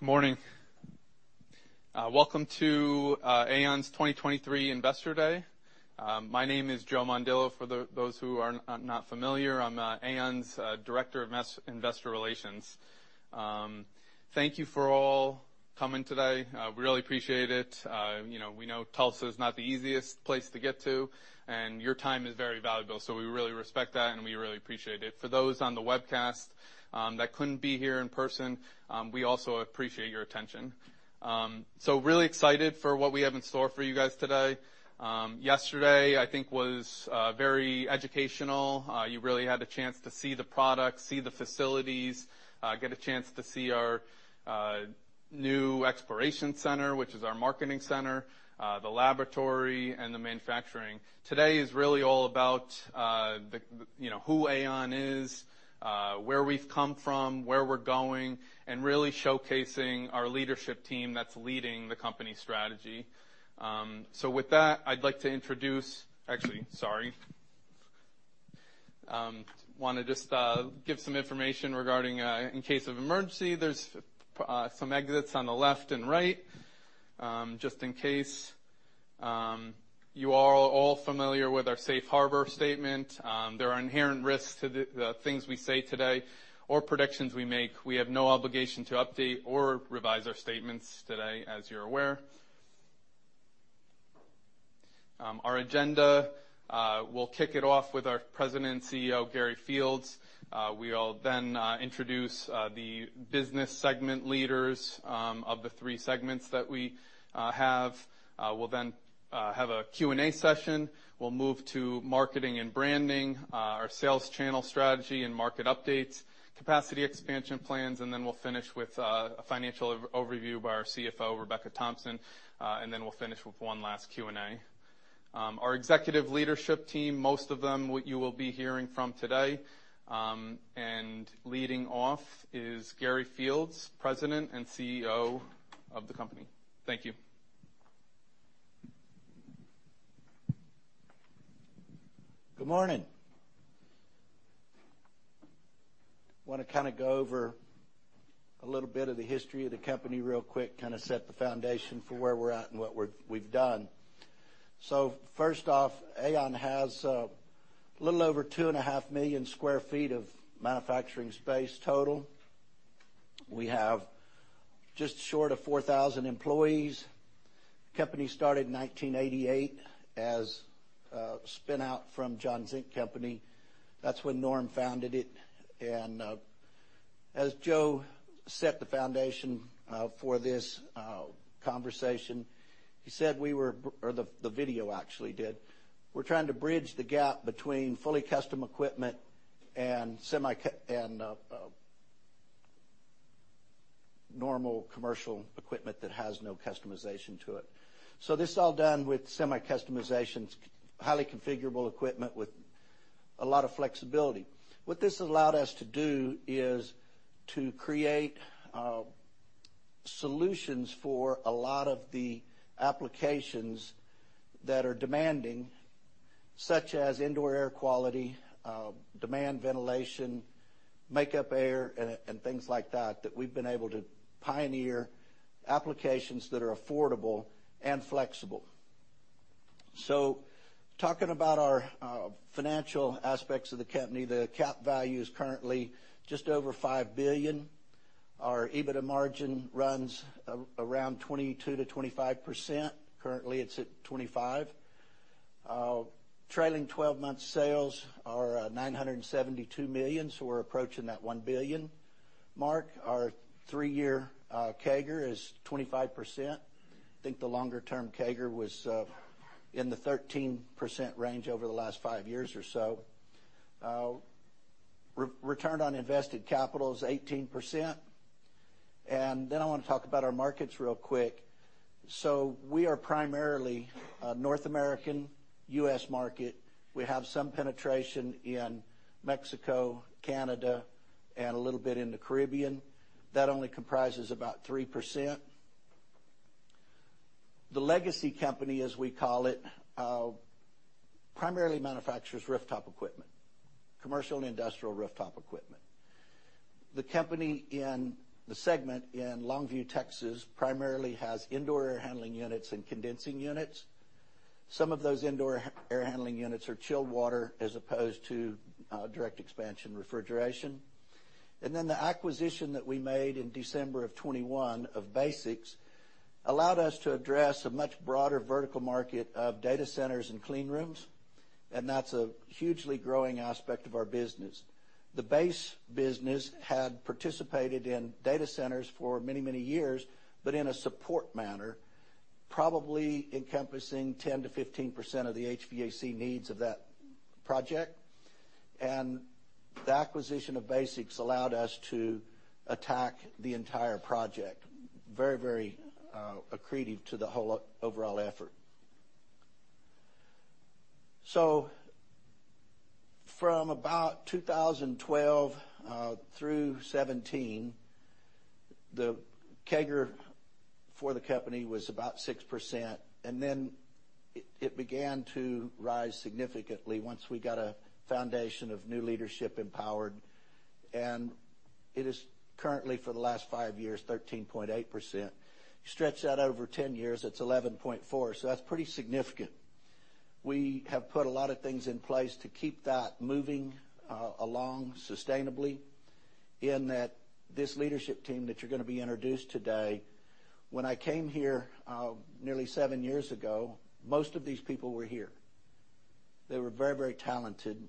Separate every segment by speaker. Speaker 1: fGood morning. Welcome to AAON's 2023 Investor Day. My name is Joe Mondillo, for those who are not familiar. I'm AAON's Director of Investor Relations. Thank you for all coming today. We really appreciate it. You know, we know Tulsa is not the easiest place to get to, and your time is very valuable, we really respect that, and we really appreciate it. For those on the webcast that couldn't be here in person, we also appreciate your attention. Really excited for what we have in store for you guys today. Yesterday, I think was very educational. You really had the chance to see the product, see the facilities, get a chance to see our new Exploration Center, which is our marketing center, the laboratory, and the manufacturing. Today is really all about, you know, who AAON is, where we've come from, where we're going, and really showcasing our leadership team that's leading the company strategy. With that, I'd like to introduce. Actually, sorry. Wanna just give some information regarding in case of emergency, there's some exits on the left and right, just in case. You all are all familiar with our safe harbor statement. There are inherent risks to the things we say today or predictions we make. We have no obligation to update or revise our statements today, as you're aware. Our agenda, we'll kick it off with our President and CEO, Gary Fields. We'll then introduce the business segment leaders of the three segments that we have. We'll then have a Q&A session. We'll move to marketing and branding, our sales channel strategy and market updates, capacity expansion plans. We'll finish with a financial overview by our CFO, Rebecca Thompson. We'll finish with one last Q&A. Our executive leadership team, most of them, what you will be hearing from today. Leading off is Gary Fields, President and CEO of the company. Thank you.
Speaker 2: Good morning. Want to kind of go over a little bit of the history of the company real quick, kind of set the foundation for where we're at and what we've done. First off, AAON has a little over 2.5 million sq ft of manufacturing space total. We have just short of 4,000 employees. Company started in 1988 as a spin-out from John Zink Company. That's when Norm founded it. As Joe set the foundation for this conversation, he said we were or the video actually did. We're trying to bridge the gap between fully custom equipment and normal commercial equipment that has no customization to it. This is all done with semi-customizations, highly configurable equipment with a lot of flexibility. What this allowed us to do is to create solutions for a lot of the applications that are demanding, such as indoor air quality, demand ventilation, makeup air, and things like that we've been able to pioneer applications that are affordable and flexible. Talking about our financial aspects of the company, the cap value is currently just over $5 billion. Our EBITDA margin runs 22%-25%. Currently, it's at 25%. Trailing twelve-month sales are $972 million, so we're approaching that $1 billion mark. Our three-year CAGR is 25%. I think the longer-term CAGR was in the 13% range over the last five years or so. Return on invested capital is 18%. I wanna talk about our markets real quick. We are primarily a North American U.S. market. We have some penetration in Mexico, Canada, and a little bit in the Caribbean. That only comprises about 3%. The legacy company, as we call it, primarily manufactures rooftop equipment, commercial and industrial rooftop equipment. The company in the segment in Longview, Texas, primarily has indoor air handling units and condensing units. Some of those indoor air handling units are chilled water as opposed to direct expansion refrigeration. The acquisition that we made in December of 21 of BasX allowed us to address a much broader vertical market of data centers and clean rooms, and that's a hugely growing aspect of our business. The base business had participated in data centers for many, many years, but in a support manner, probably encompassing 10%-15% of the HVAC needs of that project. The acquisition of BasX allowed us to attack the entire project, very accretive to the whole overall effort. From about 2012 through 2017, the CAGR for the company was about 6%, and then it began to rise significantly once we got a foundation of new leadership empowered. It is currently, for the last five years, 13.8%. You stretch that over 10 years, it's 11.4%, so that's pretty significant. We have put a lot of things in place to keep that moving along sustainably in that this leadership team that you're gonna be introduced today, when I came here nearly seven years ago, most of these people were here. They were very talented,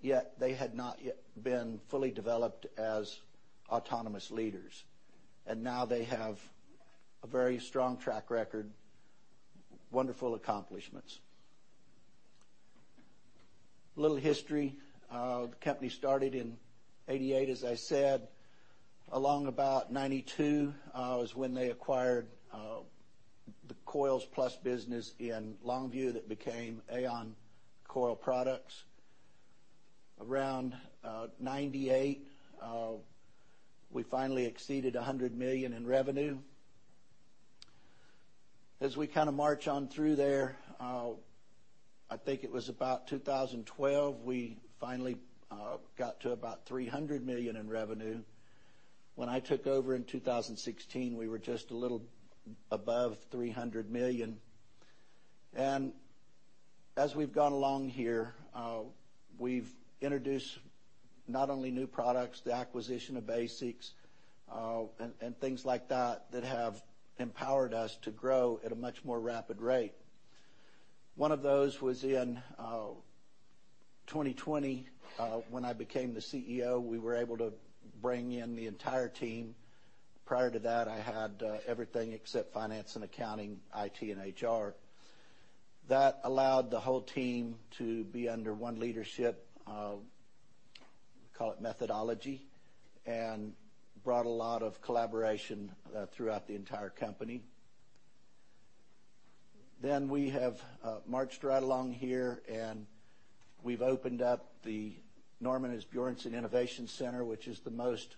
Speaker 2: yet they had not yet been fully developed as autonomous leaders. Now they have a very strong track record, wonderful accomplishments. A little history. The company started in 1988, as I said. Along about 1992, was when they acquired the Coils Plus business in Longview that became AAON Coil Products. Around 1998, we finally exceeded $100 million in revenue. As we kinda march on through there, I think it was about 2012, we finally got to about $300 million in revenue. When I took over in 2016, we were just a little above $300 million. As we've gone along here, we've introduced not only new products, the acquisition of BasX, and things like that that have empowered us to grow at a much more rapid rate. One of those was in 2020, when I became the CEO, we were able to bring in the entire team. Prior to that, I had everything except finance and accounting, IT, and HR. That allowed the whole team to be under one leadership, call it methodology, and brought a lot of collaboration throughout the entire company. We have marched right along here, and we've opened up the Norman Asbjornson Innovation Center, which is the most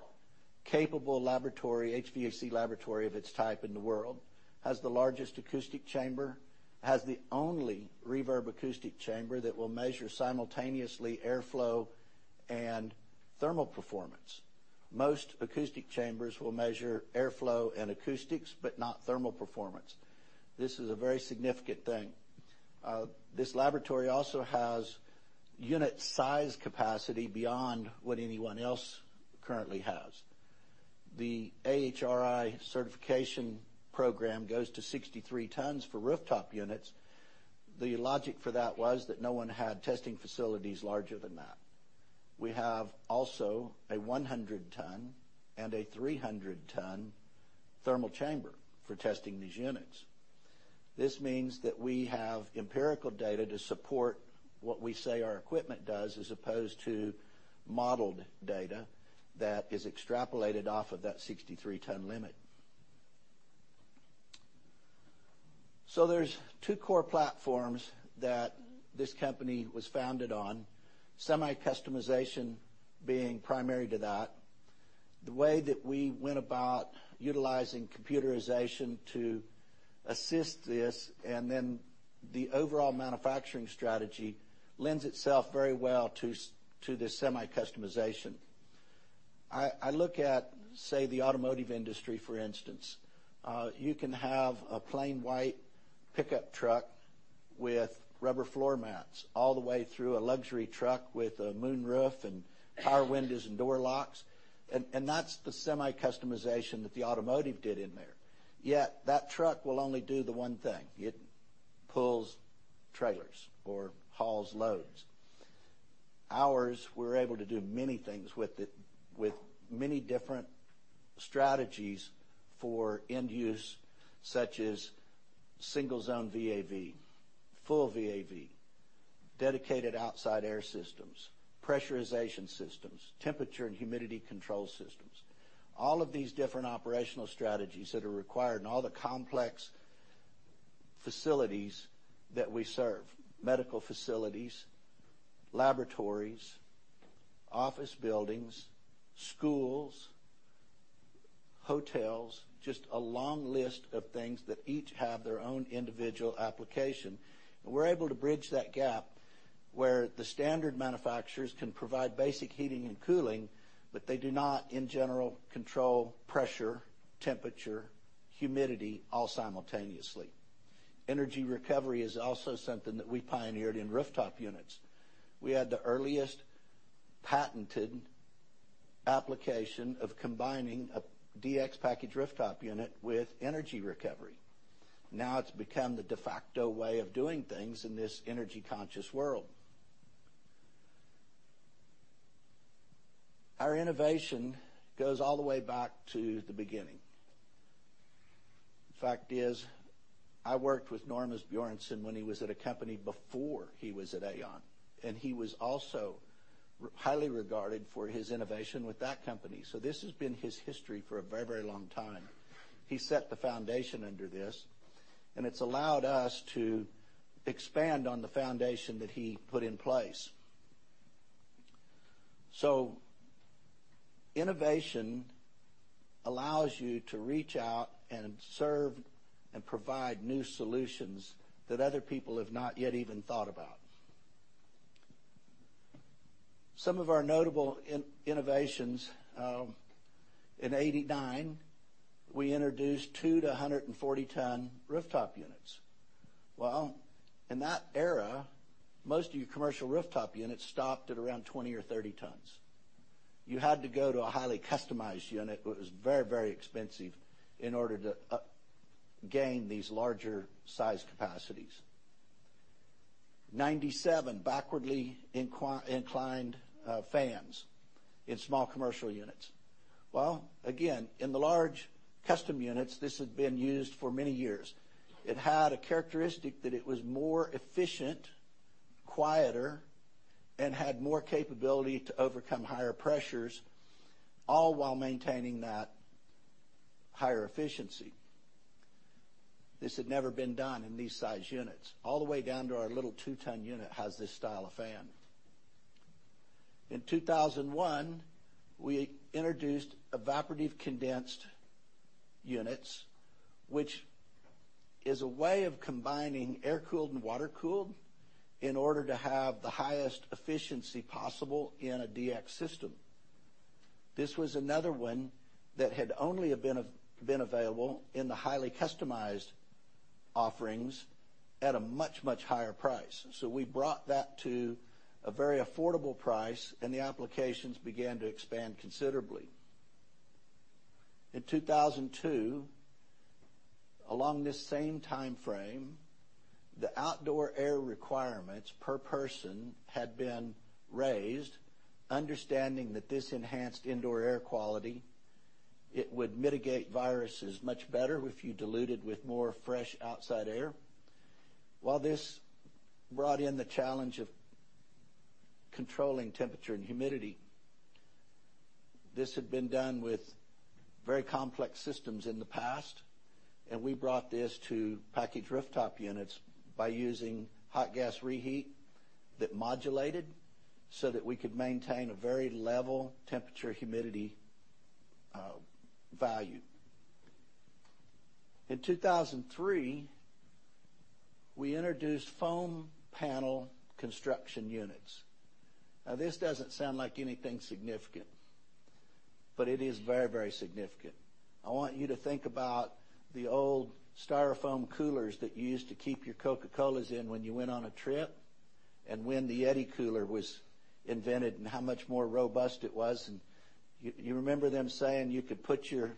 Speaker 2: capable laboratory, HVAC laboratory of its type in the world. Has the largest acoustic chamber, has the only reverb acoustic chamber that will measure simultaneously airflow and thermal performance. Most acoustic chambers will measure airflow and acoustics, but not thermal performance. This is a very significant thing. This laboratory also has unit size capacity beyond what anyone else currently has. The AHRI certification program goes to 63 tons for rooftop units. The logic for that was that no one had testing facilities larger than that. We have also a 100 ton and a 300 ton thermal chamber for testing these units. This means that we have empirical data to support what we say our equipment does as opposed to modeled data that is extrapolated off of that 63 ton limit. There's two core platforms that this company was founded on, semi-customization being primary to that. The way that we went about utilizing computerization to assist this and then the overall manufacturing strategy lends itself very well to the semi-customization. I look at, say, the automotive industry, for instance. You can have a plain white pickup truck with rubber floor mats all the way through a luxury truck with a moonroof and power windows and door locks. That's the semi-customization that the automotive did in there. Yet that truck will only do the one thing. It pulls trailers or hauls loads. Ours, we're able to do many things with it, with many different strategies for end use, such as single zone VAV, full VAV, dedicated outside air systems, pressurization systems, temperature and humidity control systems, all of these different operational strategies that are required and all the complex facilities that we serve, medical facilities, laboratories, office buildings, schools, hotels, just a long list of things that each have their own individual application. We're able to bridge that gap where the standard manufacturers can provide basic heating and cooling, but they do not, in general, control pressure, temperature, humidity, all simultaneously. Energy recovery is also something that we pioneered in rooftop units. We had the earliest patented application of combining a DX package rooftop unit with energy recovery. Now it's become the de facto way of doing things in this energy conscious world. Our innovation goes all the way back to the beginning. The fact is, I worked with Norman Asbjornson when he was at a company before he was at AAON, and he was also highly regarded for his innovation with that company. This has been his history for a very, very long time. He set the foundation under this, and it's allowed us to expand on the foundation that he put in place. Innovation allows you to reach out and serve and provide new solutions that other people have not yet even thought about. Some of our notable innovations, in 89, we introduced 2-140 ton rooftop units. Well, in that era, most of your commercial rooftop units stopped at around 20 or 30 tons. You had to go to a highly customized unit, which was very, very expensive, in order to gain these larger size capacities. 97, backwardly inclined fans in small commercial units. Well, again, in the large custom units, this had been used for many years. It had a characteristic that it was more efficient, quieter, and had more capability to overcome higher pressures, all while maintaining that higher efficiency. This had never been done in these size units. All the way down to our little 2-ton unit has this style of fan. In 2001, we introduced evaporative condenser units, which is a way of combining air-cooled and water-cooled in order to have the highest efficiency possible in a DX system. This was another one that had only been available in the highly customized offerings at a much, much higher price. We brought that to a very affordable price, and the applications began to expand considerably. In 2002, along this same timeframe, the outdoor air requirements per person had been raised, understanding that this enhanced indoor air quality, it would mitigate viruses much better if you dilute it with more fresh outside air. While this brought in the challenge of controlling temperature and humidity, this had been done with very complex systems in the past, and we brought this to package rooftop units by using hot gas reheat that modulated so that we could maintain a very level temperature, humidity, value. In 2003, we introduced foam panel construction units. Now, this doesn't sound like anything significant, but it is very, very significant. I want you to think about the old Styrofoam coolers that you used to keep your Coca-Colas in when you went on a trip, and when the YETI cooler was invented and how much more robust it was, and you remember them saying you could put your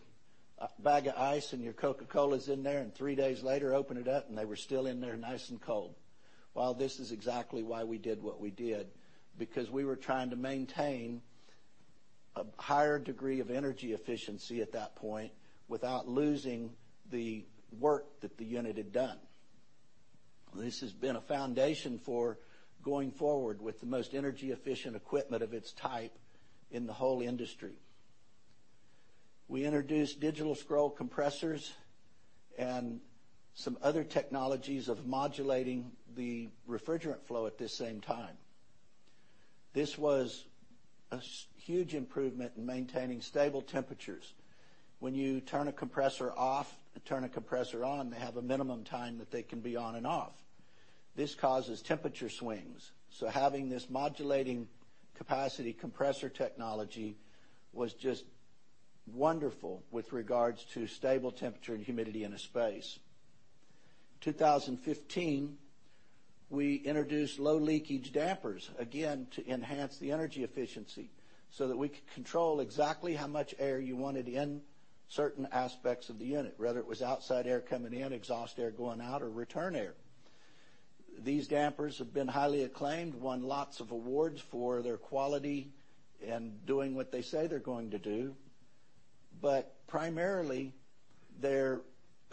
Speaker 2: bag of ice and your Coca-Colas in there, and three days later, open it up, and they were still in there nice and cold. Well, this is exactly why we did what we did, because we were trying to maintain a higher degree of energy efficiency at that point without losing the work that the unit had done. This has been a foundation for going forward with the most energy efficient equipment of its type in the whole industry. We introduced digital scroll compressors and some other technologies of modulating the refrigerant flow at the same time. This was a huge improvement in maintaining stable temperatures. When you turn a compressor off and turn a compressor on, they have a minimum time that they can be on and off. This causes temperature swings. Having this modulating capacity compressor technology was just wonderful with regards to stable temperature and humidity in a space. 2015, we introduced low leakage dampers, again, to enhance the energy efficiency so that we could control exactly how much air you wanted in certain aspects of the unit, whether it was outside air coming in, exhaust air going out, or return air. These dampers have been highly acclaimed, won lots of awards for their quality and doing what they say they're going to do. Primarily, their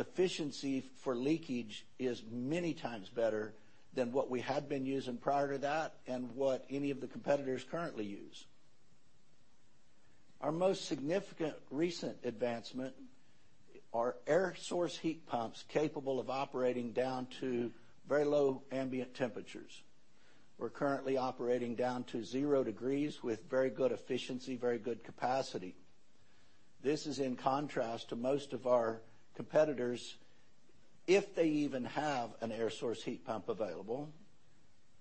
Speaker 2: efficiency for leakage is many times better than what we had been using prior to that and what any of the competitors currently use. Our most significant recent advancement are air source heat pumps capable of operating down to very low ambient temperatures. We're currently operating down to 0 degrees with very good efficiency, very good capacity. This is in contrast to most of our competitors, if they even have an air source heat pump available,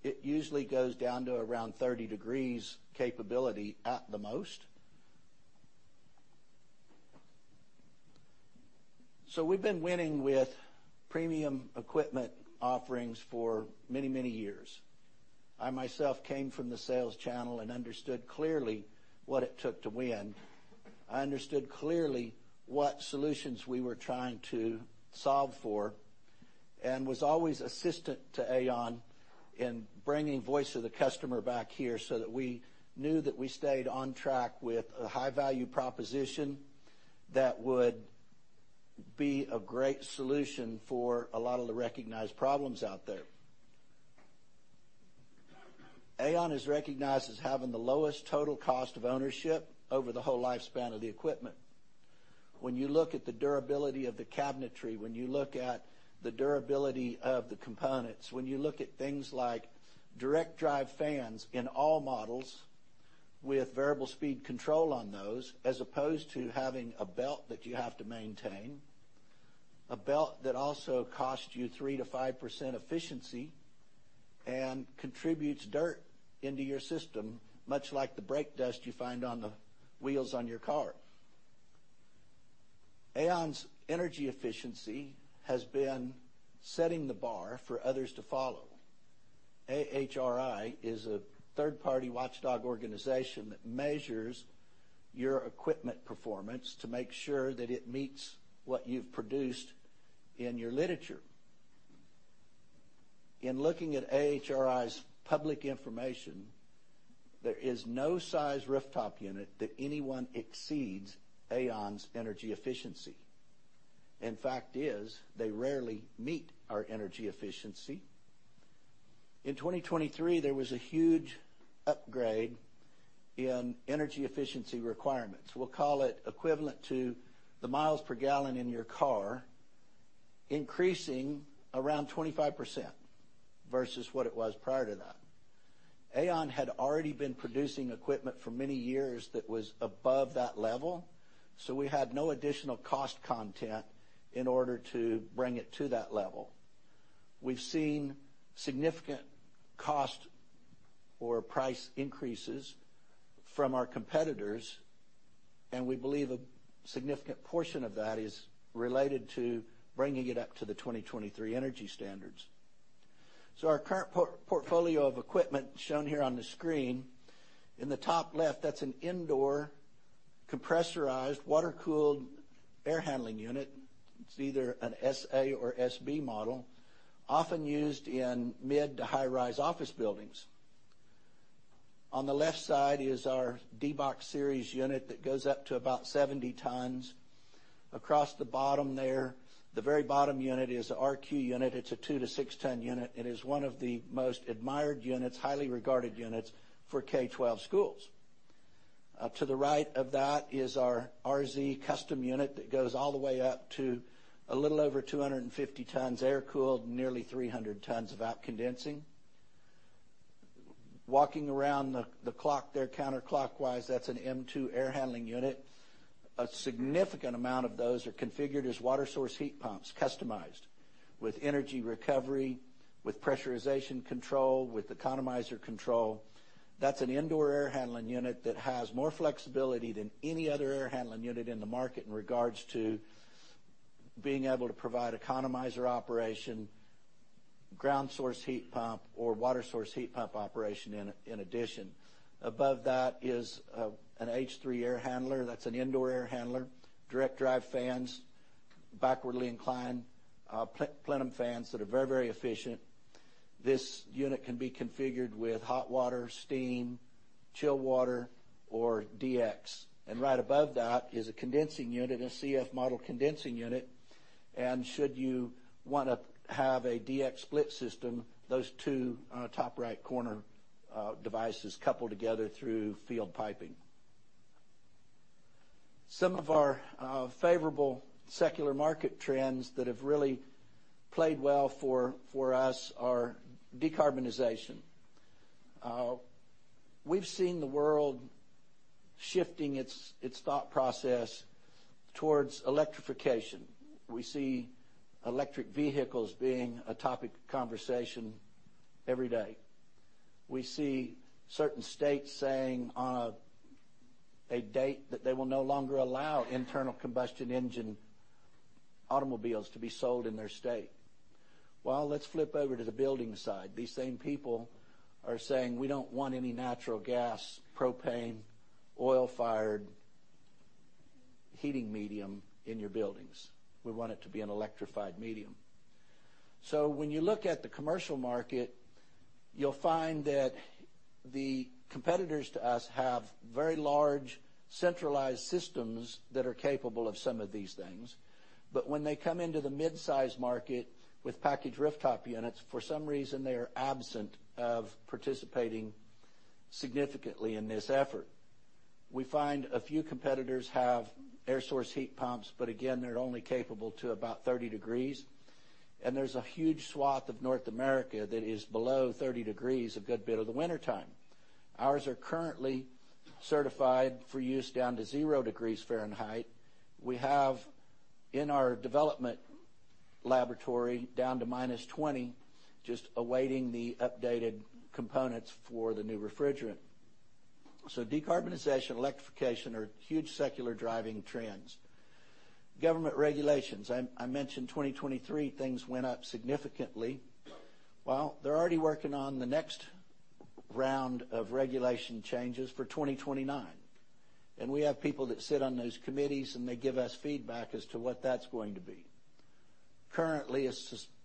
Speaker 2: it usually goes down to around 30 degrees capability at the most. We've been winning with premium equipment offerings for many, many years. I myself came from the sales channel and understood clearly what it took to win. I understood clearly what solutions we were trying to solve for and was always assistant to AAON in bringing voice of the customer back here so that we knew that we stayed on track with a high value proposition that would be a great solution for a lot of the recognized problems out there. AAON is recognized as having the lowest total cost of ownership over the whole lifespan of the equipment. When you look at the durability of the cabinetry, when you look at the durability of the components, when you look at things like direct drive fans in all models with variable speed control on those, as opposed to having a belt that you have to maintain, a belt that also costs you 3%-5% efficiency and contributes dirt into your system, much like the brake dust you find on the wheels on your car. AAON's energy efficiency has been setting the bar for others to follow. AHRI is a third-party watchdog organization that measures your equipment performance to make sure that it meets what you've produced in your literature. In looking at AHRI's public information, there is no size rooftop unit that anyone exceeds AAON's energy efficiency. Fact is, they rarely meet our energy efficiency. In 2023, there was a huge upgrade in energy efficiency requirements. We'll call it equivalent to the miles per gallon in your car increasing around 25% versus what it was prior to that. AAON had already been producing equipment for many years that was above that level, so we had no additional cost content in order to bring it to that level. We've seen significant cost or price increases from our competitors. We believe a significant portion of that is related to bringing it up to the 2023 energy standards. Our current portfolio of equipment shown here on the screen. In the top left, that's an indoor compressorized water-cooled air handling unit. It's either an SA or SB model, often used in mid to high-rise office buildings. On the left side is our DBOX series unit that goes up to about 70 tons. Across the bottom there, the very bottom unit is the RQ unit. It's a two to six ton unit, and is one of the most admired units, highly regarded units for K-12 schools. To the right of that is our RZ custom unit that goes all the way up to a little over 250 tons air-cooled, nearly 300 tons of out condensing. Walking around the clock there counterclockwise, that's an M2 air handling unit. A significant amount of those are configured as water source heat pumps, customized with energy recovery, with pressurization control, with economizer control. That's an indoor air handling unit that has more flexibility than any other air handling unit in the market in regards to being able to provide economizer operation, ground source heat pump or water source heat pump operation in addition. Above that is an H3 air handler. That's an indoor air handler, direct drive fans, backwardly inclined plenum fans that are very efficient. This unit can be configured with hot water, steam, chill water, or DX. Right above that is a condensing unit, a CF model condensing unit. Should you wanna have a DX split system, those two on the top right corner, devices couple together through field piping. Some of our favorable secular market trends that have really played well for us are decarbonization. We've seen the world shifting its thought process towards electrification. We see electric vehicles being a topic of conversation every day. We see certain states saying a date that they will no longer allow internal combustion engine automobiles to be sold in their state. Well, let's flip over to the building side. These same people are saying, "We don't want any natural gas, propane, oil-fired heating medium in your buildings. We want it to be an electrified medium." When you look at the commercial market, you'll find that the competitors to us have very large centralized systems that are capable of some of these things. When they come into the mid-size market with packaged rooftop units, for some reason, they are absent of participating significantly in this effort. We find a few competitors have air source heat pumps, but again, they're only capable to about 30 degrees. There's a huge swath of North America that is below 30 degrees a good bit of the wintertime. Ours are currently certified for use down to 0 degrees Fahrenheit. We have in our development laboratory down to -20, just awaiting the updated components for the new refrigerant. Decarbonization, electrification are huge secular driving trends. Government regulations. I mentioned 2023, things went up significantly. Well, they're already working on the next round of regulation changes for 2029. We have people that sit on those committees, and they give us feedback as to what that's going to be. Currently, a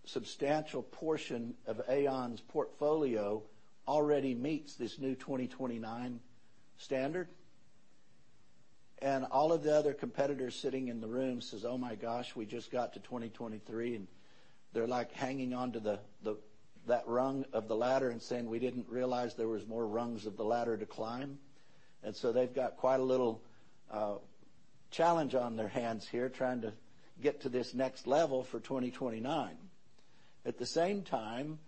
Speaker 2: substantial portion of AAON's portfolio already meets this new 2029 standard. All of the other competitors sitting in the room says, "Oh my gosh, we just got to 2023, and they're like hanging onto that rung of the ladder and saying, "We didn't realize there was more rungs of the ladder to climb." They've got quite a little challenge on their hands here trying to get to this next level for 2029. At the same time,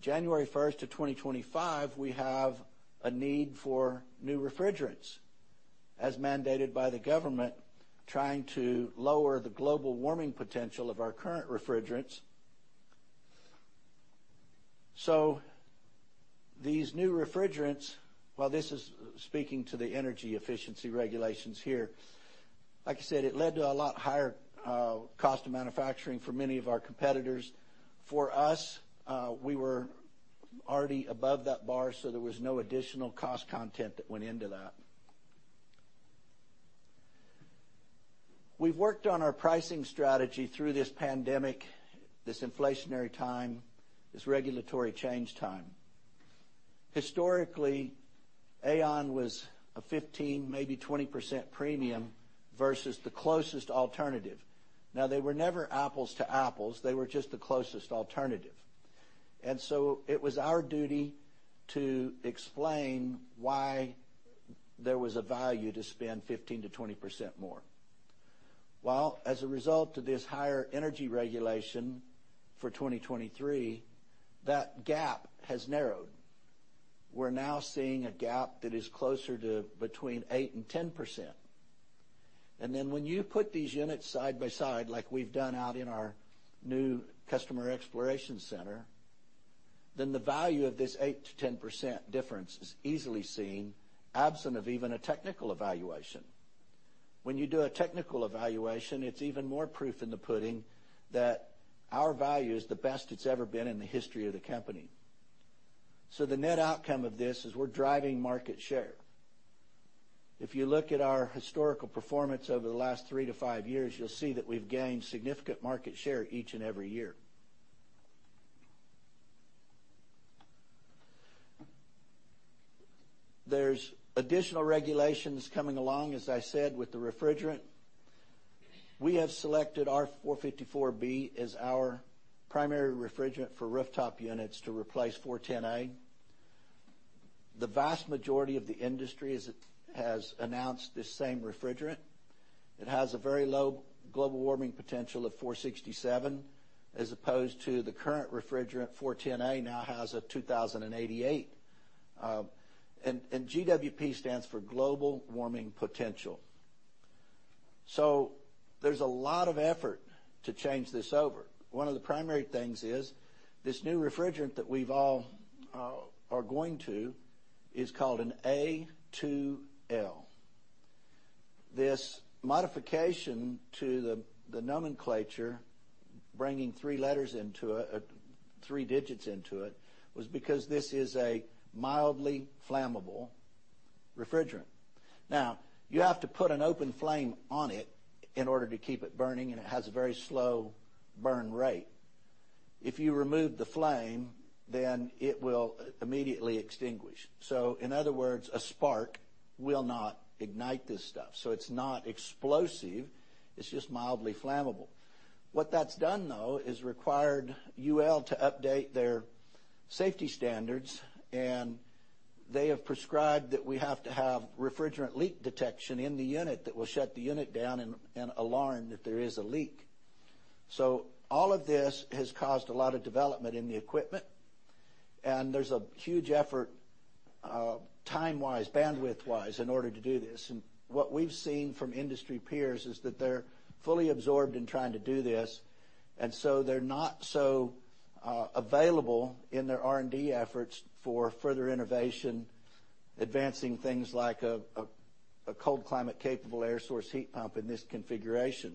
Speaker 2: January 1st of 2025, we have a need for new refrigerants, as mandated by the government, trying to lower the Global Warming Potential of our current refrigerants. These new refrigerants. This is speaking to the energy efficiency regulations here. Like I said, it led to a lot higher cost of manufacturing for many of our competitors. For us, we were already above that bar, so there was no additional cost content that went into that. We've worked on our pricing strategy through this pandemic, this inflationary time, this regulatory change time. Historically, AAON was a 15%, maybe 20% premium versus the closest alternative. Now, they were never apples to apples. They were just the closest alternative. It was our duty to explain why there was a value to spend 15%-20% more. As a result of this higher energy regulation for 2023, that gap has narrowed. We're now seeing a gap that is closer to between 8% and 10%. When you put these units side by side, like we've done out in our new Exploration Center, the value of this 8%-10% difference is easily seen, absent of even a technical evaluation. When you do a technical evaluation, it's even more proof in the pudding that our value is the best it's ever been in the history of the company. The net outcome of this is we're driving market share. If you look at our historical performance over the last three to five years, you'll see that we've gained significant market share each and every year. There's additional regulations coming along, as I said, with the refrigerant. We have selected R454B as our primary refrigerant for rooftop units to replace 410A. The vast majority of the industry has announced this same refrigerant. It has a very low Global Warming Potential of 467, as opposed to the current refrigerant, 410A, now has a 2,088. GWP stands for Global Warming Potential. There's a lot of effort to change this over. One of the primary things is this new refrigerant that we've all are going to is called an A2L. This modification to the nomenclature, bringing three digits into it, was because this is a mildly flammable refrigerant. You have to put an open flame on it in order to keep it burning, and it has a very slow burn rate. If you remove the flame, then it will immediately extinguish. In other words, a spark will not ignite this stuff. It's not explosive. It's just mildly flammable. What that's done, though, is required UL to update their safety standards. They have prescribed that we have to have refrigerant leak detection in the unit that will shut the unit down and alarm that there is a leak. All of this has caused a lot of development in the equipment. There's a huge effort, time-wise, bandwidth-wise, in order to do this. What we've seen from industry peers is that they're fully absorbed in trying to do this. They're not so available in their R&D efforts for further innovation, advancing things like a cold climate capable air source heat pump in this configuration.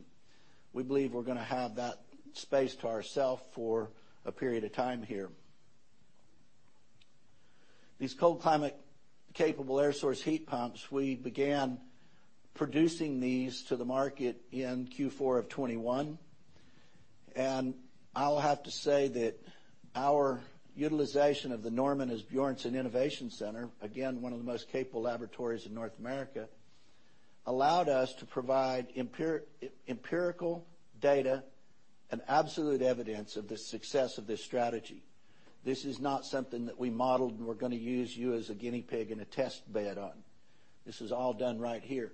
Speaker 2: We believe we're gonna have that space to ourself for a period of time here. These cold climate capable air source heat pumps, we began producing these to the market in Q4 of 2021. I'll have to say that our utilization of the Norman Asbjornson Innovation Center, again, one of the most capable laboratories in North America, allowed us to provide empirical data and absolute evidence of the success of this strategy. This is not something that we modeled, and we're gonna use you as a guinea pig and a test bed on. This is all done right here.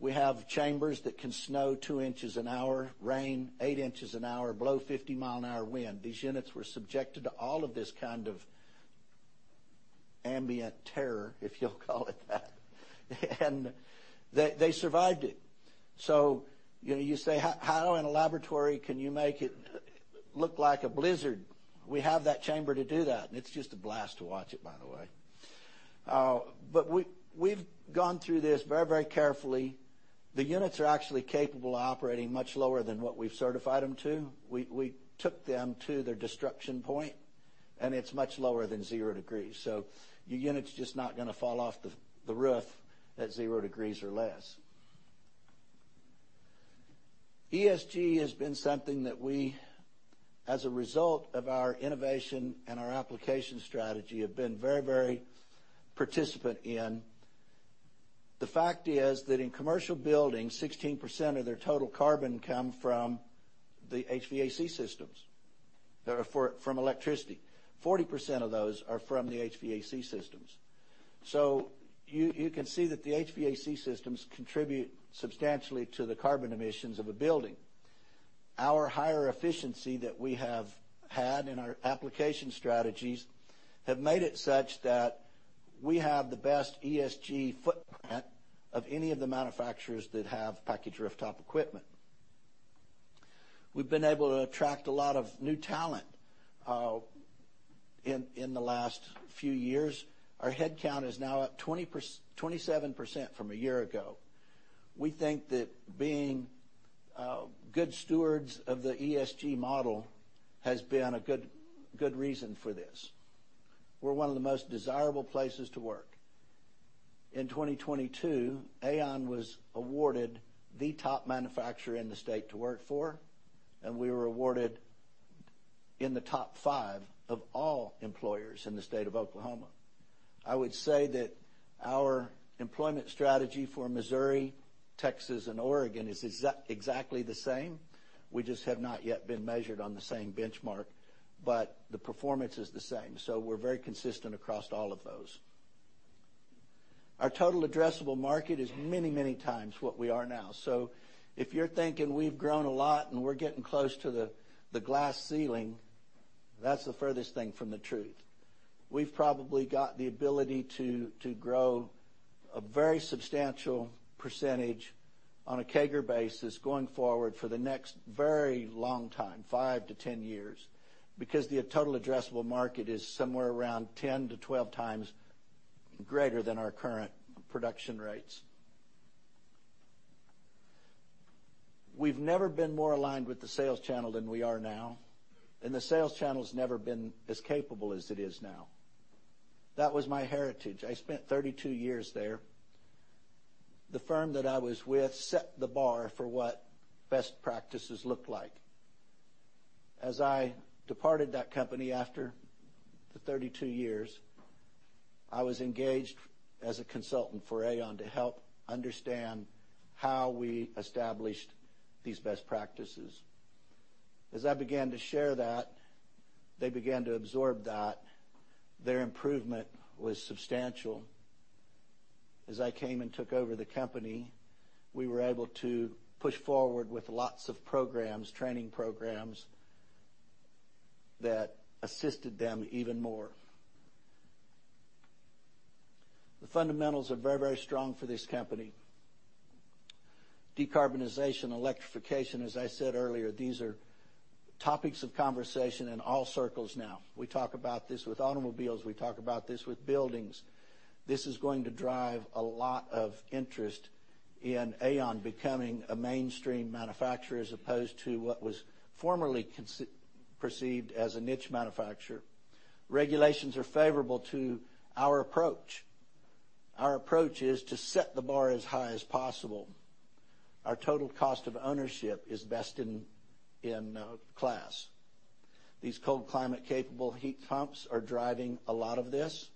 Speaker 2: We have chambers that can snow two inches an hour, rain eight inches an hour, blow 50 mile an hour wind. These units were subjected to all of this kind of ambient terror, if you'll call it that. They survived it. You say, "How in a laboratory can you make it look like a blizzard?" We have that chamber to do that, and it's just a blast to watch it, by the way. We've gone through this very, very carefully. The units are actually capable of operating much lower than what we've certified them to. We took them to their destruction point, and it's much lower than 0 degrees. Your unit's just not gonna fall off the roof at 0 degrees or less. ESG has been something that we, as a result of our innovation and our application strategy, have been very participant in. The fact is that in commercial buildings, 16% of their total carbon come from the HVAC systems. Therefore, from electricity. 40% of those are from the HVAC systems. You can see that the HVAC systems contribute substantially to the carbon emissions of a building. Our higher efficiency that we have had in our application strategies have made it such that we have the best ESG footprint of any of the manufacturers that have packaged rooftop equipment. We've been able to attract a lot of new talent in the last few years. Our headcount is now up 27% from a year ago. We think that being good stewards of the ESG model has been a good reason for this. We're one of the most desirable places to work. In 2022, AAON was awarded the top manufacturer in the state to work for. We were awarded in the top five of all employers in the state of Oklahoma. I would say that our employment strategy for Missouri, Texas, and Oregon is exactly the same. We just have not yet been measured on the same benchmark, the performance is the same. We're very consistent across all of those. Our total addressable market is many, many times what we are now. If you're thinking we've grown a lot and we're getting close to the glass ceiling, that's the furthest thing from the truth. We've probably got the ability to grow a very substantial percentage on a CAGR basis going forward for the next very long time, five to ten years, because the total addressable market is somewhere around 10-12 times greater than our current production rates. We've never been more aligned with the sales channel than we are now, and the sales channel's never been as capable as it is now. That was my heritage. I spent three years there. The firm that I was with set the bar for what best practices looked like. As I departed that company after the thirty two years, I was engaged as a consultant for AAON to help understand how we established these best practices. As I began to share that, they began to absorb that. Their improvement was substantial. As I came and took over the company, we were able to push forward with lots of programs, training programs, that assisted them even more. The fundamentals are very strong for this company. Decarbonization, electrification, as I said earlier, these are topics of conversation in all circles now. We talk about this with automobiles, we talk about this with buildings. This is going to drive a lot of interest in AAON becoming a mainstream manufacturer as opposed to what was formerly perceived as a niche manufacturer. Regulations are favorable to our approach. Our approach is to set the bar as high as possible. Our total cost of ownership is best in class. These cold climate capable heat pumps are driving a lot of this.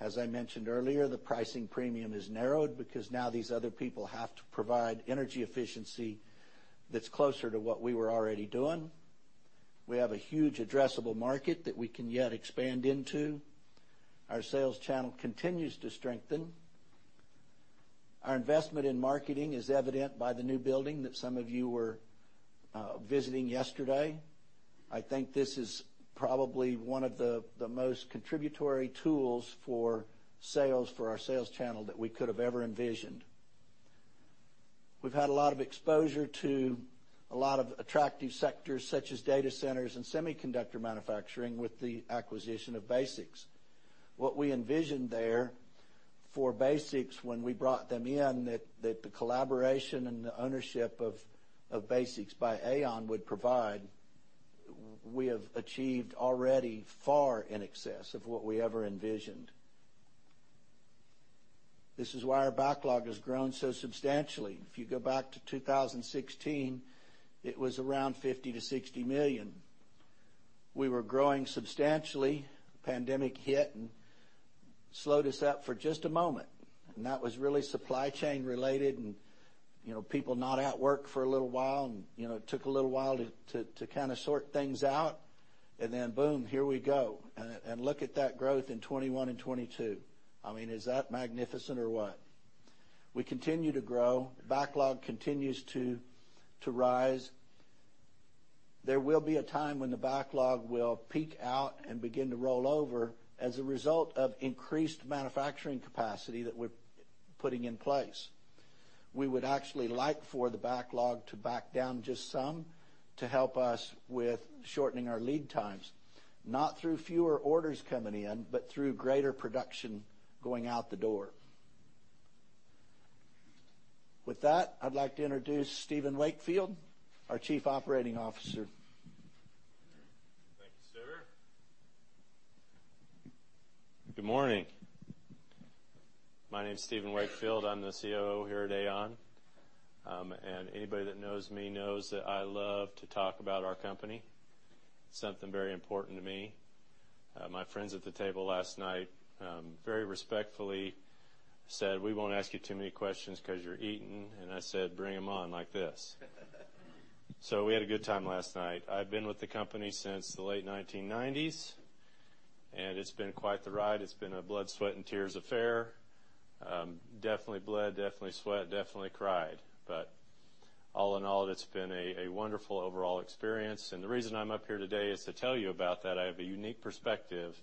Speaker 2: As I mentioned earlier, the pricing premium is narrowed because now these other people have to provide energy efficiency that's closer to what we were already doing. We have a huge addressable market that we can yet expand into. Our sales channel continues to strengthen. Our investment in marketing is evident by the new building that some of you were visiting yesterday. I think this is probably one of the most contributory tools for sales, for our sales channel that we could have ever envisioned. We've had a lot of exposure to a lot of attractive sectors such as data centers and semiconductor manufacturing with the acquisition of BasX. What we envisioned there for BasX when we brought them in that the collaboration and the ownership of BasX by AAON would provide, we have achieved already far in excess of what we ever envisioned. This is why our backlog has grown so substantially. If you go back to 2016, it was around $50 million-$60 million. We were growing substantially. pandemic hit and slowed us up for just a moment. That was really supply chain related and, you know, people not at work for a little while and, you know, it took a little while to kinda sort things out. Boom, here we go. Look at that growth in 2021 and 2022. I mean, is that magnificent or what? We continue to grow. Backlog continues to rise. There will be a time when the backlog will peak out and begin to roll over as a result of increased manufacturing capacity that we're putting in place. We would actually like for the backlog to back down just some to help us with shortening our lead times. Not through fewer orders coming in, but through greater production going out the door. With that, I'd like to introduce Stephen Wakefield, our Chief Operating Officer.
Speaker 3: Thank you, sir. Good morning. My name is Stephen Wakefield. I'm the COO here at AAON. Anybody that knows me knows that I love to talk about our company. Something very important to me. My friends at the table last night, very respectfully said, "We won't ask you too many questions 'cause you're eating." I said, "Bring them on like this." We had a good time last night. I've been with the company since the late 1990s, it's been quite the ride. It's been a blood, sweat, and tears affair. Definitely bled, definitely sweat, definitely cried. All in all, it's been a wonderful overall experience. The reason I'm up here today is to tell you about that I have a unique perspective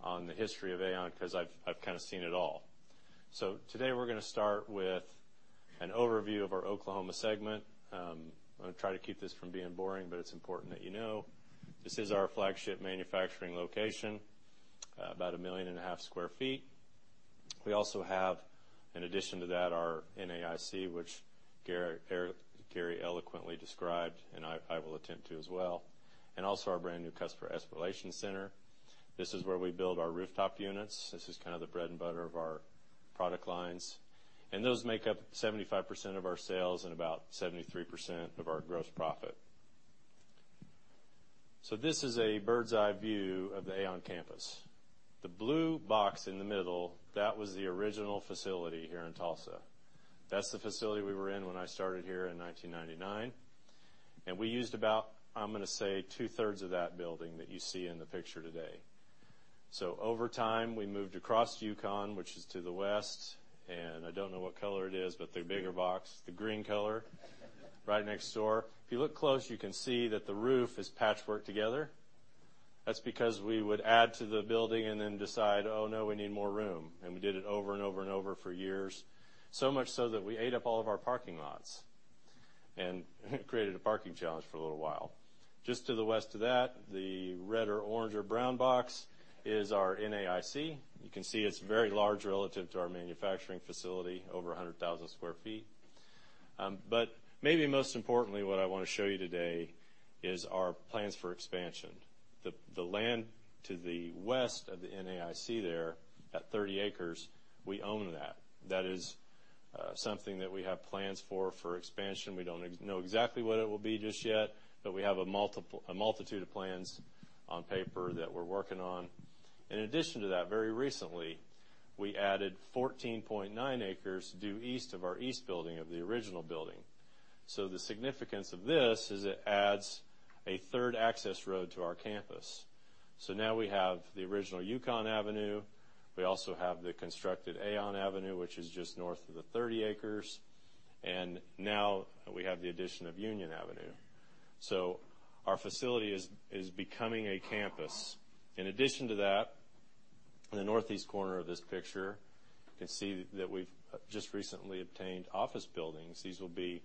Speaker 3: on the history of AAON 'cause I've kinda seen it all. Today, we're gonna try to keep this from being boring, but it's important that you know. This is our flagship manufacturing location, about 1.5 million sq ft. We also have, in addition to that, our NAIC, which Gary eloquently described, and I will attempt to as well, and also our brand-new Customer Exploration Center. This is where we build our rooftop units. This is kind of the bread and butter of our product lines. Those make up 75% of our sales and about 73% of our gross profit. This is a bird's-eye view of the AAON campus. The blue box in the middle, that was the original facility here in Tulsa. That's the facility we were in when I started here in 1999, and we used about, I'm going to say, two-thirds of that building that you see in the picture today. Over time, we moved across Yukon, which is to the west, and I don't know what color it is, but the bigger box, the green color right next door. If you look close, you can see that the roof is patchworked together. That's because we would add to the building and then decide, "Oh, no, we need more room." We did it over and over and over for years, so much so that we ate up all of our parking lots and created a parking challenge for a little while. Just to the west of that, the red or orange or brown box is our NAIC. You can see it's very large relative to our manufacturing facility, over 100,000 sq ft. maybe most importantly, what I wanna show you today is our plans for expansion. The land to the west of the NAIC there, that 30 acres, we own that. That is something that we have plans for expansion. We don't know exactly what it will be just yet, we have a multitude of plans on paper that we're working on. In addition to that, very recently, we added 14.9 acres due east of our east building, of the original building. The significance of this is it adds a third access road to our campus. Now we have the original Yukon Avenue, we also have the constructed AAON Avenue, which is just north of the 30 acres, and now we have the addition of Union Avenue. Our facility is becoming a campus. In addition to that, in the northeast corner of this picture, you can see that we've just recently obtained office buildings. These will be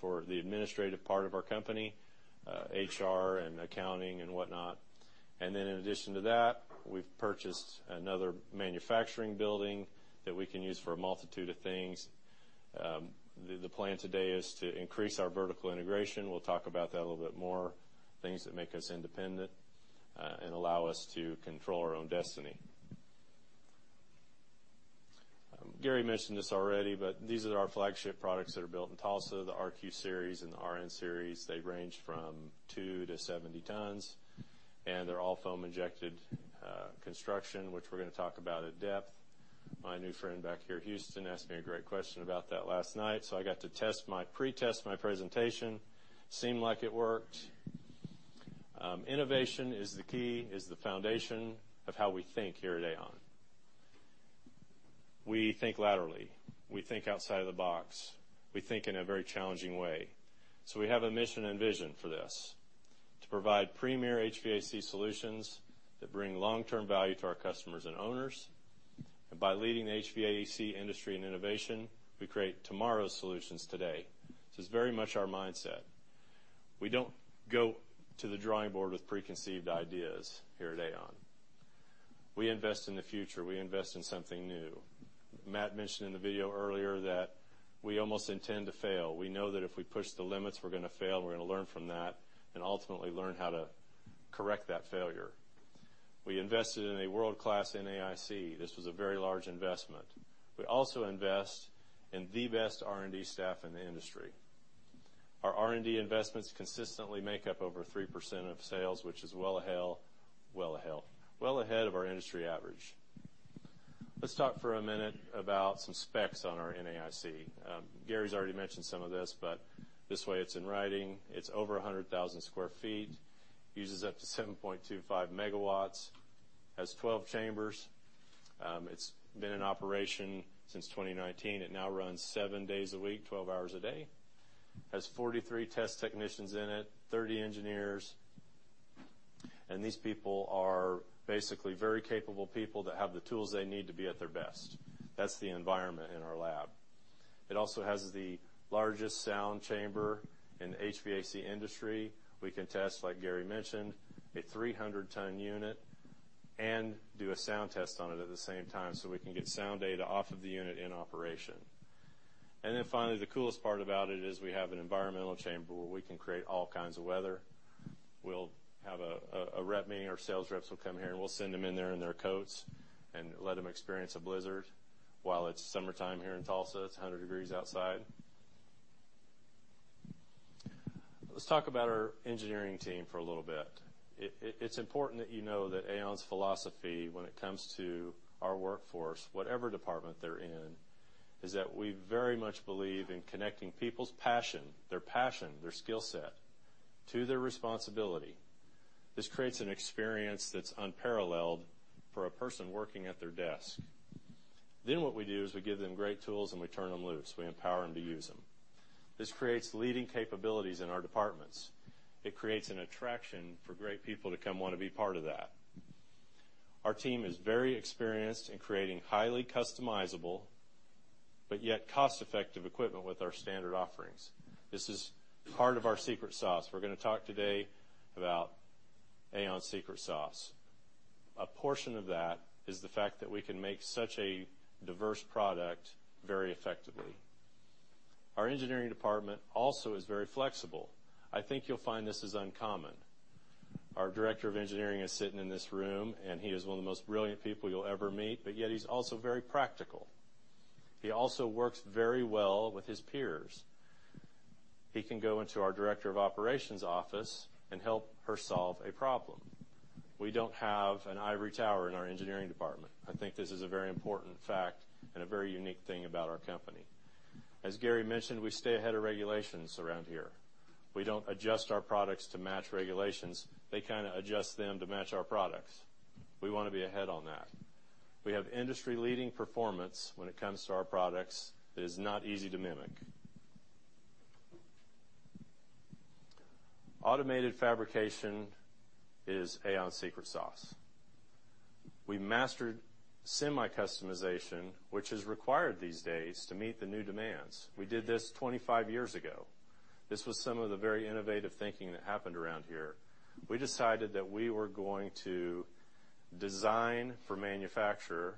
Speaker 3: for the administrative part of our company, HR and accounting and whatnot. In addition to that, we've purchased another manufacturing building that we can use for a multitude of things. The plan today is to increase our vertical integration. We'll talk about that a little bit more, things that make us independent, and allow us to control our own destiny. Gary mentioned this already, these are our flagship products that are built in Tulsa, the RQ Series and the RN Series. They range from two to 70 tons, they're all foam-injected construction, which we're gonna talk about at depth. My new friend back here at Houston asked me a great question about that last night, I got to pretest my presentation. Seemed like it worked. Innovation is the key, is the foundation of how we think here at AAON. We think laterally. We think outside of the box. We think in a very challenging way. We have a mission and vision for this: to provide premier HVAC solutions that bring long-term value to our customers and owners, by leading the HVAC industry in innovation, we create tomorrow's solutions today. This is very much our mindset. We don't go to the drawing board with preconceived ideas here at AAON. We invest in the future. We invest in something new. Matt mentioned in the video earlier that we almost intend to fail. We know that if we push the limits, we're gonna fail, and we're gonna learn from that and ultimately learn how to correct that failure. We invested in a world-class NAIC. This was a very large investment. We also invest in the best R&D staff in the industry. Our R&D investments consistently make up over 3% of sales, which is well ahead of our industry average. Let's talk for a minute about some specs on our NAIC. Gary's already mentioned some of this way, it's in writing. It's over 100,000 sq ft, uses up to 7.25 megawatts, has 12 chambers. It's been in operation since 2019. It now runs seven days a week, 12 hours a day, has 43 test technicians in it, 30 engineers, and these people are basically very capable people that have the tools they need to be at their best. That's the environment in our lab. It also has the largest sound chamber in the HVAC industry. We can test, like Gary mentioned, a 300-ton unit and do a sound test on it at the same time, so we can get sound data off of the unit in operation. Finally, the coolest part about it is we have an environmental chamber where we can create all kinds of weather. We'll have a rep meeting. Our sales reps will come here, and we'll send them in there in their coats and let them experience a blizzard while it's summertime here in Tulsa. It's 100 degrees outside. Let's talk about our engineering team for a little bit. It's important that you know that AAON's philosophy when it comes to our workforce, whatever department they're in, is that we very much believe in connecting people's passion, their passion, their skill set to their responsibility. This creates an experience that's unparalleled for a person working at their desk. What we do is we give them great tools, and we turn them loose. We empower them to use them. This creates leading capabilities in our departments. It creates an attraction for great people to come want to be part of that. Our team is very experienced in creating highly customizable but yet cost-effective equipment with our standard offerings. This is part of our secret sauce. We're gonna talk today about AAON's secret sauce. A portion of that is the fact that we can make such a diverse product very effectively. Our engineering department also is very flexible. I think you'll find this is uncommon. Our director of engineering is sitting in this room, and he is one of the most brilliant people you'll ever meet, but yet he's also very practical. He also works very well with his peers. He can go into our director of operations office and help her solve a problem. We don't have an ivory tower in our engineering department. I think this is a very important fact and a very unique thing about our company. As Gary mentioned, we stay ahead of regulations around here. We don't adjust our products to match regulations. They kind of adjust them to match our products. We want to be ahead on that. We have industry-leading performance when it comes to our products that is not easy to mimic. Automated fabrication is AAON's secret sauce. We mastered semi-customization, which is required these days to meet the new demands. We did this 25 years ago. This was some of the very innovative thinking that happened around here. We decided that we were going to design for manufacturer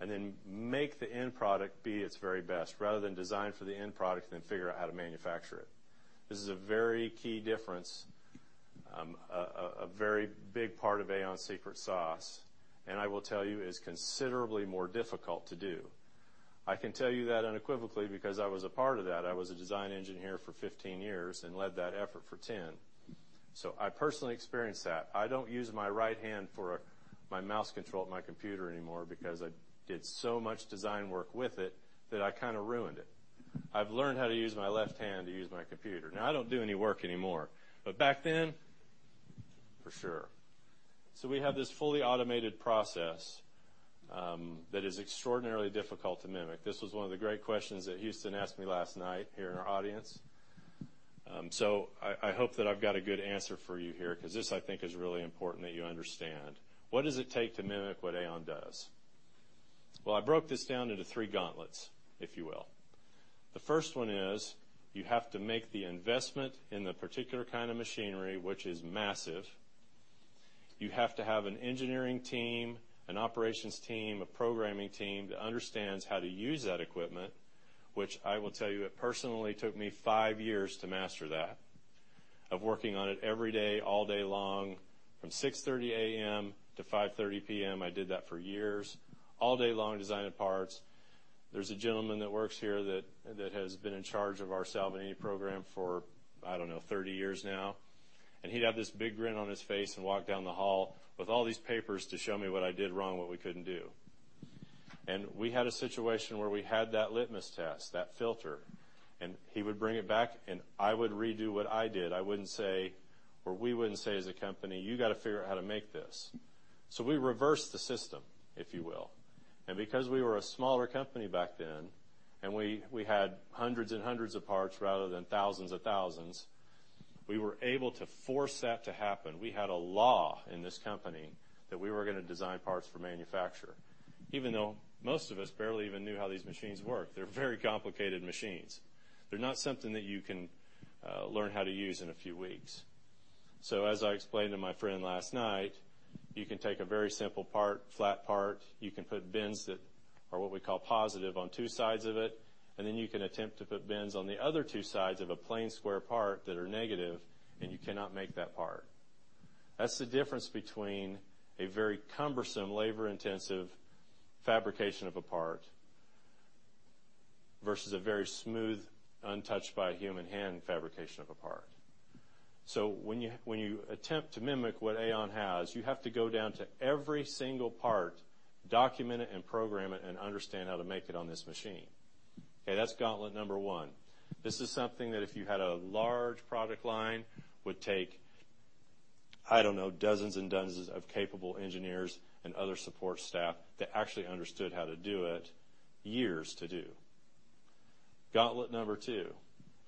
Speaker 3: and then make the end product be its very best rather than design for the end product and then figure out how to manufacture it. This is a very key difference, a very big part of AAON's secret sauce, and I will tell you it is considerably more difficult to do. I can tell you that unequivocally because I was a part of that. I was a design engineer for 15 years and led that effort for 10, so I personally experienced that. I don't use my right hand for my mouse control at my computer anymore because I did so much design work with it that I kinda ruined it. I've learned how to use my left hand to use my computer. Now I don't do any work anymore, but back then, for sure. we have this fully automated process that is extraordinarily difficult to mimic. This was one of the great questions that Houston asked me last night here in our audience. I hope that I've got a good answer for you here 'cause this I think is really important that you understand. What does it take to mimic what AAON does? Well, I broke this down into three gauntlets, if you will. The first one is you have to make the investment in the particular kind of machinery, which is massive. You have to have an engineering team, an operations team, a programming team that understands how to use that equipment, which I will tell you it personally took me fiv years to master that, of working on it every day, all day long, from 6:30 A.M. to 5:30 P.M. I did that for years, all day long, designing parts. There's a gentleman that works here that has been in charge of our Salvagnini program for, I don't know, 30 years now, and he'd have this big grin on his face and walk down the hall with all these papers to show me what I did wrong, what we couldn't do. We had a situation where we had that litmus test, that filter, and he would bring it back, and I would redo what I did. I wouldn't say, or we wouldn't say as a company, "You gotta figure out how to make this." We reversed the system, if you will. Because we were a smaller company back then, and we had hundreds and hundreds of parts rather than thousands of thousands, we were able to force that to happen. We had a law in this company that we were gonna design parts for manufacturer, even though most of us barely even knew how these machines work. They're very complicated machines. They're not something that you can learn how to use in a few weeks. As I explained to my friend last night, you can take a very simple part, flat part, you can put bends that are what we call positive on two sides of it, and then you can attempt to put bends on the other two sides of a plain square part that are negative, and you cannot make that part. That's the difference between a very cumbersome, labor-intensive fabrication of a part versus a very smooth, untouched by human hand fabrication of a part. When you attempt to mimic what AAON has, you have to go down to every single part, document it and program it, and understand how to make it on this machine. Okay, that's gauntlet number one. This is something that if you had a large product line, would take, I don't know, dozens and dozens of capable engineers and other support staff that actually understood how to do it, years to do. Gauntlet number two,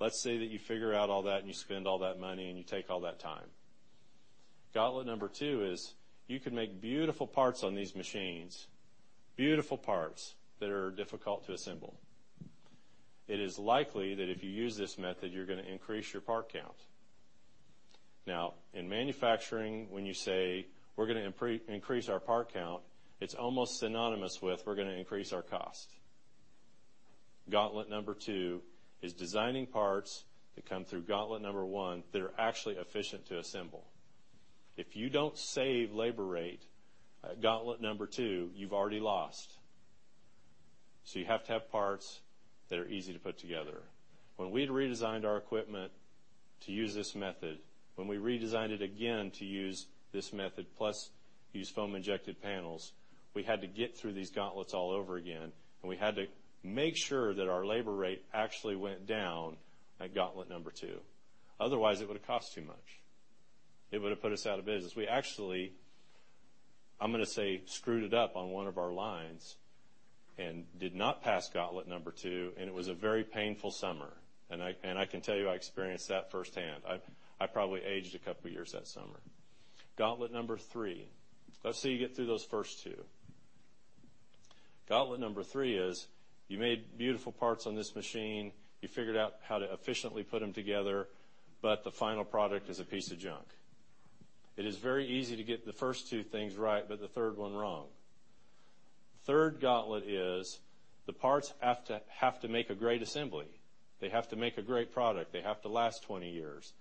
Speaker 3: let's say that you figure out all that and you spend all that money and you take all that time. Gauntlet number two is you can make beautiful parts on these machines, beautiful parts that are difficult to assemble. It is likely that if you use this method, you're gonna increase your part count. Now, in manufacturing, when you say, "We're gonna increase our part count," it's almost synonymous with, "We're gonna increase our cost." Gauntlet number two is designing parts that come through gauntlet number one that are actually efficient to assemble. If you don't save labor rate at gauntlet number two, you've already lost. You have to have parts that are easy to put together. When we redesigned our equipment to use this method, when we redesigned it again to use this method plus use foam-injected panels, we had to get through these gauntlets all over again. We had to make sure that our labor rate actually went down at gauntlet number two. Otherwise, it would have cost too much. It would have put us out of business. We actually, I'm going to say, screwed it up on one of our lines and did not pass gauntlet number two. It was a very painful summer. I can tell you, I experienced that firsthand. I probably aged a couple years that summer. Gauntlet number three. Let's see you get through those first two. Gauntlet number three is you made beautiful parts on this machine. You figured out how to efficiently put them together, but the final product is a piece of junk. It is very easy to get the first two things right, but the third one wrong. Third gauntlet is the parts have to make a great assembly. They have to make a great product. They have to last twenty years.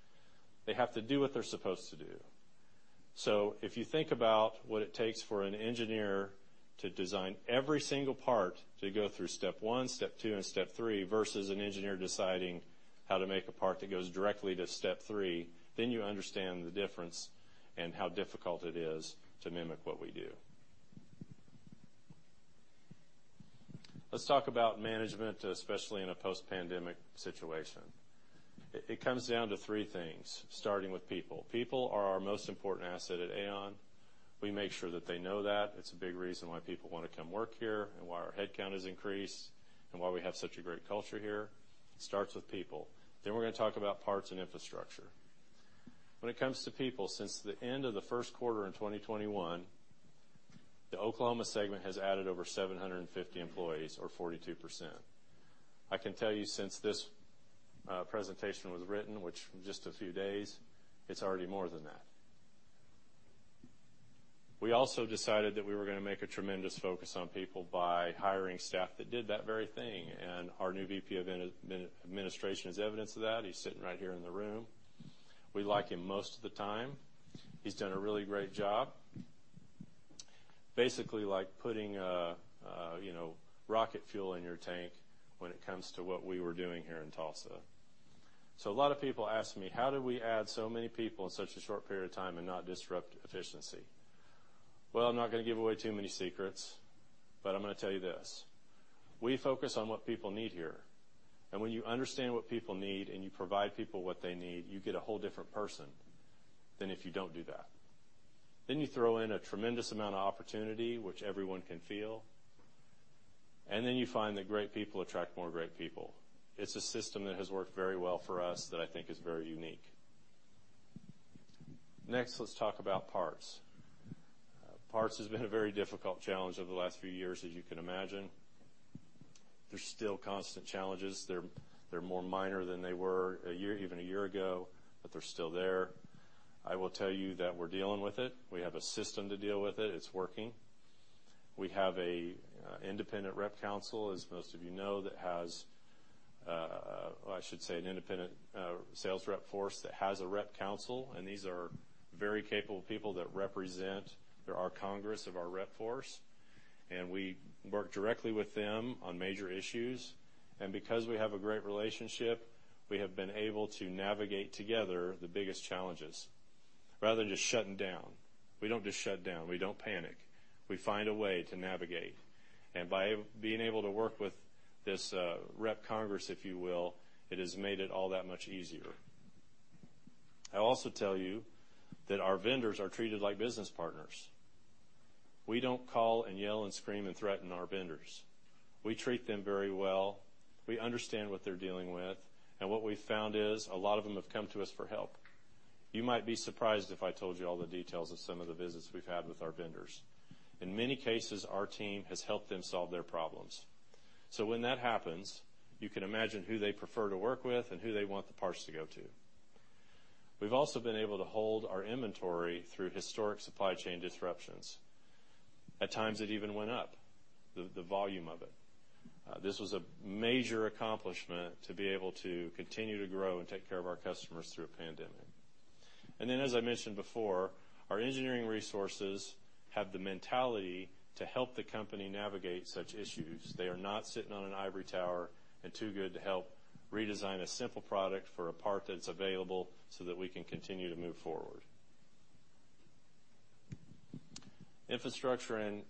Speaker 3: They have to do what they're supposed to do. If you think about what it takes for an engineer to design every single part to go through step one, step two, and step three versus an engineer deciding how to make a part that goes directly to step three, then you understand the difference and how difficult it is to mimic what we do. Let's talk about management, especially in a post-pandemic situation. It comes down to three things, starting with people. People are our most important asset at AAON. We make sure that they know that. It's a big reason why people want to come work here and why our headcount has increased and why we have such a great culture here. It starts with people. We're going to talk about parts and infrastructure. When it comes to people, since the end of Q1 2021, the Oklahoma segment has added over 750 employees, or 42%. I can tell you since this presentation was written, which in just a few days, it's already more than that. We also decided that we were going to make a tremendous focus on people by hiring staff that did that very thing. Our new VP of Administration is evidence of that. He's sitting right here in the room. We like him most of the time. He's done a really great job. Basically like putting rocket fuel in your tank when it comes to what we were doing here in Tulsa. A lot of people ask me, how do we add so many people in such a short period of time and not disrupt efficiency? Well, I'm not going to give away too many secrets, I'm going to tell you this. We focus on what people need here. When you understand what people need and you provide people what they need, you get a whole different person than if you don't do that. You throw in a tremendous amount of opportunity, which everyone can feel. You find that great people attract more great people. It's a system that has worked very well for us that I think is very unique. Next, let's talk about parts. Parts has been a very difficult challenge over the last few years, as you can imagine. There's still constant challenges. They're more minor than they were even a year ago, but they're still there. I will tell you that we're dealing with it. We have a system to deal with it. It's working. We have an independent rep council, as most of you know, that has, I should say, an independent sales rep force that has a rep council. These are very capable people that represent our congress of our rep force. We work directly with them on major issues. Because we have a great relationship, we have been able to navigate together the biggest challenges rather than just shutting down. We don't just shut down. We don't panic. We find a way to navigate. By being able to work with this rep council, if you will, it has made it all that much easier. I'll also tell you that our vendors are treated like business partners. We don't call and yell and scream and threaten our vendors. We treat them very well. We understand what they're dealing with. What we've found is a lot of them have come to us for help. You might be surprised if I told you all the details of some of the visits we've had with our vendors. In many cases, our team has helped them solve their problems. When that happens, you can imagine who they prefer to work with and who they want the parts to go to. We've also been able to hold our inventory through historic supply chain disruptions. At times, it even went up, the volume of it. This was a major accomplishment to be able to continue to grow and take care of our customers through a pandemic. As I mentioned before, our engineering resources have the mentality to help the company navigate such issues. They are not sitting on an ivory tower and too good to help redesign a simple product for a part that's available so that we can continue to move forward. Infrastructure and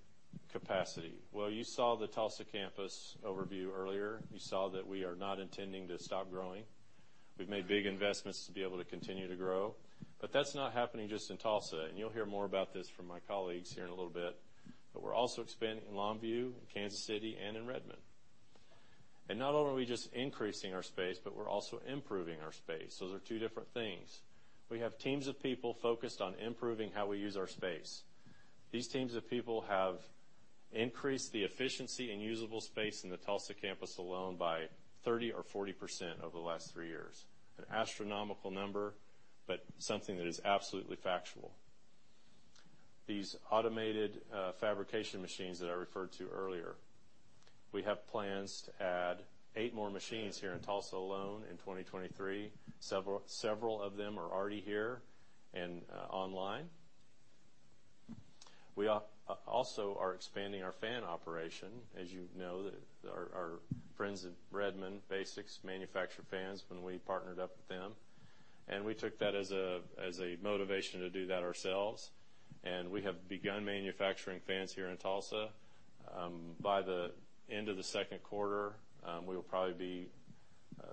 Speaker 3: capacity. Well, you saw the Tulsa campus overview earlier. You saw that we are not intending to stop growing. We've made big investments to be able to continue to grow. That's not happening just in Tulsa. You'll hear more about this from my colleagues here in a little bit. We're also expanding in Longview, in Kansas City, and in Redmond. Not only are we just increasing our space, but we're also improving our space. Those are two different things. We have teams of people focused on improving how we use our space. These teams of people have increased the efficiency and usable space in the Tulsa campus alone by 30% or 40% over the last three years. An astronomical number, but something that is absolutely factual. These automated fabrication machines that I referred to earlier, we have plans to add eight more machines here in Tulsa alone in 2023. Several of them are already here and online. We also are expanding our fan operation. As you know, our friends at Redmond BasX manufacture fans when we partnered up with them. We took that as a motivation to do that ourselves. We have begun manufacturing fans here in Tulsa. By the end of Q2, we will probably be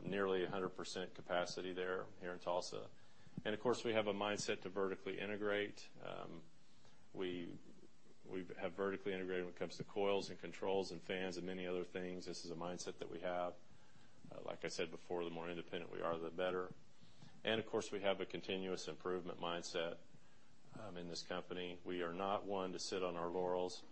Speaker 3: nearly 100% capacity there here in Tulsa. Of course, we have a mindset to vertically integrate. We have vertically integrated when it comes to coils and controls and fans and many other things. This is a mindset that we have. Like I said before, the more independent we are, the better. Of course, we have a continuous improvement mindset in this company. We are not one to sit on our laurels.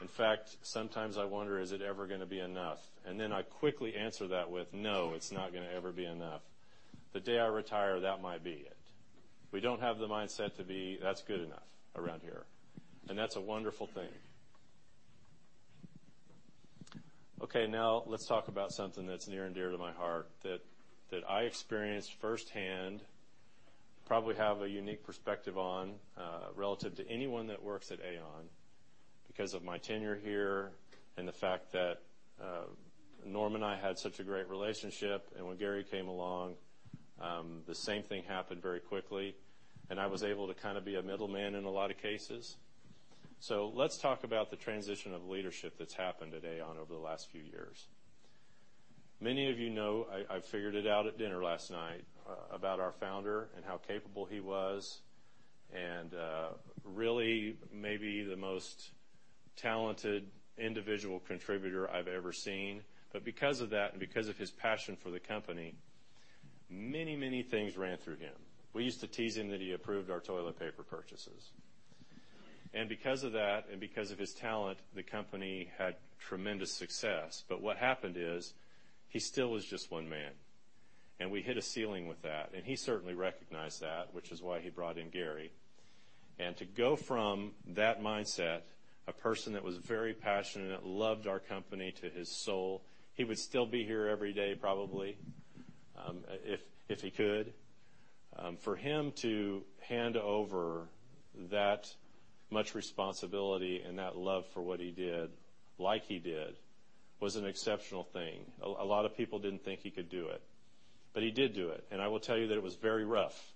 Speaker 3: In fact, sometimes I wonder, is it ever gonna be enough? I quickly answer that with, "No, it's not gonna ever be enough." The day I retire, that might be it. We don't have the mindset to be, "That's good enough," around here, and that's a wonderful thing. Okay, now let's talk about something that's near and dear to my heart that I experienced firsthand, probably have a unique perspective on, relative to anyone that works at AAON because of my tenure here and the fact that Norm and I had such a great relationship. When Gary came along, the same thing happened very quickly, and I was able to kind of be a middleman in a lot of cases. Let's talk about the transition of leadership that's happened at AAON over the last few years. Many of you know, I figured it out at dinner last night, about our founder and how capable he was and really maybe the most talented individual contributor I've ever seen. Because of that and because of his passion for the company, many things ran through him. We used to tease him that he approved our toilet paper purchases. Because of that and because of his talent, the company had tremendous success. What happened is he still is just one man, and we hit a ceiling with that. He certainly recognized that, which is why he brought in Gary. To go from that mindset, a person that was very passionate, loved our company to his soul, he would still be here every day, probably, if he could. For him to hand over that much responsibility and that love for what he did, like he did, was an exceptional thing. A lot of people didn't think he could do it, but he did do it. I will tell you that it was very rough.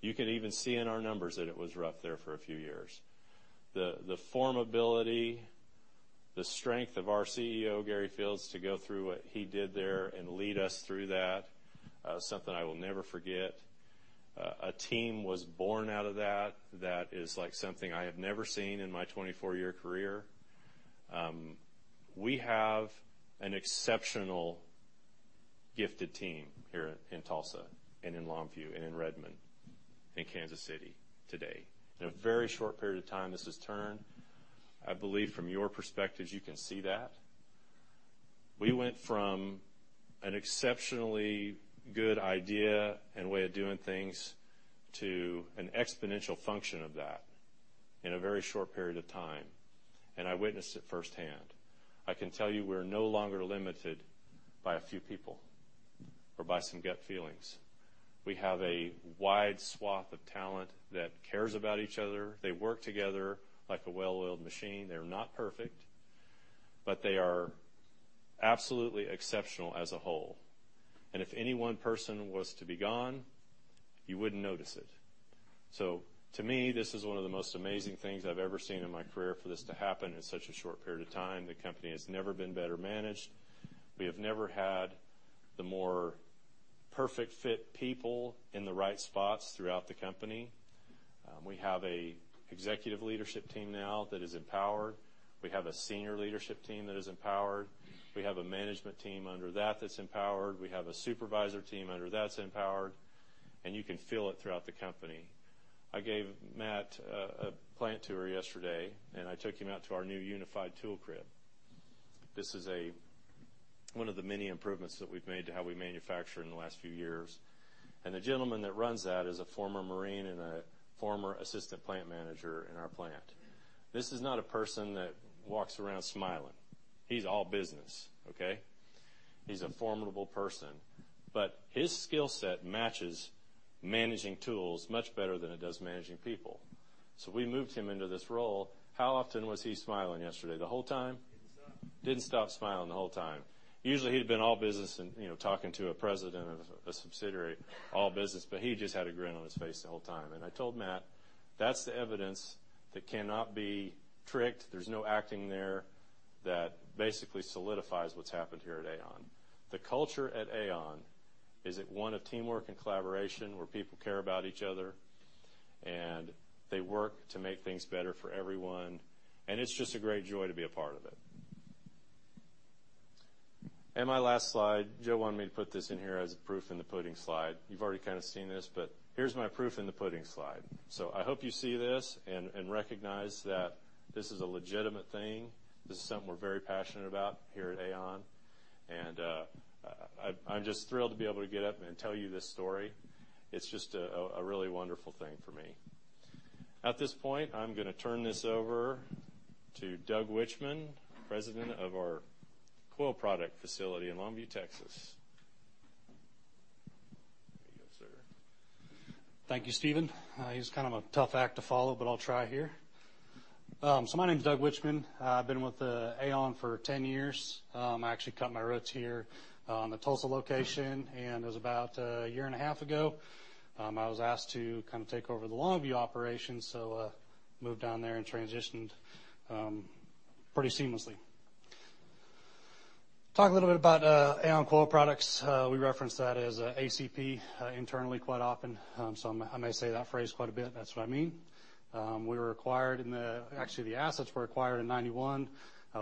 Speaker 3: You can even see in our numbers that it was rough there for a few years. The formability, the strength of our CEO, Gary Fields, to go through what he did there and lead us through that is something I will never forget. A team was born out of that that is like something I have never seen in my 24-year career. We have an exceptional gifted team here in Tulsa and in Longview and in Redmond, in Kansas City today. In a very short period of time, this has turned. I believe from your perspective, you can see that. We went from an exceptionally good idea and way of doing things to an exponential function of that in a very short period of time, and I witnessed it firsthand. I can tell you we're no longer limited by a few people or by some gut feelings. We have a wide swath of talent that cares about each other. They work together like a well-oiled machine. They're not perfect, but they are absolutely exceptional as a whole. If any one person was to be gone, you wouldn't notice it. To me, this is one of the most amazing things I've ever seen in my career for this to happen in such a short period of time. The company has never been better managed. We have never had the more perfect fit people in the right spots throughout the company. We have an executive leadership team now that is empowered. We have a senior leadership team that is empowered. We have a management team under that that's empowered. We have a supervisor team under that's empowered, and you can feel it throughout the company. I gave Matt a plant tour yesterday, and I took him out to our new unified tool crib. This is one of the many improvements that we've made to how we manufacture in the last few years. The gentleman that runs that is a former marine and a former assistant plant manager in our plant. This is not a person that walks around smiling. He's all business, okay? He's a formidable person. His skill set matches managing tools much better than it does managing people. We moved him into this role. How often was he smiling yesterday? The whole time? Didn't stop. Didn't stop smiling the whole time. Usually, he'd been all business and, you know, talking to a president of a subsidiary, all business, but he just had a grin on his face the whole time. I told Matt, "That's the evidence that cannot be tricked. There's no acting there that basically solidifies what's happened here at AAON." The culture at AAON is at one of teamwork and collaboration, where people care about each other, and they work to make things better for everyone, and it's just a great joy to be a part of it. My last slide, Joe wanted me to put this in here as a proof in the pudding slide. You've already kind of seen this, but here's my proof in the pudding slide. I hope you see this and recognize that this is a legitimate thing. This is something we're very passionate about here at AAON. I'm just thrilled to be able to get up and tell you this story. It's just a really wonderful thing for me. At this point, I'm gonna turn this over to Doug Wichman, president of our Coil Product facility in Longview, Texas. There you go, sir.
Speaker 2: Thank you, Stephen. He's kind of a tough act to follow, I'll try here. My name's Doug Wichman. I've been with AAON for 10 years. I actually cut my roots here in the Tulsa location. It was about a year and a half ago, I was asked to kind of take over the Longview operation, moved down there and transitioned pretty seamlessly. Talk a little bit about AAON Coil Products. We reference that as ACP internally quite often, I may say that phrase quite a bit. That's what I mean. Actually, the assets were acquired in 1991.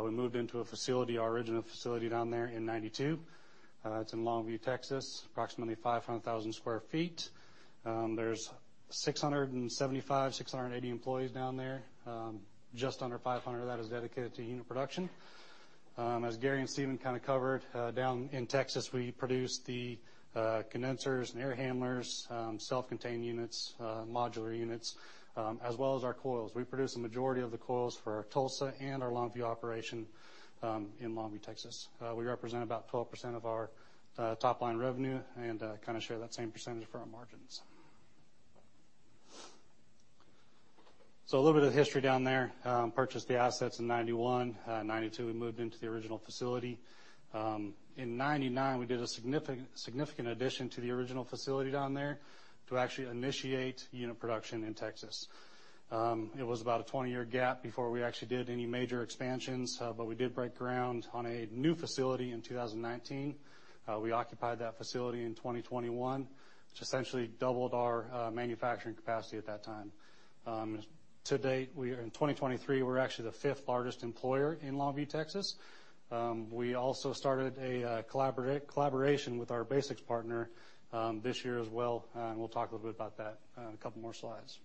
Speaker 2: We moved into a facility, our original facility down there in 1992. It's in Longview, Texas, approximately 500,000 sq ft.
Speaker 4: There's 675, 680 employees down there. Just under 500 that is dedicated to unit production. As Gary and Stephen kinda covered, down in Texas, we produce the condensers and air handlers, self-contained units, modular units, as well as our coils. We produce the majority of the coils for our Tulsa and our Longview operation in Longview, Texas. We represent about 12% of our top line revenue and kinda share that same percentage for our margins. A little bit of history down there. Purchased the assets in 1991. 1992, we moved into the original facility. In 1999, we did a significant addition to the original facility down there to actually initiate unit production in Texas. It was about a 20-year gap before we actually did any major expansions, we did break ground on a new facility in 2019. We occupied that facility in 2021, which essentially doubled our manufacturing capacity at that time. To date, in 2023, we're actually the fifth largest employer in Longview, Texas. We also started a collaboration with our BasX partner this year as well, we'll talk a little bit about that on a couple more slides.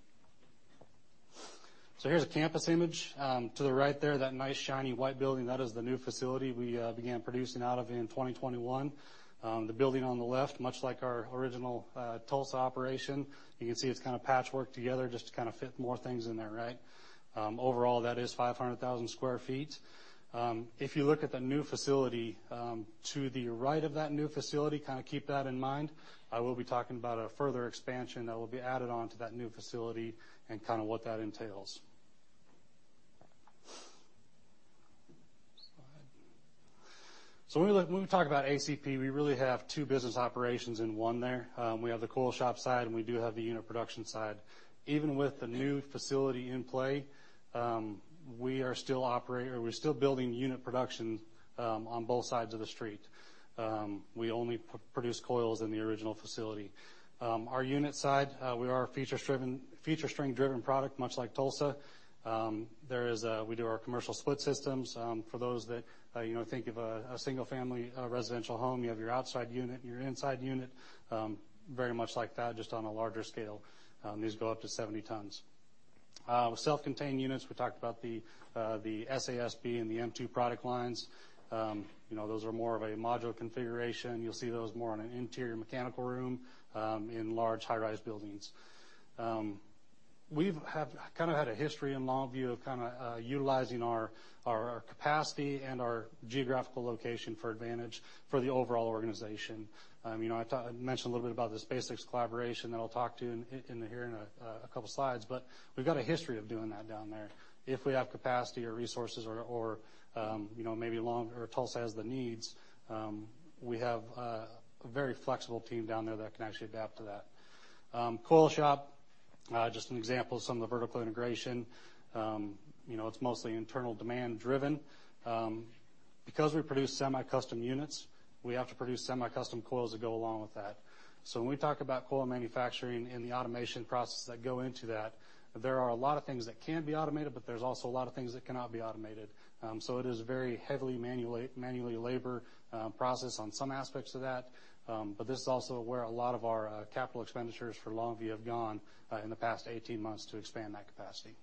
Speaker 4: Here's a campus image. To the right there, that nice, shiny white building, that is the new facility we began producing out of in 2021. The building on the left, much like our original Tulsa operation, you can see it's kinda patchworked together just to kinda fit more things in there, right? Overall, that is 500,000 sq ft. If you look at the new facility, to the right of that new facility, kind of keep that in mind. I will be talking about a further expansion that will be added on to that new facility and kind of what that entails. Slide. When we talk about ACP, we really have two business operations in one there. We have the coil shop side, and we do have the unit production side. Even with the new facility in play, we're still building unit production on both sides of the street. We only produce coils in the original facility. Our unit side, we are a feature-driven, feature string-driven product, much like Tulsa. We do our commercial split systems. For those that, you know, think of a single-family residential home, you have your outside unit and your inside unit. Very much like that, just on a larger scale. These go up to 70 tons. With self-contained units, we talked about the SASB and the M2 product lines. You know, those are more of a modular configuration. You'll see those more in an interior mechanical room, in large high-rise buildings. We've kinda had a history in Longview of kinda utilizing our capacity and our geographical location for advantage for the overall organization. You know, I mentioned a little bit about this BasX collaboration that I'll talk to in here in a couple slides, but we've got a history of doing that down there. If we have capacity or resources or, you know, maybe Tulsa has the needs, we have a very flexible team down there that can actually adapt to that. Coil shop, just an example of some of the vertical integration. You know, it's mostly internal demand-driven. Because we produce semi-custom units, we have to produce semi-custom coils that go along with that. When we talk about coil manufacturing and the automation processes that go into that, there are a lot of things that can be automated, but there's also a lot of things that cannot be automated. It is very heavily manually labor process on some aspects of that, but this is also where a lot of our capital expenditures for Longview have gone in the past 18 months to expand that capacity.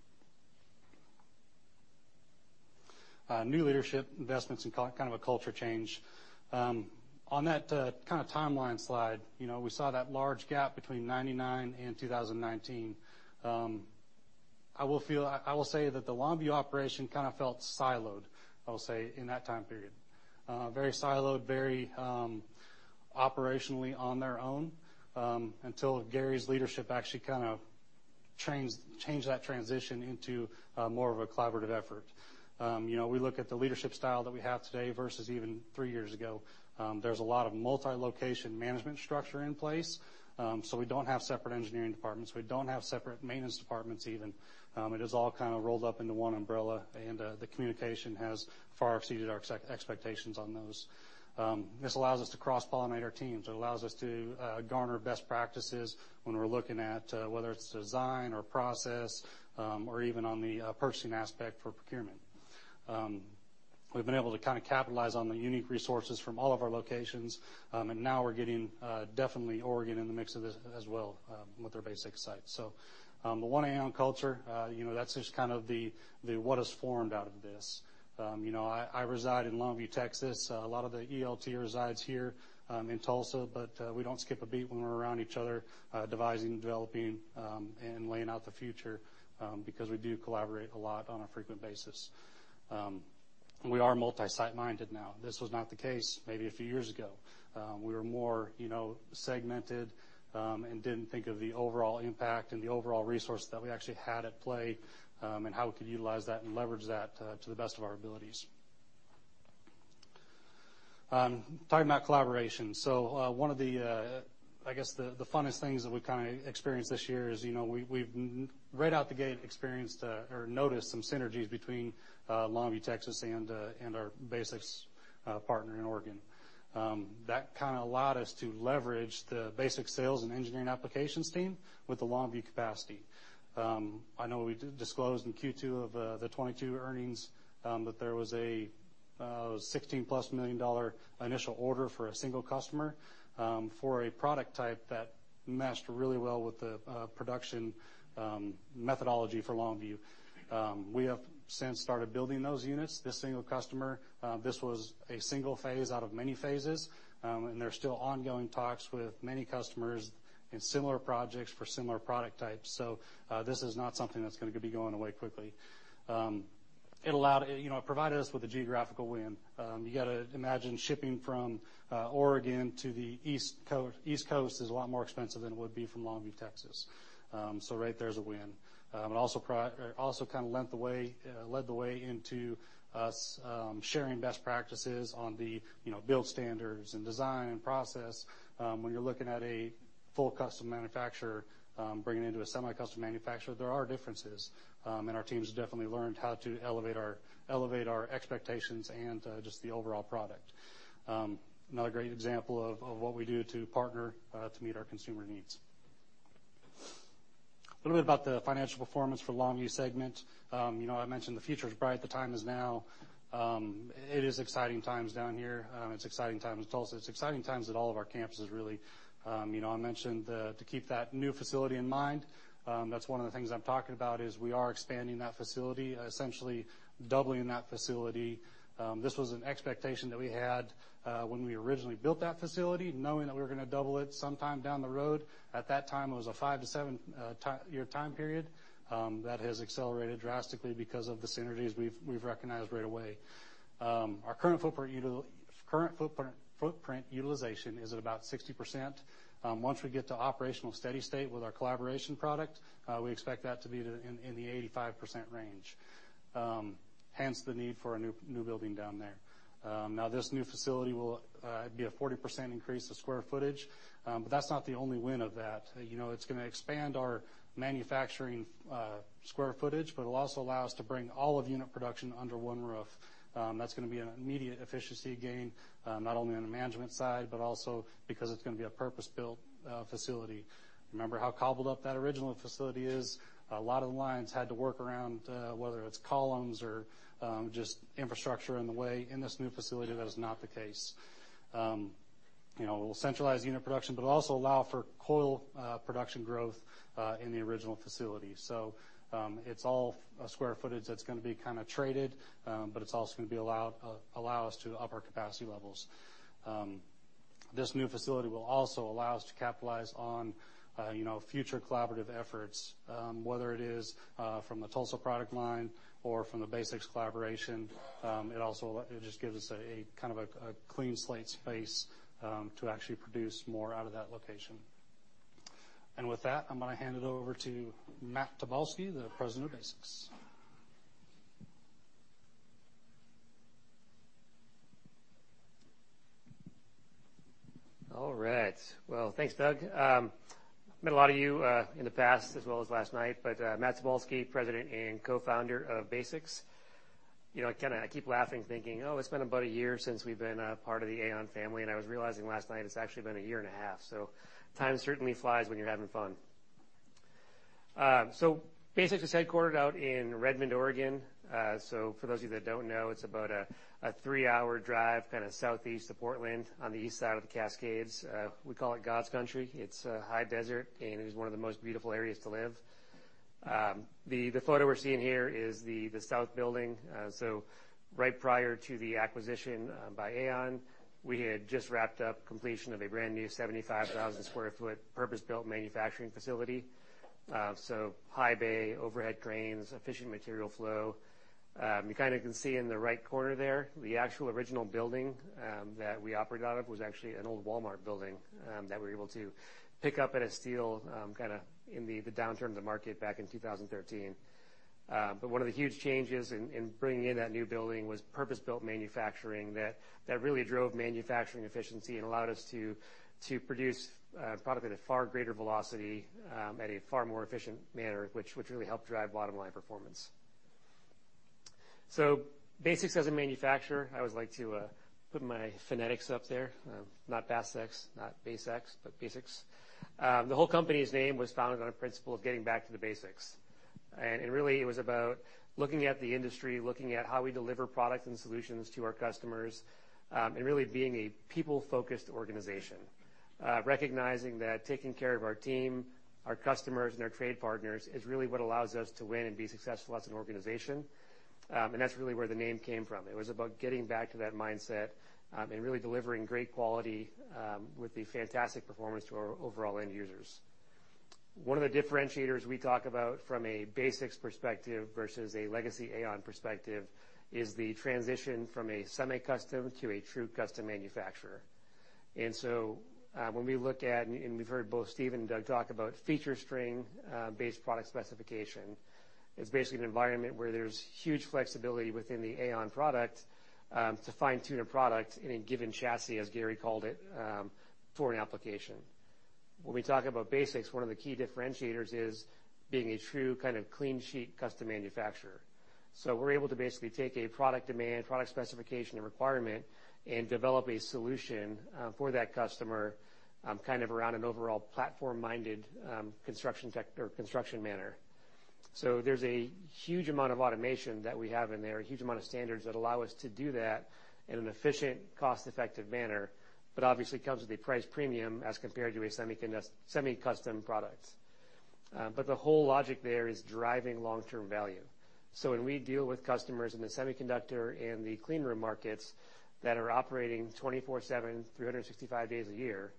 Speaker 4: New leadership, investments, and kind of a culture change. On that, kinda timeline slide, you know, we saw that large gap between 1999 and 2019. I will say that the Longview operation kinda felt siloed, I will say, in that time period. Very siloed, very, operationally on their own, until Gary's leadership actually kind of changed that transition into more of a collaborative effort. You know, we look at the leadership style that we have today versus even three years ago, there's a lot of multi-location management structure in place. We don't have separate engineering departments. We don't have separate maintenance departments even. It is all kinda rolled up into one umbrella, and the communication has far exceeded our expectations on those. This allows us to cross-pollinate our teams. It allows us to garner best practices when we're looking at whether it's design or process or even on the purchasing aspect for procurement. We've been able to kind of capitalize on the unique resources from all of our locations. Now we're getting definitely Oregon in the mix of this as well with their BasX site. The one AAON culture, you know, that's just kind of the what is formed out of this. You know, I reside in Longview, Texas. A lot of the ELT resides here in Tulsa, we don't skip a beat when we're around each other devising, developing, and laying out the future because we do collaborate a lot on a frequent basis. We are multi-site minded now. This was not the case maybe a few years ago. We were more, you know, segmented, and didn't think of the overall impact and the overall resource that we actually had at play, and how we could utilize that and leverage that to the best of our abilities. Talking about collaboration. One of the, I guess the funnest things that we've kind of experienced this year is, you know, we've right out the gate experienced or noticed some synergies between Longview, Texas and our BASX partner in Oregon. That kind of allowed us to leverage the BASX sales and engineering applications team with the Longview capacity. I know we did disclose in Q2 of the 2022 earnings that there was a $16+ million initial order for a single customer for a product type that matched really well with the production methodology for Longview. We have since started building those units. This single customer, this was a single phase out of many phases, there are still ongoing talks with many customers in similar projects for similar product types. This is not something that's gonna be going away quickly. It, you know, it provided us with a geographical win. You gotta imagine shipping from Oregon to the East Coast is a lot more expensive than it would be from Longview, Texas. Right there is a win. It also kind of led the way into us, sharing best practices on the, you know, build standards and design and process. When you're looking at a full custom manufacturer, bringing into a semi-custom manufacturer, there are differences. Our teams definitely learned how to elevate our expectations and just the overall product. Another great example of what we do to partner to meet our consumer needs. A little bit about the financial performance for Longview segment. You know, I mentioned the future is bright, the time is now. It is exciting times down here. It's exciting times in Tulsa. It's exciting times at all of our campuses, really. You know, I mentioned to keep that new facility in mind. That's one of the things I'm talking about is we are expanding that facility, essentially doubling that facility. This was an expectation that we had when we originally built that facility, knowing that we were gonna double it sometime down the road. At that time, it was a five to seven-year time period. That has accelerated drastically because of the synergies we've recognized right away. Our current footprint utilization is at about 60%. Once we get to operational steady state with our collaboration product, we expect that to be in the 85% range. Hence the need for a new building down there. Now this new facility will be a 40% increase of square footage, but that's not the only win of that. You know, it's gonna expand our manufacturing square footage, but it'll also allow us to bring all of unit production under one roof. That's gonna be an immediate efficiency gain, not only on the management side, but also because it's gonna be a purpose-built facility. Remember how cobbled up that original facility is. A lot of the lines had to work around whether it's columns or just infrastructure in the way. In this new facility, that is not the case. You know, we'll centralize unit production, but it'll also allow for coil production growth in the original facility. It's all a square footage that's gonna be kinda traded, but it's also gonna allow us to up our capacity levels. This new facility will also allow us to capitalize on, you know, future collaborative efforts, whether it is from the Tulsa product line or from the BasX collaboration. It just gives us a kind of a clean slate space to actually produce more out of that location. With that, I'm gonna hand it over to Matt Tobolski, the President of BasX.
Speaker 5: All right. Well, thanks, Doug. I've met a lot of you in the past as well as last night, Matt Tobolski, President and Co-founder of BasX. You know, I kinda, I keep laughing thinking, "Oh, it's been about a year since we've been a part of the AAON family." I was realizing last night it's actually been a year and a half. Time certainly flies when you're having fun. BasX is headquartered out in Redmond, Oregon. For those of you that don't know, it's about a three-hour drive kinda southeast of Portland on the east side of the Cascades. We call it God's country. It's a high desert, it is one of the most beautiful areas to live. The photo we're seeing here is the south building. Right prior to the acquisition by AAON, we had just wrapped up completion of a brand-new 75,000 sq ft purpose-built manufacturing facility. High bay, overhead cranes, efficient material flow. You kinda can see in the right corner there, the actual original building that we operated out of was actually an old Walmart building that we were able to pick up at a steal kinda in the downturn of the market back in 2013. One of the huge changes in bringing in that new building was purpose-built manufacturing that really drove manufacturing efficiency and allowed us to produce product at a far greater velocity at a far more efficient manner, which really helped drive bottom line performance. BasX as a manufacturer, I always like to put my phonetics up there. Not BasX, not BasX, but BasX. The whole company's name was founded on a principle of getting back to the basics. Really, it was about looking at the industry, looking at how we deliver products and solutions to our customers, and really being a people-focused organization. Recognizing that taking care of our team, our customers, and our trade partners is really what allows us to win and be successful as an organization. That's really where the name came from. It was about getting back to that mindset, and really delivering great quality with the fantastic performance to our overall end users. One of the differentiators we talk about from a BasX perspective versus a legacy AAON perspective is the transition from a semi-custom to a true custom manufacturer. When we look at, and we've heard both Steve and Doug talk about feature string based product specification. It's basically an environment where there's huge flexibility within the AAON product to fine-tune a product in a given chassis, as Gary called it, for an application. When we talk about BasX, one of the key differentiators is being a true kind of clean sheet custom manufacturer. We're able to basically take a product demand, product specification and requirement, and develop a solution for that customer kind of around an overall platform-minded construction manner. There's a huge amount of automation that we have in there, a huge amount of standards that allow us to do that in an efficient, cost-effective manner, but obviously comes with a price premium as compared to a semi-custom product. The whole logic there is driving long-term value. When we deal with customers in the semiconductor and the clean room markets that are operating 24/7, 365 days a year,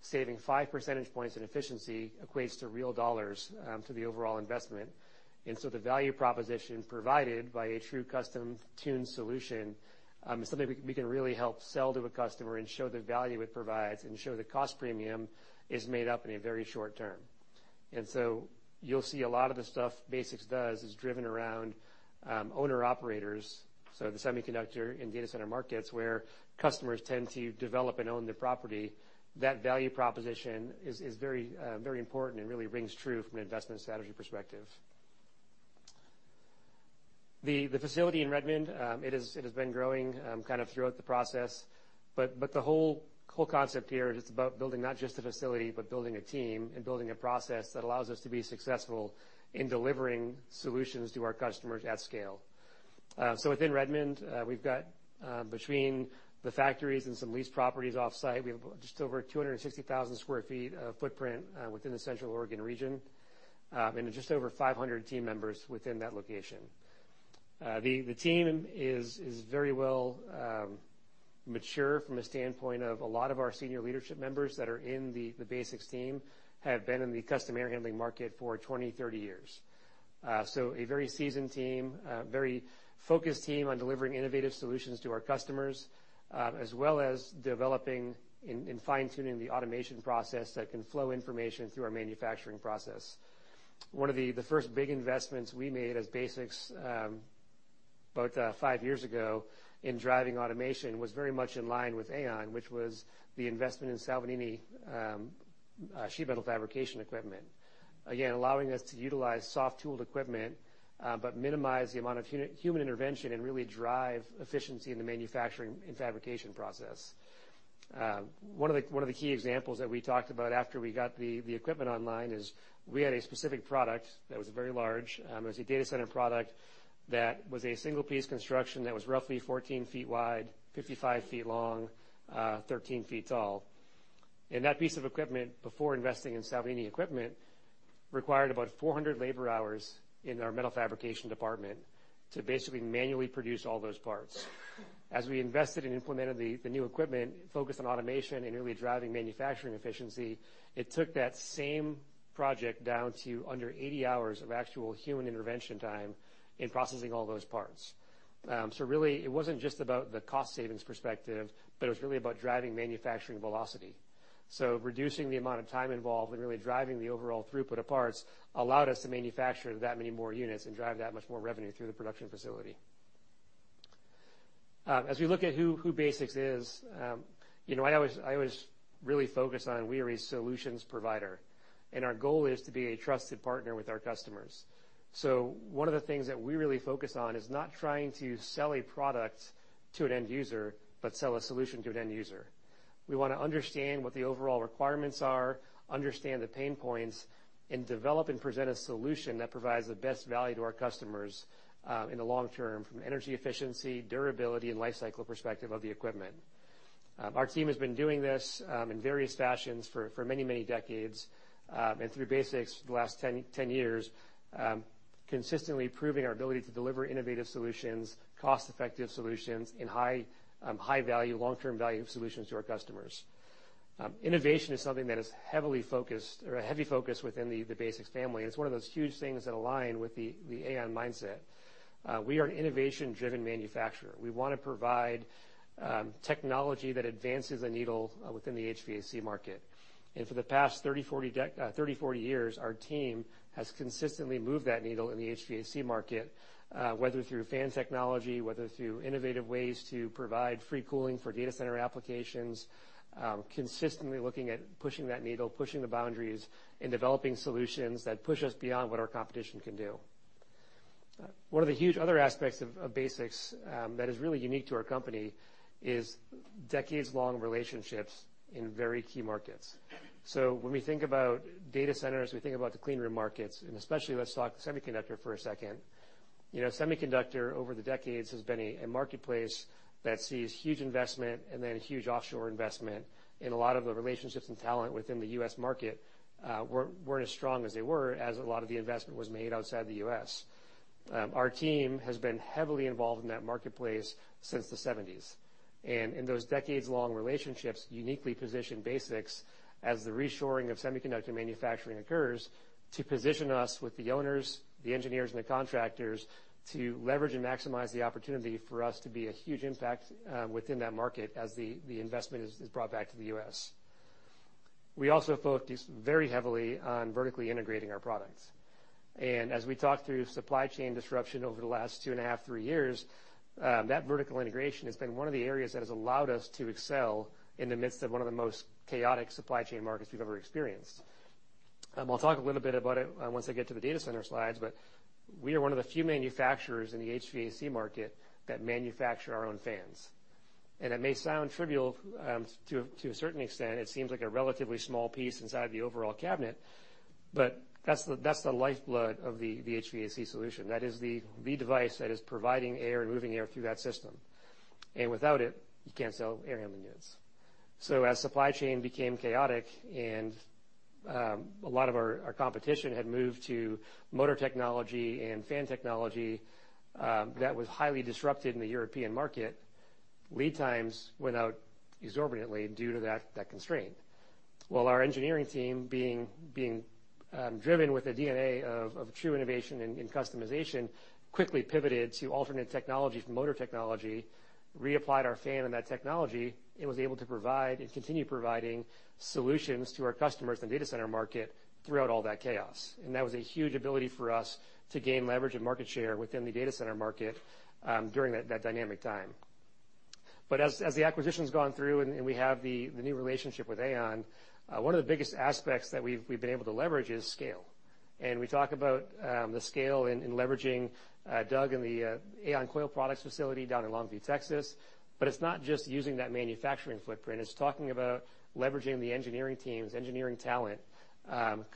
Speaker 5: saving 5 percentage points in efficiency equates to real dollars to the overall investment. The value proposition provided by a true custom-tuned solution is something we can really help sell to a customer and show the value it provides and show the cost premium is made up in a very short term. You'll see a lot of the stuff BasX does is driven around owner-operators, so the semiconductor and data center markets where customers tend to develop and own the property. That value proposition is very important and really rings true from an investment strategy perspective. The facility in Redmond, it has been growing kind of throughout the process. The whole concept here is about building not just a facility, but building a team and building a process that allows us to be successful in delivering solutions to our customers at scale. Within Redmond, we've got between the factories and some leased properties off-site, we have just over 260,000 sq ft of footprint within the Central Oregon region, and just over 500 team members within that location. The team is very well mature from a standpoint of a lot of our senior leadership members that are in the BASX team have been in the custom air handling market for 20, 30 years. A very seasoned team, a very focused team on delivering innovative solutions to our customers, as well as developing and fine-tuning the automation process that can flow information through our manufacturing process. One of the first big investments we made as BasX, about 5 years ago in driving automation was very much in line with AAON, which was the investment in Salvagnini sheet metal fabrication equipment. allowing us to utilize soft tooled equipment, but minimize the amount of human intervention and really drive efficiency in the manufacturing and fabrication process. One of the, one of the key examples that we talked about after we got the equipment online is we had a specific product that was very large, it was a data center product that was a single piece construction that was roughly 14 feet wide, 55 feet long, 13 feet tall. That piece of equipment, before investing in Salvagnini equipment, required about 400 labor hours in our metal fabrication department to basically manually produce all those parts. As we invested and implemented the new equipment, focused on automation and really driving manufacturing efficiency, it took that same project down to under 80 hours of actual human intervention time in processing all those parts. Really it wasn't just about the cost savings perspective, but it was really about driving manufacturing velocity. Reducing the amount of time involved and really driving the overall throughput of parts allowed us to manufacture that many more units and drive that much more revenue through the production facility. As we look at who BasX is, you know, I always really focus on we are a solutions provider, and our goal is to be a trusted partner with our customers. One of the things that we really focus on is not trying to sell a product to an end user, but sell a solution to an end user. We wanna understand what the overall requirements are, understand the pain points, and develop and present a solution that provides the best value to our customers, in the long term from energy efficiency, durability, and life cycle perspective of the equipment. Our team has been doing this in various fashions for many, many decades, and through BasX for the last 10 years, consistently proving our ability to deliver innovative solutions, cost-effective solutions, and high value, long-term value solutions to our customers. Innovation is something that is heavily focused or a heavy focus within the BasX family, and it's one of those huge things that align with the AAON mindset. We are an innovation-driven manufacturer. We wanna provide technology that advances the needle within the HVAC market. For the past 30, 40 years, our team has consistently moved that needle in the HVAC market, whether through fan technology, whether through innovative ways to provide free cooling for data center applications, consistently looking at pushing that needle, pushing the boundaries, and developing solutions that push us beyond what our competition can do. One of the huge other aspects of BasX that is really unique to our company is decades-long relationships in very key markets. When we think about data centers, we think about the clean room markets, and especially let's talk semiconductor for a second. You know, semiconductor over the decades has been a marketplace that sees huge investment and then huge offshore investment. A lot of the relationships and talent within the U.S. market weren't as strong as they were as a lot of the investment was made outside the U.S. Our team has been heavily involved in that marketplace since the seventies. In those decades-long relationships, uniquely positioned BasX as the reshoring of semiconductor manufacturing occurs to position us with the owners, the engineers and the contractors to leverage and maximize the opportunity for us to be a huge impact within that market as the investment is brought back to the U.S. We also focused very heavily on vertically integrating our products. As we talked through supply chain disruption over the last two and a half, three years, that vertical integration has been one of the areas that has allowed us to excel in the midst of one of the most chaotic supply chain markets we've ever experienced. I'll talk a little bit about it once I get to the data center slides, but we are of the few manufacturers in the HVAC market that manufacture our own fans. It may sound trivial to a certain extent, it seems like a relatively small piece inside the overall cabinet, but that's the lifeblood of the HVAC solution. That is the device that is providing air and moving air through that system. Without it, you can't sell air handling units. As supply chain became chaotic, a lot of our competition had moved to motor technology and fan technology that was highly disrupted in the European market. Lead times went out exorbitantly due to that constraint. While our engineering team being driven with a DNA of true innovation and customization, quickly pivoted to alternate technologies from motor technology, reapplied our fan in that technology, and was able to provide and continue providing solutions to our customers in the data center market throughout all that chaos. That was a huge ability for us to gain leverage and market share within the data center market during that dynamic time. As the acquisition's gone through and we have the new relationship with AAON, one of the biggest aspects that we've been able to leverage is scale. We talk about the scale in leveraging Doug and the AAON Coil Products facility down in Longview, Texas. It's not just using that manufacturing footprint. It's talking about leveraging the engineering team's engineering talent,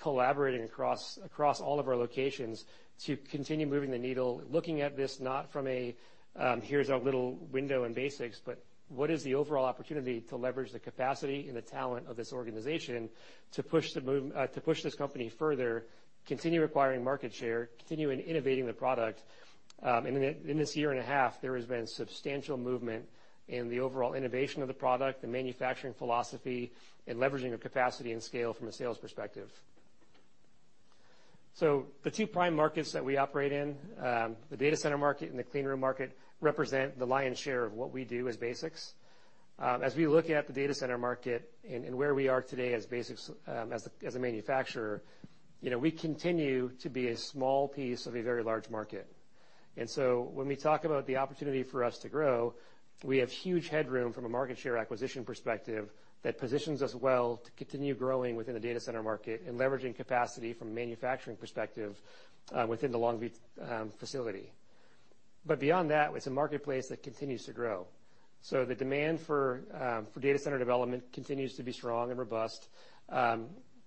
Speaker 5: collaborating across all of our locations to continue moving the needle, looking at this not from a here's our little window in BasX, but what is the overall opportunity to leverage the capacity and the talent of this organization to push this company further, continue acquiring market share, continue in innovating the product. In this year and a half, there has been substantial movement in the overall innovation of the product, the manufacturing philosophy, and leveraging of capacity and scale from a sales perspective. The two prime markets that we operate in, the data center market and the clean room market, represent the lion's share of what we do as BasX. As we look at the data center market and where we are today as BasX, as a manufacturer, you know, we continue to be a small piece of a very large market. When we talk about the opportunity for us to grow, we have huge headroom from a market share acquisition perspective that positions us well to continue growing within the data center market and leveraging capacity from a manufacturing perspective within the Longview facility. Beyond that, it's a marketplace that continues to grow. The demand for data center development continues to be strong and robust,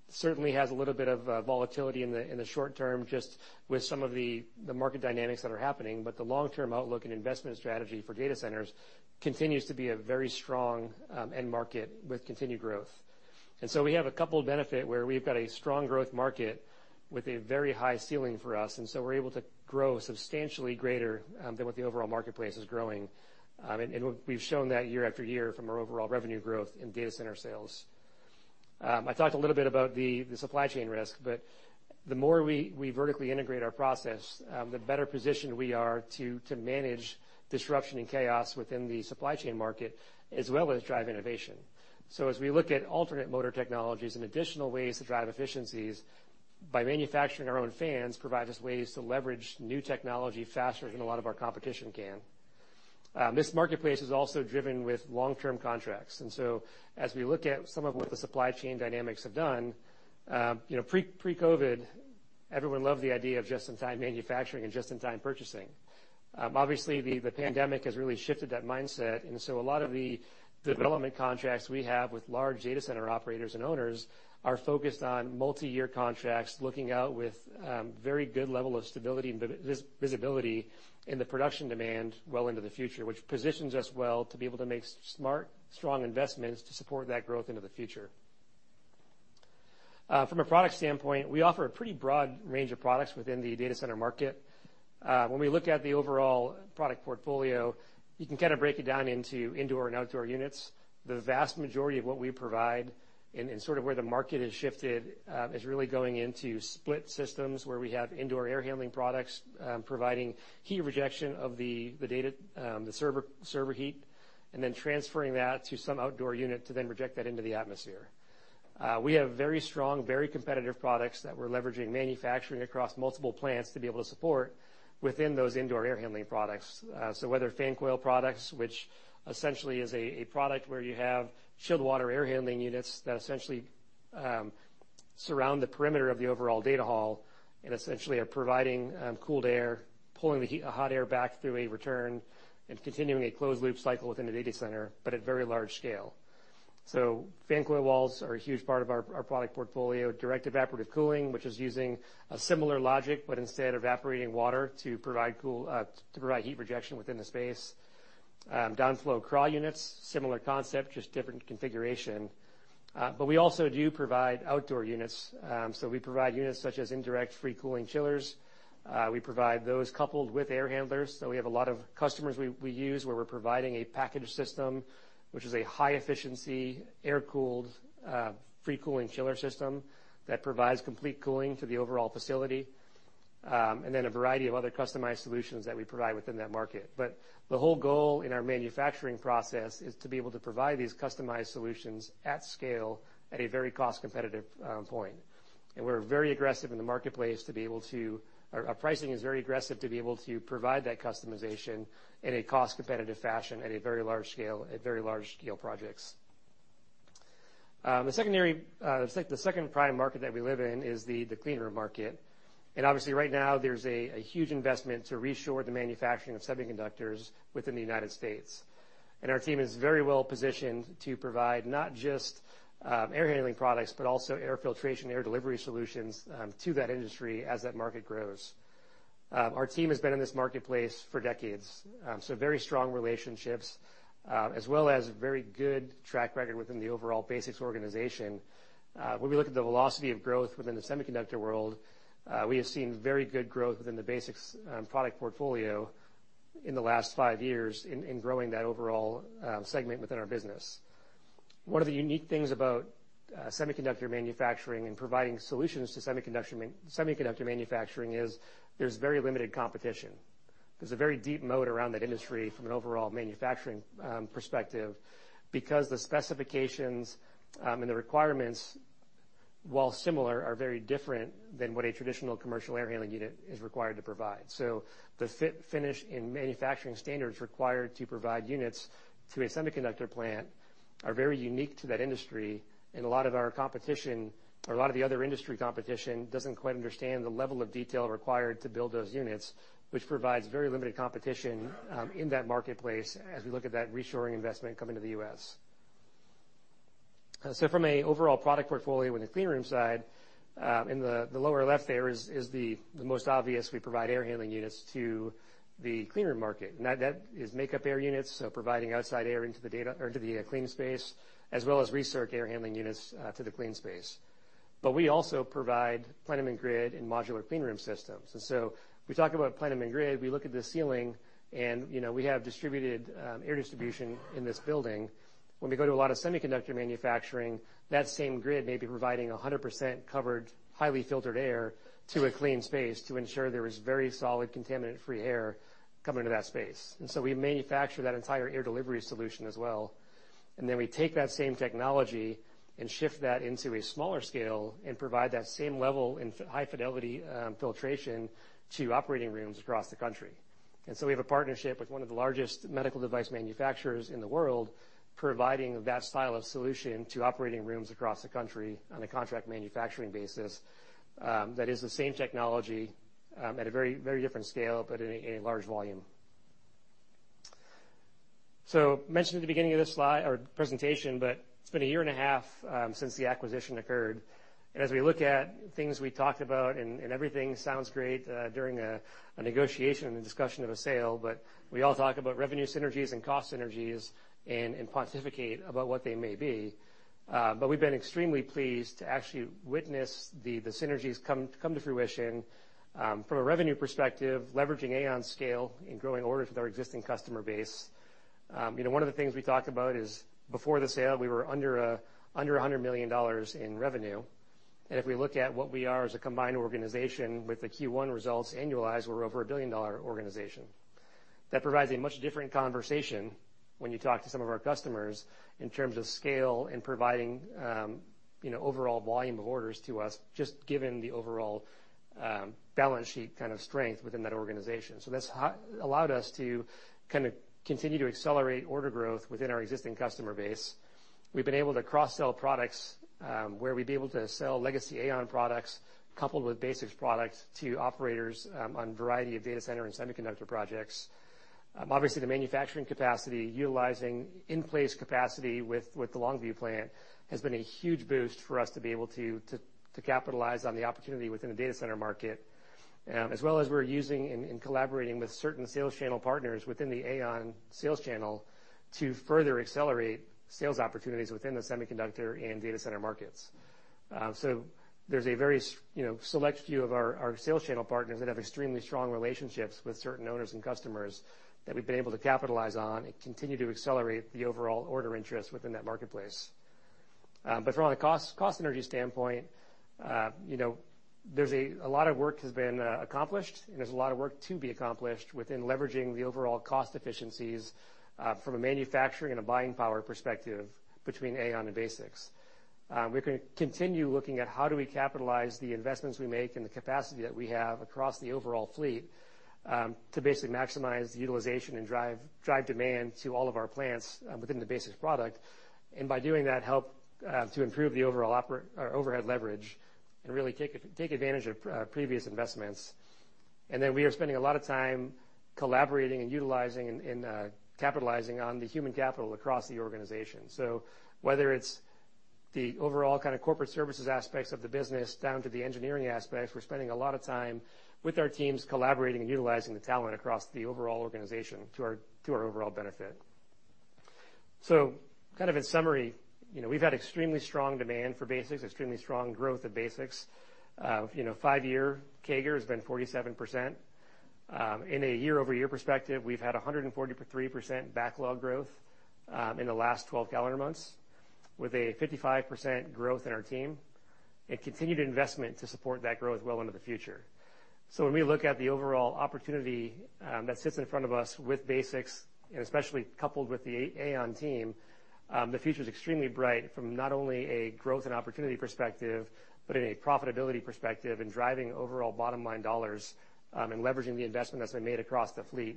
Speaker 5: certainly has a little bit of volatility in the short term just with some of the market dynamics that are happening. The long-term outlook and investment strategy for data centers continues to be a very strong end market with continued growth. We have a couple benefit where we've got a strong growth market with a very high ceiling for us, and so we're able to grow substantially greater than what the overall marketplace is growing. We've shown that year after year from our overall revenue growth in data center sales. I talked a little bit about the supply chain risk, the more we vertically integrate our process, the better positioned we are to manage disruption and chaos within the supply chain market, as well as drive innovation. As we look at alternate motor technologies and additional ways to drive efficiencies, by manufacturing our own fans provide us ways to leverage new technology faster than a lot of our competition can. This marketplace is also driven with long-term contracts. As we look at some of what the supply chain dynamics have done, you know, pre-COVID, everyone loved the idea of just-in-time manufacturing and just-in-time purchasing. Obviously, the pandemic has really shifted that mindset. A lot of the development contracts we have with large data center operators and owners are focused on multiyear contracts, looking out with very good level of stability and visibility in the production demand well into the future, which positions us well to be able to make smart, strong investments to support that growth into the future. From a product standpoint, we offer a pretty broad range of products within the data center market. When we look at the overall product portfolio, you can kinda break it down into indoor and outdoor units. The vast majority of what we provide and sort of where the market has shifted, is really going into split systems where we have indoor air handling products, providing heat rejection of the data, the server heat, and then transferring that to some outdoor unit to then reject that into the atmosphere. We have very strong, very competitive products that we're leveraging manufacturing across multiple plants to be able to support within those indoor air handling products. Whether fan coil products, which essentially is a product where you have chilled water air handling units that essentially surround the perimeter of the overall data hall and essentially are providing cooled air, pulling the hot air back through a return and continuing a closed loop cycle within the data center, but at very large scale. Fan coil walls are a huge part of our product portfolio. Direct evaporative cooling, which is using a similar logic, but instead of evaporating water to provide cool, to provide heat rejection within the space. Downflow crawl units, similar concept, just different configuration. We also do provide outdoor units. We provide units such as indirect free cooling chillers. We provide those coupled with air handlers. We have a lot of customers we use where we're providing a package system, which is a high efficiency air-cooled, free cooling chiller system that provides complete cooling to the overall facility, and then a variety of other customized solutions that we provide within that market. The whole goal in our manufacturing process is to be able to provide these customized solutions at scale at a very cost competitive point. We're very aggressive in the marketplace. Our pricing is very aggressive to be able to provide that customization in a cost competitive fashion at very large scale projects. The secondary, the second prime market that we live in is the clean room market. Obviously right now, there's a huge investment to reshore the manufacturing of semiconductors within the United States. Our team is very well positioned to provide not just air handling products, but also air filtration, air delivery solutions to that industry as that market grows. Our team has been in this marketplace for decades, so very strong relationships, as well as very good track record within the overall BASX organization. When we look at the velocity of growth within the semiconductor world, we have seen very good growth within the BasX product portfolio in the last five years in growing that overall segment within our business. One of the unique things about semiconductor manufacturing and providing solutions to semiconductor manufacturing is there's very limited competition. There's a very deep moat around that industry from an overall manufacturing perspective because the specifications and the requirements, while similar, are very different than what a traditional commercial air handling unit is required to provide. The fit, finish, and manufacturing standards required to provide units to a semiconductor plant are very unique to that industry, and a lot of our competition or a lot of the other industry competition doesn't quite understand the level of detail required to build those units, which provides very limited competition in that marketplace as we look at that reshoring investment coming to the U.S. From a overall product portfolio in the cleanroom side, in the lower left there is the most obvious we provide air handling units to the cleanroom market. That is make up air units, so providing outside air into the clean space, as well as recirc air handling units to the clean space. We also provide plenum and grid and modular cleanroom systems. We talk about plenum and grid, we look at the ceiling and, you know, we have distributed, air distribution in this building. When we go to a lot of semiconductor manufacturing, that same grid may be providing 100% covered, highly filtered air to a clean space to ensure there is very solid contaminant-free air coming to that space. We manufacture that entire air delivery solution as well. Then we take that same technology and shift that into a smaller scale and provide that same level in high fidelity, filtration to operating rooms across the country. We have a partnership with one of the largest medical device manufacturers in the world, providing that style of solution to operating rooms across the country on a contract manufacturing basis, that is the same technology, at a very, very different scale, but in a large volume. Mentioned at the beginning of this slide or presentation, but it's been a year and a half since the acquisition occurred. As we look at things we talked about and everything sounds great during a negotiation and discussion of a sale, but we all talk about revenue synergies and cost synergies and pontificate about what they may be. But we've been extremely pleased to actually witness the synergies come to fruition. From a revenue perspective, leveraging AAON scale and growing orders with our existing customer base. You know, one of the things we talked about is before the sale, we were under $100 million in revenue. If we look at what we are as a combined organization with the Q1 results annualized, we're over a billion-dollar organization. That provides a much different conversation when you talk to some of our customers in terms of scale and providing, you know, overall volume of orders to us, just given the overall balance sheet kind of strength within that organization. That's allowed us to kind of continue to accelerate order growth within our existing customer base. We've been able to cross-sell products, where we'd be able to sell legacy AAON products coupled with BasX products to operators, on a variety of data center and semiconductor projects. Obviously, the manufacturing capacity, utilizing in-place capacity with the Longview plant has been a huge boost for us to be able to capitalize on the opportunity within the data center market. As well as we're using and collaborating with certain sales channel partners within the AAON sales channel to further accelerate sales opportunities within the semiconductor and data center markets. There's a very you know, select few of our sales channel partners that have extremely strong relationships with certain owners and customers that we've been able to capitalize on and continue to accelerate the overall order interest within that marketplace. From a cost sythnergy standpoint, you know, there's a lot of work has been accomplished, and there's a lot of work to be accomplished within leveraging the overall cost efficiencies from a manufacturing and a buying power perspective between AAON and BasX. We're gonna continue looking at how do we capitalize the investments we make and the capacity that we have across the overall fleet to basically maximize the utilization and drive demand to all of our plants within the BasX product. By doing that, help to improve the overall overhead leverage and really take advantage of previous investments. Then we are spending a lot of time collaborating and utilizing and capitalizing on the human capital across the organization. Whether it's the overall kind of corporate services aspects of the business down to the engineering aspects, we're spending a lot of time with our teams collaborating and utilizing the talent across the overall organization to our overall benefit. Kind of in summary, you know, we've had extremely strong demand for BasX, extremely strong growth of BasX. You know, 5-year CAGR has been 47%. In a year-over-year perspective, we've had 143% backlog growth, in the last 12 calendar months with a 55% growth in our team and continued investment to support that growth well into the future. When we look at the overall opportunity, that sits in front of us with BasX, and especially coupled with the AAON team, the future is extremely bright from not only a growth and opportunity perspective, but in a profitability perspective and driving overall bottom-line dollars, and leveraging the investment that's been made across the fleet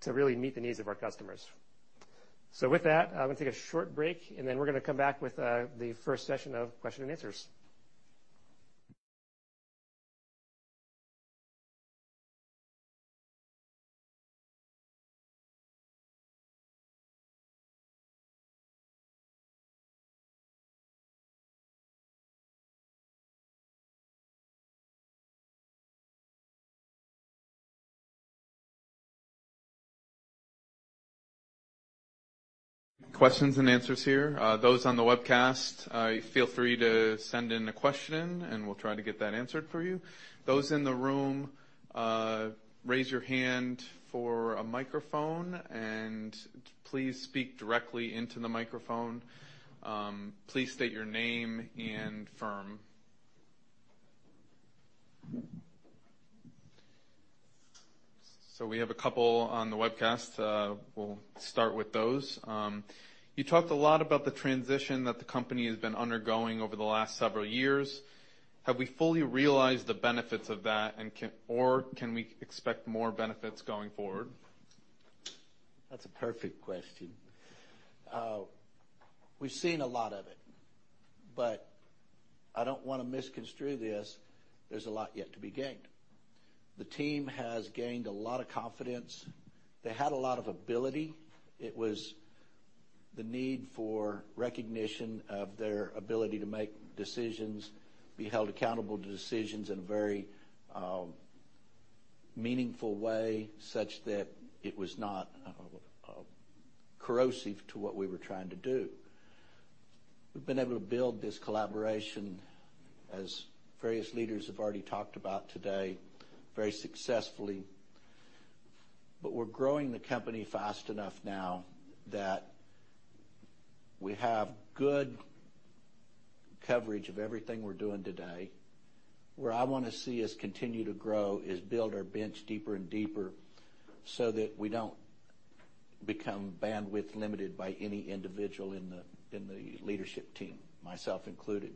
Speaker 5: to really meet the needs of our customers. With that, I'm gonna take a short break, and then we're gonna come back with the first session of question and answers.
Speaker 1: Questions and answers here. Those on the webcast, feel free to send in a question, and we'll try to get that answered for you. Those in the room, raise your hand for a microphone, and please speak directly into the microphone. Please state your name and firm. We have a couple on the webcast. We'll start with those. You talked a lot about the transition that the company has been undergoing over the last several years. Have we fully realized the benefits of that, and can we expect more benefits going forward?
Speaker 2: That's a perfect question. We've seen a lot of it, but I don't wanna misconstrue this, there's a lot yet to be gained. The team has gained a lot of confidence. They had a lot of ability. It was the need for recognition of their ability to make decisions, be held accountable to decisions in a very meaningful way such that it was not corrosive to what we were trying to do. We've been able to build this collaboration, as various leaders have already talked about today, very successfully. We're growing the company fast enough now that we have good coverage of everything we're doing today. Where I wanna see us continue to grow is build our bench deeper and deeper so that we don't become bandwidth limited by any individual in the leadership team, myself included.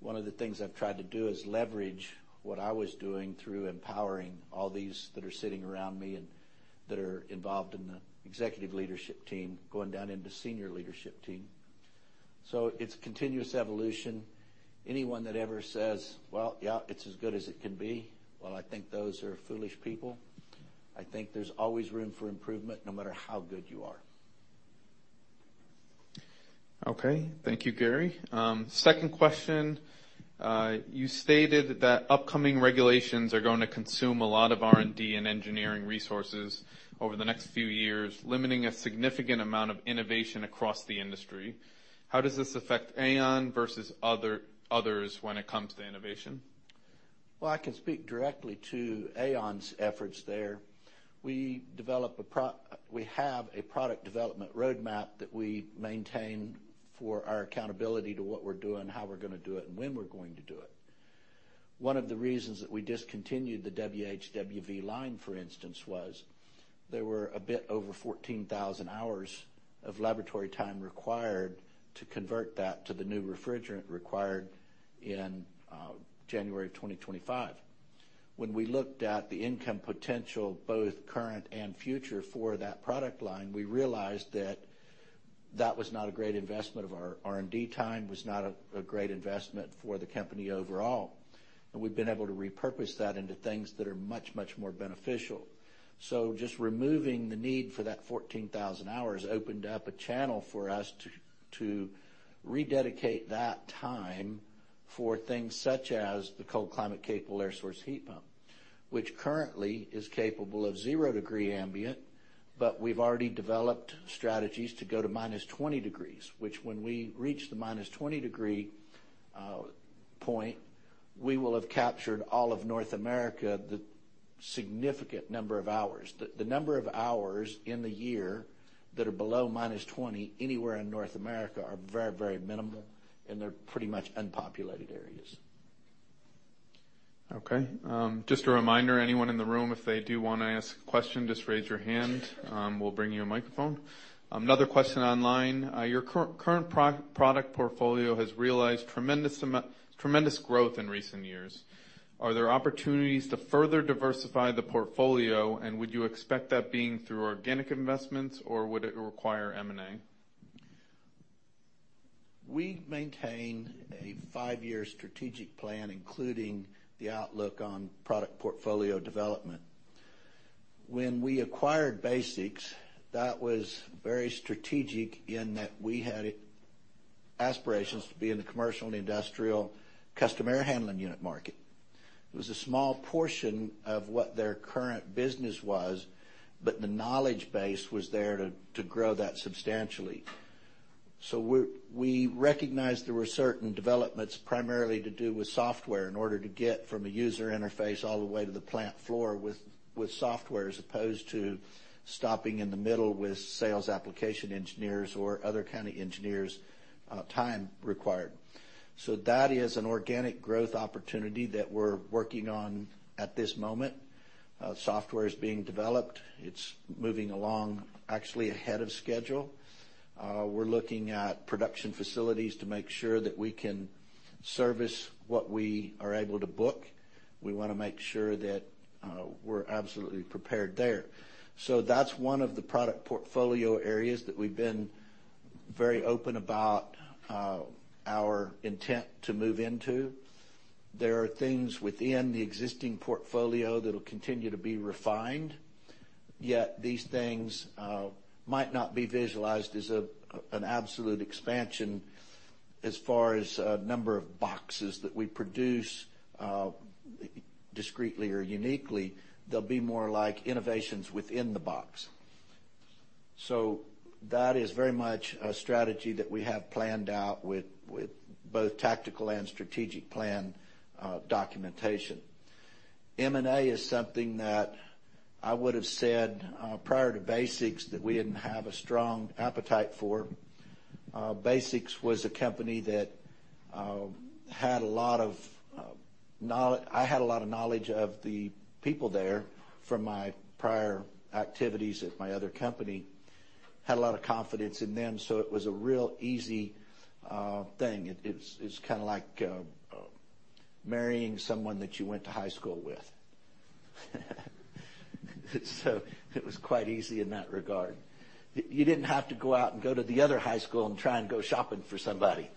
Speaker 2: One of the things I've tried to do is leverage what I was doing through empowering all these that are sitting around me and that are involved in the executive leadership team, going down into senior leadership team. It's continuous evolution. Anyone that ever says, "Well, yeah, it's as good as it can be," well, I think those are foolish people. I think there's always room for improvement no matter how good you are.
Speaker 1: Okay. Thank you, Gary. Second question. You stated that upcoming regulations are going to consume a lot of R&D and engineering resources over the next few years, limiting a significant amount of innovation across the industry. How does this affect AAON versus others when it comes to innovation?
Speaker 2: Well, I can speak directly to AAON's efforts there. We have a product development roadmap that we maintain for our accountability to what we're doing, how we're gonna do it, and when we're going to do it. One of the reasons that we discontinued the WH/WV line, for instance, was there were a bit over 14,000 hours of laboratory time required to convert that to the new refrigerant required in January 2025. When we looked at the income potential, both current and future for that product line, we realized that that was not a great investment of our R&D time. It was not a great investment for the company overall. We've been able to repurpose that into things that are much, much more beneficial. Just removing the need for that 14,000 hours opened up a channel for us to rededicate that time for things such as the cold climate capable air source heat pump, which currently is capable of 0 degree ambient, but we've already developed strategies to go to -20 degrees, which when we reach the -20 degree point, we will have captured all of North America, the significant number of hours. The, the number of hours in the year that are below -20 anywhere in North America are very, very minimal, and they're pretty much unpopulated areas.
Speaker 1: Just a reminder, anyone in the room, if they do wanna ask a question, just raise your hand. We'll bring you a microphone. Another question online. Your current product portfolio has realized tremendous growth in recent years. Are there opportunities to further diversify the portfolio, and would you expect that being through organic investments or would it require M&A?
Speaker 2: We maintain a five-year strategic plan, including the outlook on product portfolio development. When we acquired BASX, that was very strategic in that we had aspirations to be in the commercial and industrial customer handling unit market. It was a small portion of what their current business was, but the knowledge base was there to grow that substantially. We recognized there were certain developments, primarily to do with software in order to get from a user interface all the way to the plant floor with software, as opposed to stopping in the middle with sales application engineers or other kind of engineers, time required. That is an organic growth opportunity that we're working on at this moment. Software is being developed. It's moving along actually ahead of schedule. We're looking at production facilities to make sure that we can service what we are able to book. We wanna make sure that we're absolutely prepared there. That's one of the product portfolio areas that we've been very open about our intent to move into. There are things within the existing portfolio that'll continue to be refined, yet these things might not be visualized as a, an absolute expansion as far as a number of boxes that we produce discreetly or uniquely. They'll be more like innovations within the box. That is very much a strategy that we have planned out with both tactical and strategic plan documentation. M&A is something that I would've said prior to BasX, that we didn't have a strong appetite for. BasX was a company that I had a lot of knowledge of the people there from my prior activities at my other company, had a lot of confidence in them, so it was a real easy thing. It's kinda like marrying someone that you went to high school with. It was quite easy in that regard. You didn't have to go out and go to the other high school and try and go shopping for somebody.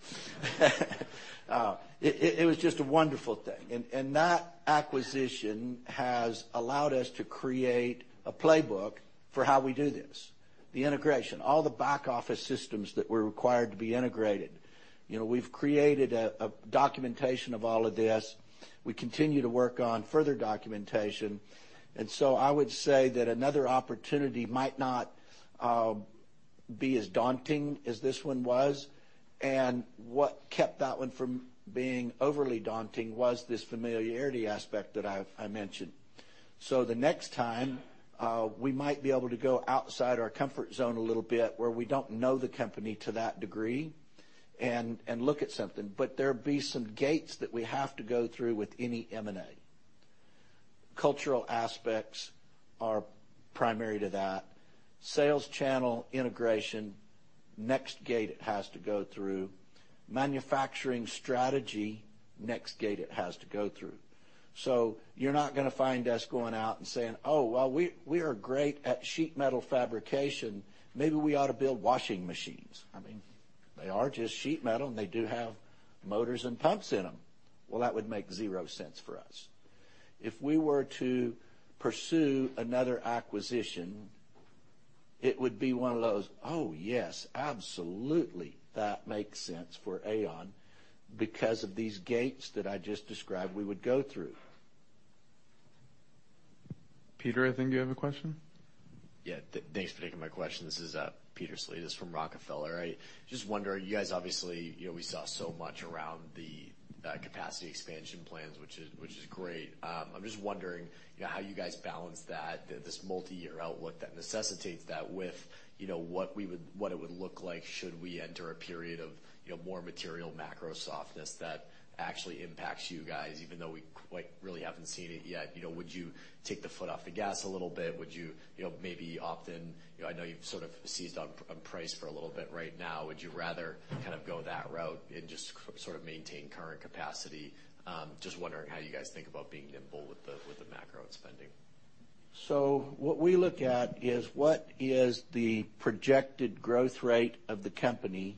Speaker 2: It was just a wonderful thing. That acquisition has allowed us to create a playbook for how we do this, the integration, all the back office systems that were required to be integrated. You know, we've created a documentation of all of this. We continue to work on further documentation, I would say that another opportunity might not be as daunting as this one was. What kept that one from being overly daunting was this familiarity aspect that I mentioned. The next time we might be able to go outside our comfort zone a little bit where we don't know the company to that degree and look at something, but there'd be some gates that we have to go through with any M&A. Cultural aspects are primary to that. Sales channel integration, next gate it has to go through. Manufacturing strategy, next gate it has to go through. You're not gonna find us going out and saying, "Oh, well, we are great at sheet metal fabrication. Maybe we ought to build washing machines." I mean, they are just sheet metal, and they do have motors and pumps in them. That would make zero sense for us. If we were to pursue another acquisition, it would be one of those, "Oh, yes, absolutely. That makes sense for AAON," because of these gates that I just described we would go through.
Speaker 1: Peter, I think you have a question.
Speaker 6: Yeah. Thanks for taking my question. This is Peter Slatus from Rockefeller. I just wonder, you guys, obviously, you know, we saw so much around the capacity expansion plans, which is great. I'm just wondering, you know, how you guys balance that, this multi-year outlook that necessitates that with, you know, what it would look like should we enter a period of, you know, more material macro softness that actually impacts you guys, even though we quite really haven't seen it yet. You know, would you take the foot off the gas a little bit? Would you know, maybe opt in? I know you've sort of seized on price for a little bit right now. Would you rather kind of go that route and just sort of maintain current capacity? Just wondering how you guys think about being nimble with the macro spending.
Speaker 2: What we look at is what is the projected growth rate of the company,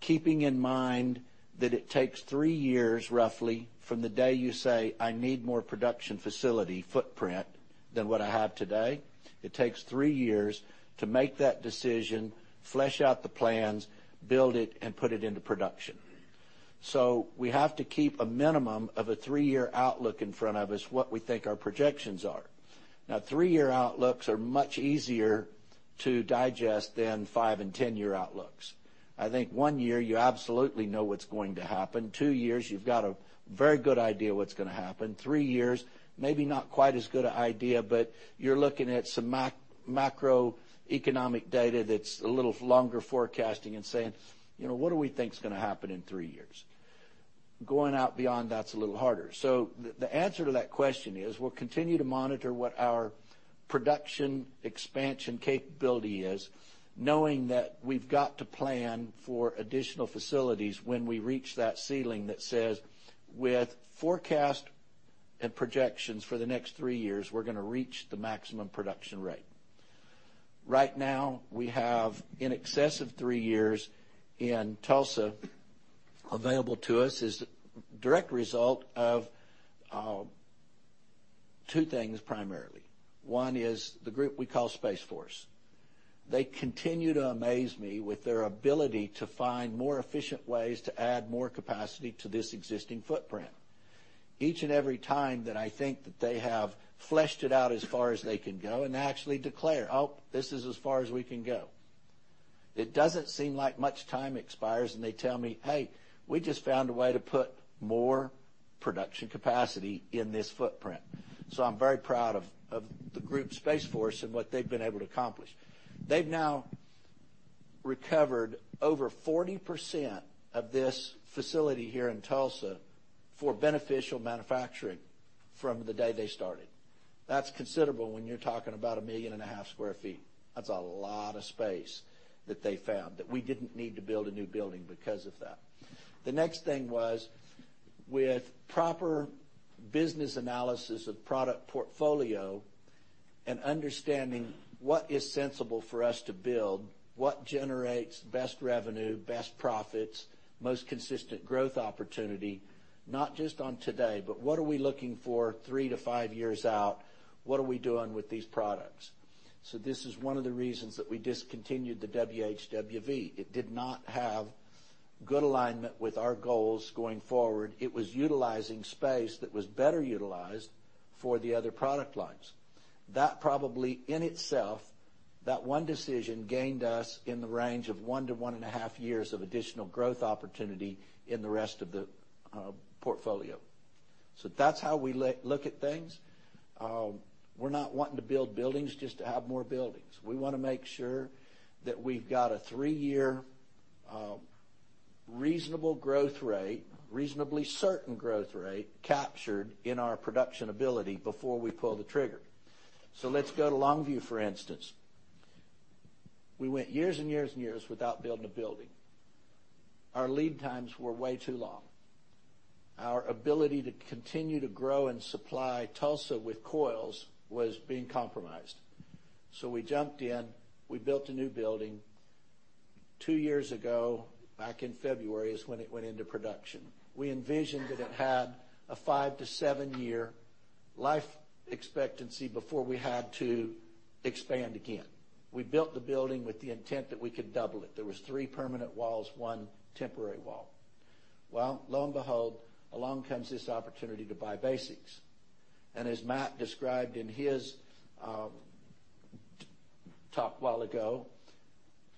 Speaker 2: keeping in mind that it takes three years, roughly, from the day you say, "I need more production facility footprint than what I have today." It takes three years to make that decision, flesh out the plans, build it, and put it into production. We have to keep a minimum of a three-year outlook in front of us what we think our projections are. Now, three-year outlooks are much easier to digest than five and 10-year outlooks. I think one year, you absolutely know what's going to happen. Two years, you've got a very good idea what's gonna happen. three years, maybe not quite as good an idea, but you're looking at some macroeconomic data that's a little longer forecasting and saying, you know, What do we think is gonna happen in three years? Going out beyond that's a little harder. The answer to that question is, we'll continue to monitor what our production expansion capability is, knowing that we've got to plan for additional facilities when we reach that ceiling that says, with forecast and projections for the next three years, we're gonna reach the maximum production rate. Right now, we have in excess of three years in Tulsa available to us as a direct result of two things primarily. One is the group we call Space Force. They continue to amaze me with their ability to find more efficient ways to add more capacity to this existing footprint. Each and every time that I think that they have fleshed it out as far as they can go and actually declare, "Oh, this is as far as we can go," it doesn't seem like much time expires, and they tell me, "Hey, we just found a way to put more production capacity in this footprint." I'm very proud of the group Space Force and what they've been able to accomplish. They've now recovered over 40% of this facility here in Tulsa for beneficial manufacturing from the day they started. That's considerable when you're talking about 1.5 million sq ft. That's a lot of space that they found, that we didn't need to build a new building because of that. The next thing was, with proper business analysis of product portfolio and understanding what is sensible for us to build, what generates best revenue, best profits, most consistent growth opportunity, not just on today, but what are we looking for three to five years out? What are we doing with these products? This is one of the reasons that we discontinued the WHWV. It did not have good alignment with our goals going forward. It was utilizing space that was better utilized for the other product lines. That probably, in itself, that one decision gained us in the range of one to 1.5 years of additional growth opportunity in the rest of the portfolio. That's how we look at things. We're not wanting to build buildings just to have more buildings. We wanna make sure that we've got a three year, reasonable growth rate, reasonably certain growth rate captured in our production ability before we pull the trigger. Let's go to Longview, for instance. We went years and years and years without building a building. Our lead times were way too long. Our ability to continue to grow and supply Tulsa with coils was being compromised. We jumped in, we built a new building. two years ago, back in February, is when it went into production. We envisioned that it had a five to seven year life expectancy before we had to expand again. We built the building with the intent that we could double it. There was three permanent walls, one temporary wall. Well, lo and behold, along comes this opportunity to buy BasX. As Matt described in his talk a while ago,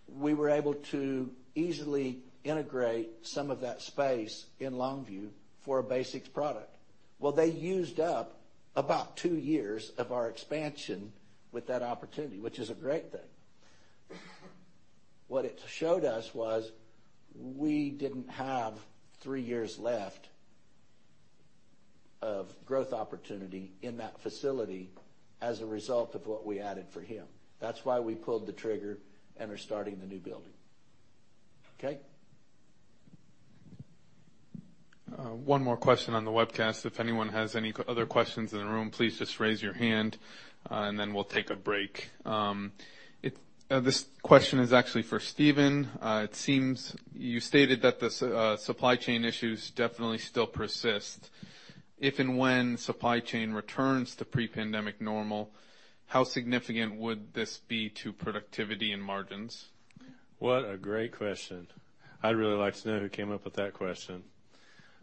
Speaker 2: we were able to easily integrate some of that space in Longview for a BasX product. Well, they used up about two years of our expansion with that opportunity, which is a great thing. What it showed us was we didn't have three years left of growth opportunity in that facility as a result of what we added for him. That's why we pulled the trigger and are starting the new building. Okay?
Speaker 1: One more question on the webcast. If anyone has any other questions in the room, please just raise your hand, and then we'll take a break. This question is actually for Stephen. It seems you stated that the supply chain issues definitely still persist. If and when supply chain returns to pre-pandemic normal, how significant would this be to productivity and margins?
Speaker 3: What a great question. I'd really like to know who came up with that question.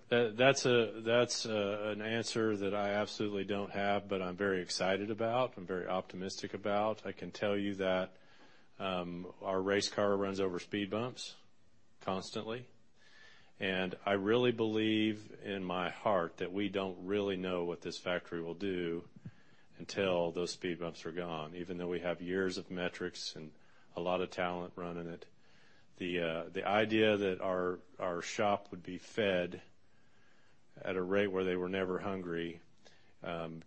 Speaker 3: That's an answer that I absolutely don't have, but I'm very excited about and very optimistic about. I can tell you that our race car runs over speed bumps constantly, and I really believe in my heart that we don't really know what this factory will do until those speed bumps are gone. Even though we have years of metrics and a lot of talent running it, the idea that our shop would be fed at a rate where they were never hungry,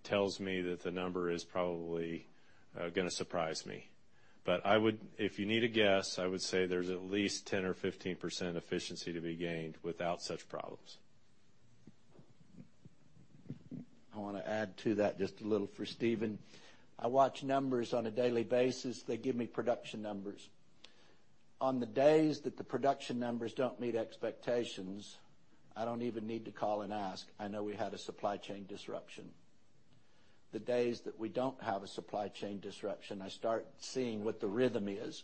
Speaker 3: tells me that the number is probably gonna surprise me. If you need a guess, I would say there's at least 10% or 15% efficiency to be gained without such problems.
Speaker 2: I wanna add to that just a little for Stephen. I watch numbers on a daily basis. They give me production numbers. On the days that the production numbers don't meet expectations, I don't even need to call and ask. I know we had a supply chain disruption. The days that we don't have a supply chain disruption, I start seeing what the rhythm is.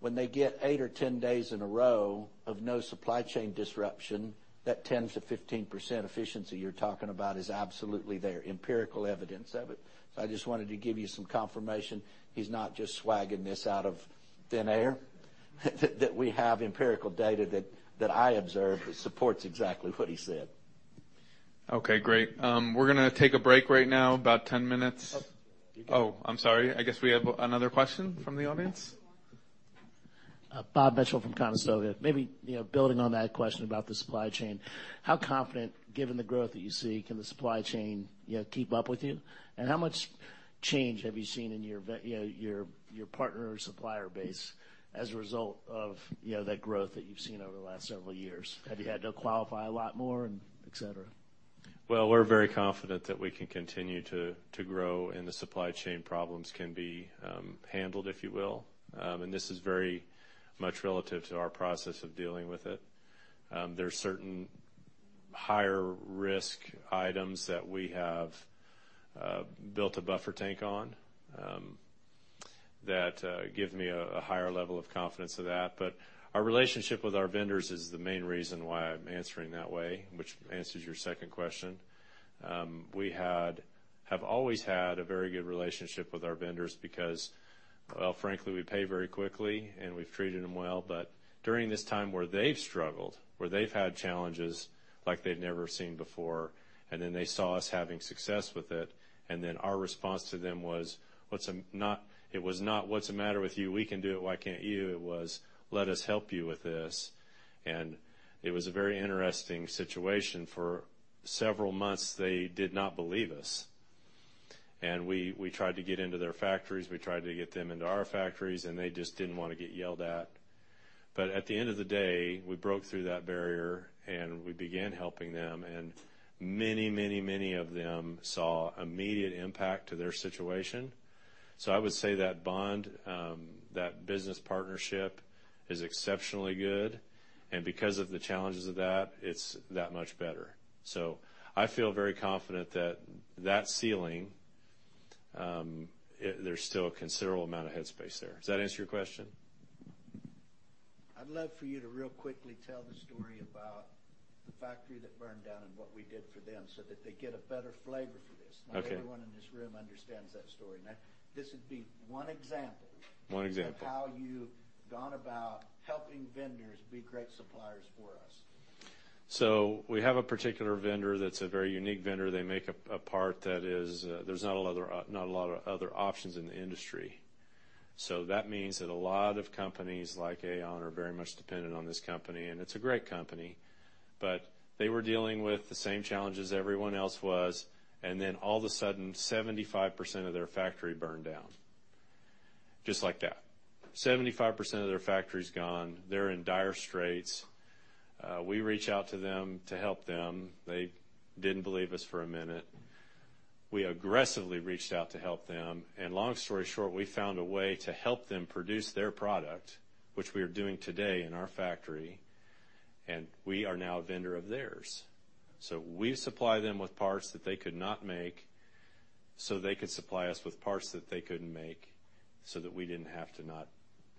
Speaker 2: When they get eight or 10 days in a row of no supply chain disruption, that 10%-15% efficiency you're talking about is absolutely there, empirical evidence of it. I just wanted to give you some confirmation he's not just swagging this out of thin air, that we have empirical data that I observe that supports exactly what he said.
Speaker 1: Okay, great. We're gonna take a break right now, about ten minutes.
Speaker 2: Oh.
Speaker 1: Oh, I'm sorry. I guess we have another question from the audience.
Speaker 7: Bob Mitchell from Conestoga. Maybe, you know, building on that question about the supply chain, how confident, given the growth that you see, can the supply chain, you know, keep up with you? How much change have you seen in your you know, your partner or supplier base as a result of, you know, that growth that you've seen over the last several years? Have you had to qualify a lot more and et cetera?
Speaker 3: Well, we're very confident that we can continue to grow and the supply chain problems can be handled, if you will. This is very much relative to our process of dealing with it. There are certain higher risk items that we have built a buffer tank on that give me a higher level of confidence of that. Our relationship with our vendors is the main reason why I'm answering that way, which answers your second question. We have always had a very good relationship with our vendors because, well, frankly, we pay very quickly and we've treated them well. During this time where they've struggled, where they've had challenges like they'd never seen before, then they saw us having success with it, then our response to them was, it was not, "What's the matter with you? We can do it, why can't you?" It was, "Let us help you with this." It was a very interesting situation. For several months, they did not believe us. We tried to get into their factories, we tried to get them into our factories, and they just didn't wanna get yelled at. At the end of the day, we broke through that barrier and we began helping them. Many of them saw immediate impact to their situation. I would say that bond, that business partnership is exceptionally good. Because of the challenges of that, it's that much better. I feel very confident that that ceiling, there's still a considerable amount of head space there. Does that answer your question?
Speaker 2: I'd love for you to real quickly tell the story about the factory that burned down and what we did for them so that they get a better flavor for this.
Speaker 3: Okay.
Speaker 2: Not everyone in this room understands that story. Now, this would be one example-
Speaker 3: One example.
Speaker 2: of how you've gone about helping vendors be great suppliers for us.
Speaker 3: We have a particular vendor that's a very unique vendor. They make a part that is, there's not a lot of other options in the industry. That means that a lot of companies like AAON are very much dependent on this company, and it's a great company. They were dealing with the same challenges everyone else was, and then all of a sudden, 75% of their factory burned down. Just like that. 75% of their factory is gone. They're in dire straits. We reach out to them to help them. They didn't believe us for a minute. We aggressively reached out to help them. Long story short, we found a way to help them produce their product, which we are doing today in our factory, and we are now a vendor of theirs. We supply them with parts that they could not make, so they could supply us with parts that they couldn't make, so that we didn't have to not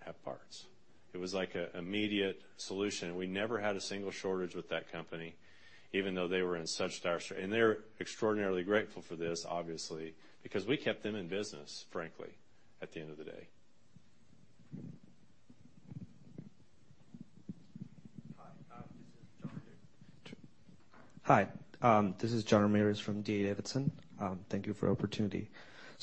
Speaker 3: have parts. It was like a immediate solution. We never had a single shortage with that company, even though they were in such dire. They're extraordinarily grateful for this, obviously, because we kept them in business, frankly, at the end of the day.
Speaker 8: Hi, this is Jeremy McCollough from D.A Davidson. Thank you for the opportunity.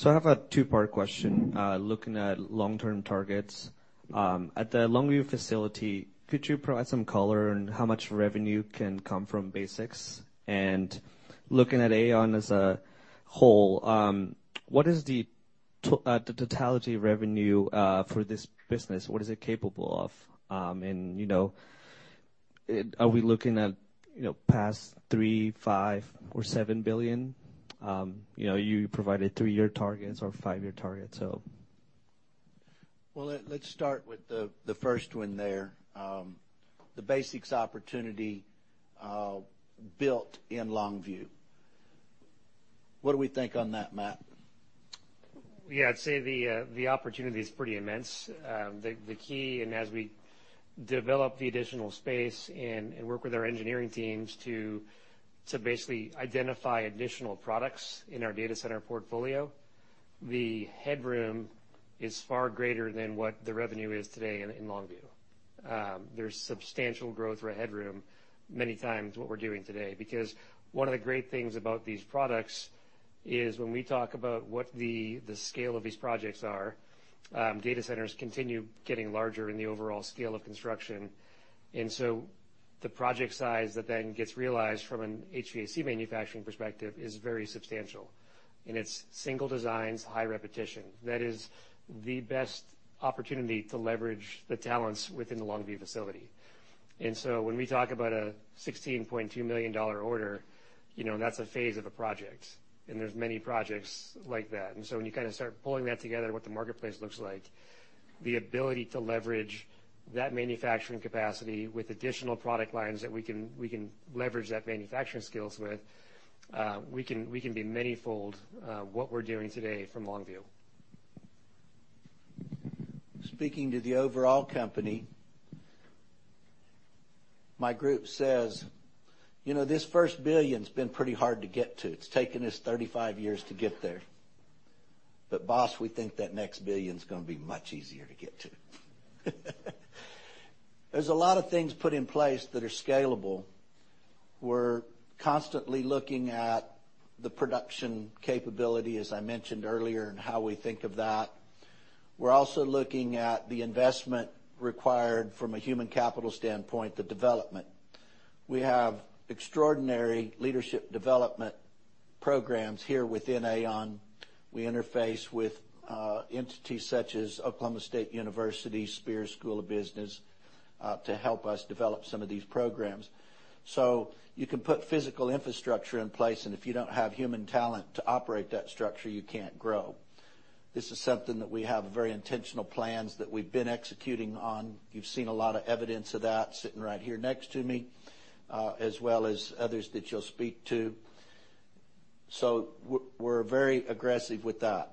Speaker 8: I have a two-part question, looking at long-term targets. At the Longview facility, could you provide some color on how much revenue can come from BasX? Looking at AAON as a whole, what is the totality of revenue for this business? What is it capable of? You know, are we looking at, you know, past $3 billion, $5 billion, or $7 billion? You know, you provided three-year targets or five-year targets.
Speaker 2: Let's start with the first one there. The BasX opportunity built in Longview. What do we think on that, Matt?
Speaker 5: Yeah, I'd say the opportunity is pretty immense. The key and as we develop the additional space and work with our engineering teams to basically identify additional products in our data center portfolio, the headroom is far greater than what the revenue is today in Longview. There's substantial growth or headroom many times what we're doing today. One of the great things about these products is when we talk about what the scale of these projects are, data centers continue getting larger in the overall scale of construction. The project size that then gets realized from an HVAC manufacturing perspective is very substantial. It's single designs, high repetition. That is the best opportunity to leverage the talents within the Longview facility. When we talk about a $16.2 million order, you know, that's a phase of a project, and there's many projects like that. When you kinda start pulling that together, what the marketplace looks like, the ability to leverage that manufacturing capacity with additional product lines that we can leverage that manufacturing skills with, we can be many fold what we're doing today from Longview.
Speaker 2: Speaking to the overall company, my group says, "You know, this first $1 billion's been pretty hard to get to. It's taken us 35 years to get there. But boss, we think that next $1 billion is gonna be much easier to get to." There's a lot of things put in place that are scalable. We're constantly looking at the production capability, as I mentioned earlier, and how we think of that. We're also looking at the investment required from a human capital standpoint, the development. We have extraordinary leadership development programs here within AAON, we interface with entities such as Oklahoma State University, Spears School of Business, to help us develop some of these programs. So you can put physical infrastructure in place, and if you don't have human talent to operate that structure, you can't grow. This is something that we have very intentional plans that we've been executing on. You've seen a lot of evidence of that sitting right here next to me, as well as others that you'll speak to. We're very aggressive with that.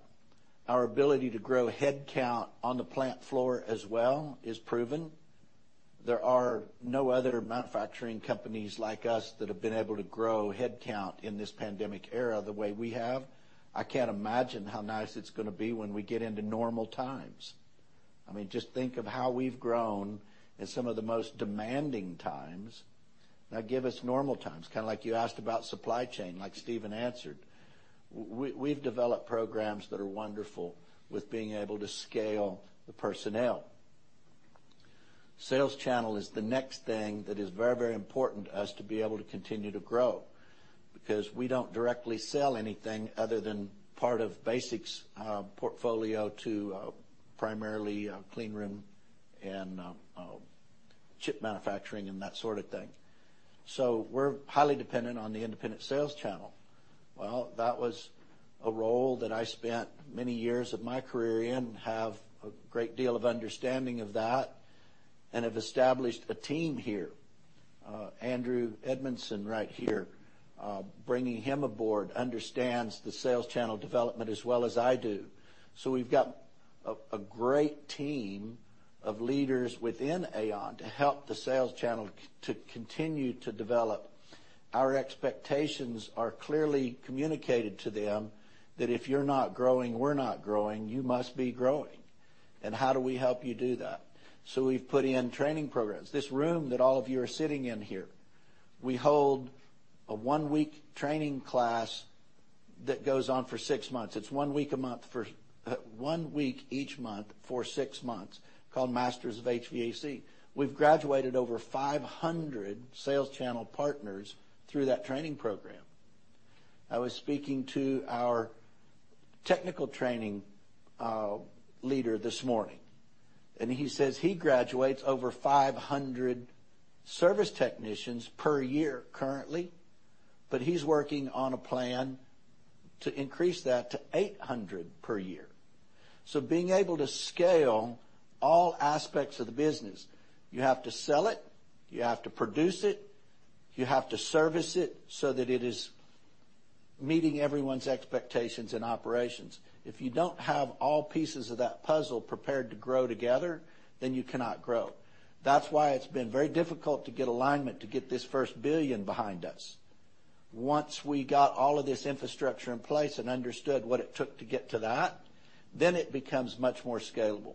Speaker 2: Our ability to grow headcount on the plant floor as well is proven. There are no other manufacturing companies like us that have been able to grow headcount in this pandemic era the way we have. I can't imagine how nice it's gonna be when we get into normal times. I mean, just think of how we've grown in some of the most demanding times. Now, give us normal times, kinda like you asked about supply chain, like Stephen answered. We've developed programs that are wonderful with being able to scale the personnel. Sales channel is the next thing that is very, very important to us to be able to continue to grow. We don't directly sell anything other than part of BasX portfolio to primarily clean room and chip manufacturing and that sort of thing. We're highly dependent on the independent sales channel. That was a role that I spent many years of my career in, have a great deal of understanding of that, and have established a team here. Andrew Edmondson right here, bringing him aboard, understands the sales channel development as well as I do. We've got a great team of leaders within AAON to help the sales channel to continue to develop. Our expectations are clearly communicated to them that if you're not growing, we're not growing, you must be growing, and how do we help you do that? We've put in training programs. This room that all of you are sitting in here, we hold a one-week training class that goes on for six months. It's one week each month for six months called Masters of HVAC. We've graduated over 500 sales channel partners through that training program. I was speaking to our technical training leader this morning, he says he graduates over 500 service technicians per year currently, he's working on a plan to increase that to 800 per year. Being able to scale all aspects of the business, you have to sell it, you have to produce it, you have to service it so that it is meeting everyone's expectations and operations. If you don't have all pieces of that puzzle prepared to grow together, then you cannot grow. That's why it's been very difficult to get alignment to get this first billion behind us. Once we got all of this infrastructure in place and understood what it took to get to that, then it becomes much more scalable.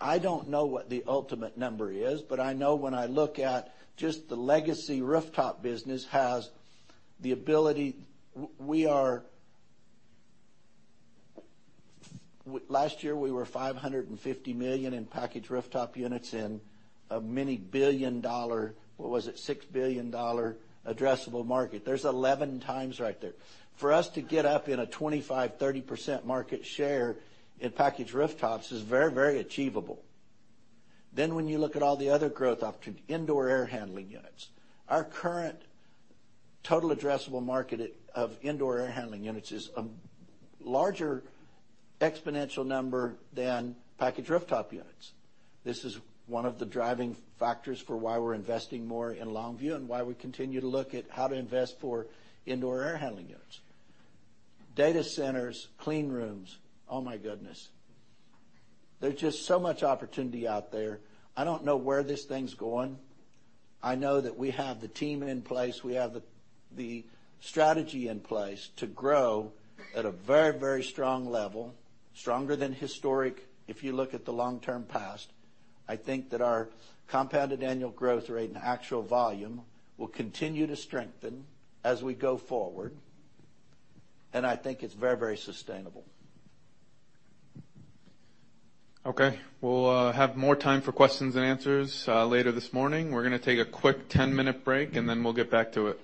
Speaker 2: I don't know what the ultimate number is, but I know when I look at just the legacy rooftop business has the ability. We are Last year, we were $550 million in packaged rooftop units in a mini-billion dollar, what was it? $6 billion addressable market. There's 11 times right there. For us to get up in a 25-30% market share in packaged rooftops is very, very achievable. When you look at all the other growth opportunities, indoor air handling units. Our current total addressable market of indoor air handling units is a larger exponential number than packaged rooftop units. This is one of the driving factors for why we're investing more in Longview and why we continue to look at how to invest for indoor air handling units. Data centers, clean rooms, oh my goodness. There's just so much opportunity out there. I don't know where this thing's going. I know that we have the team in place, we have the strategy in place to grow at a very, very strong level, stronger than historic if you look at the long-term past. I think that our compounded annual growth rate and actual volume will continue to strengthen as we go forward, and I think it's very, very sustainable. Okay. We'll have more time for questions and answers later this morning. We're gonna take a quick 10-minute break, and then we'll get back to it.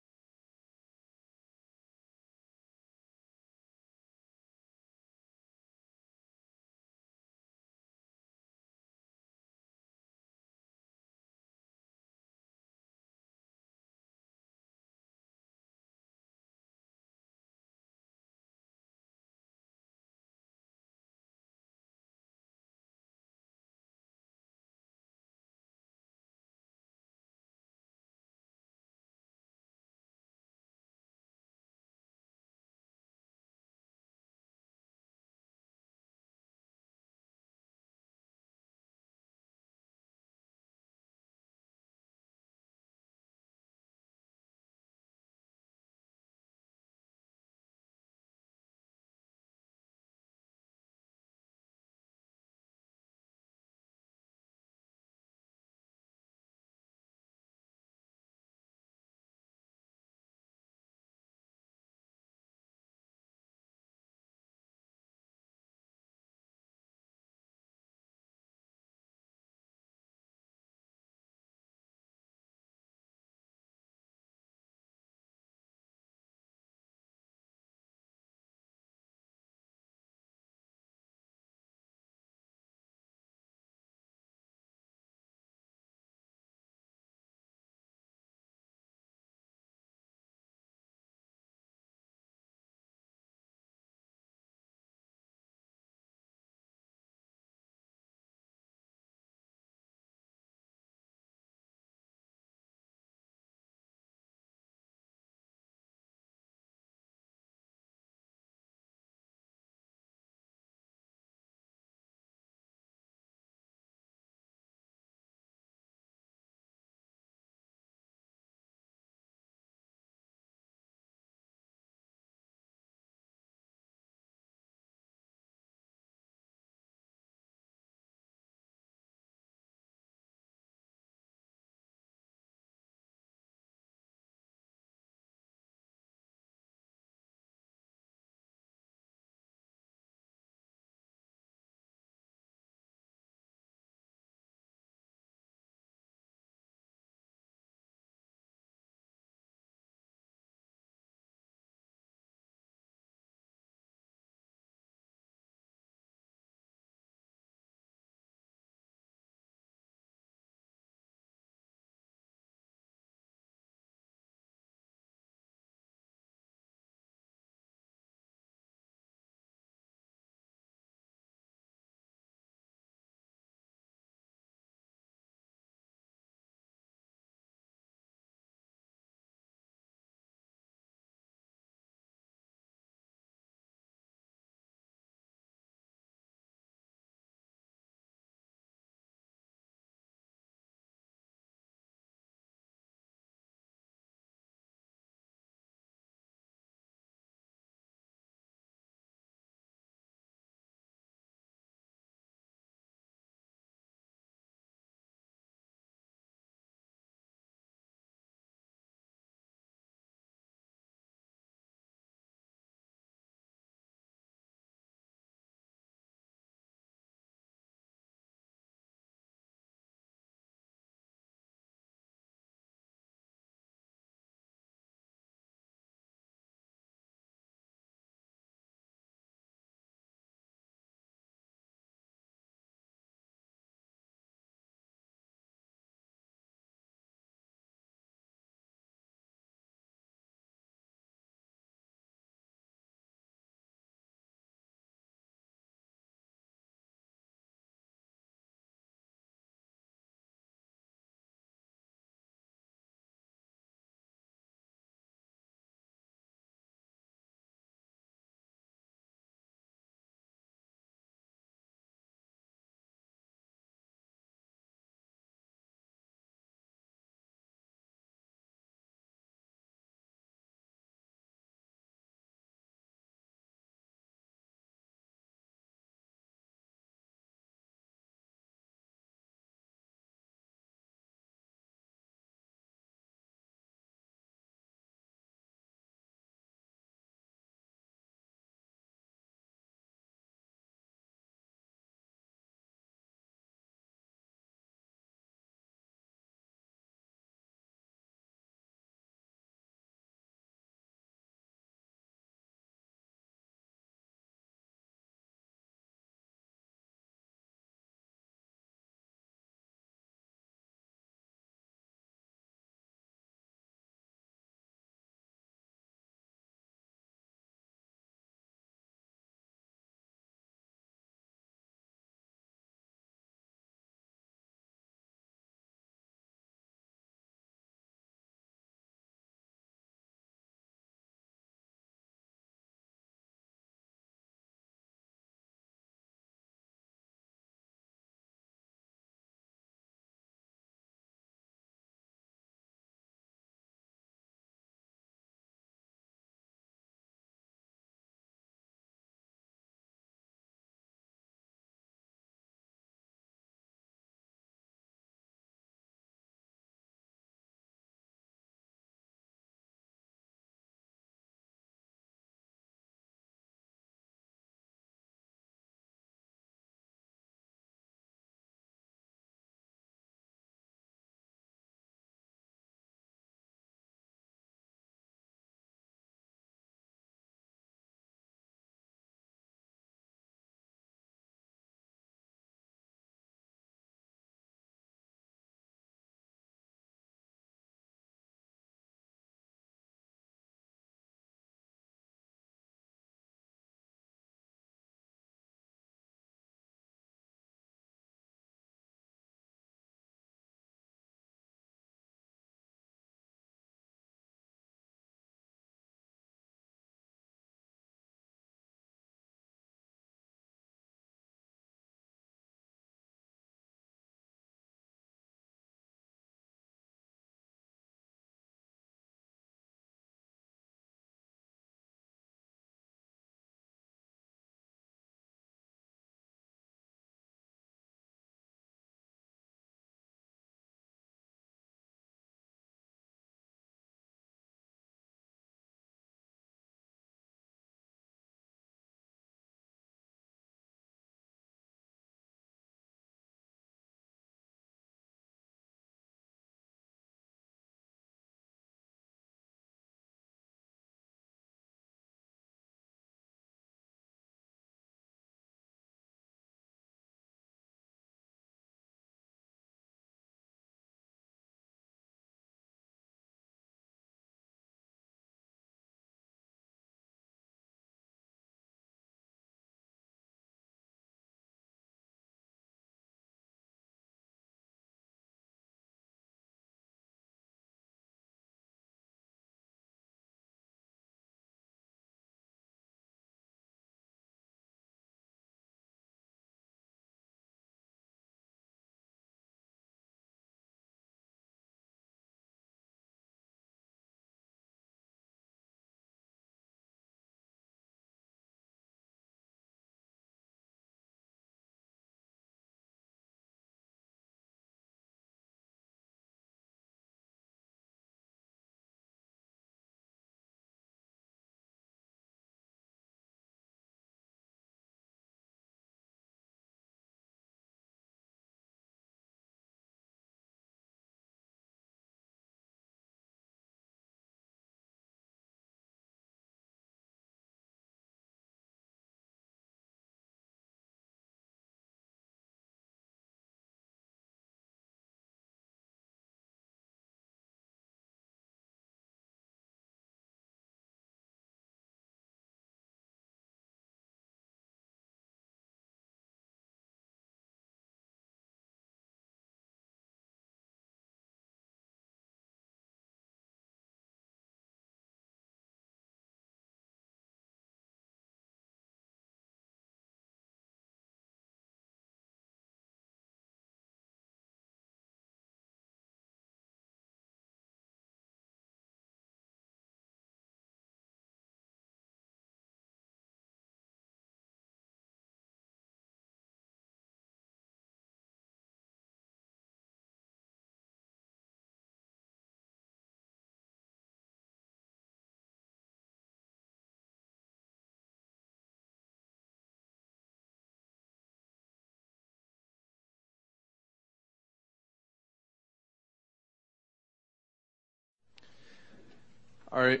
Speaker 1: All right.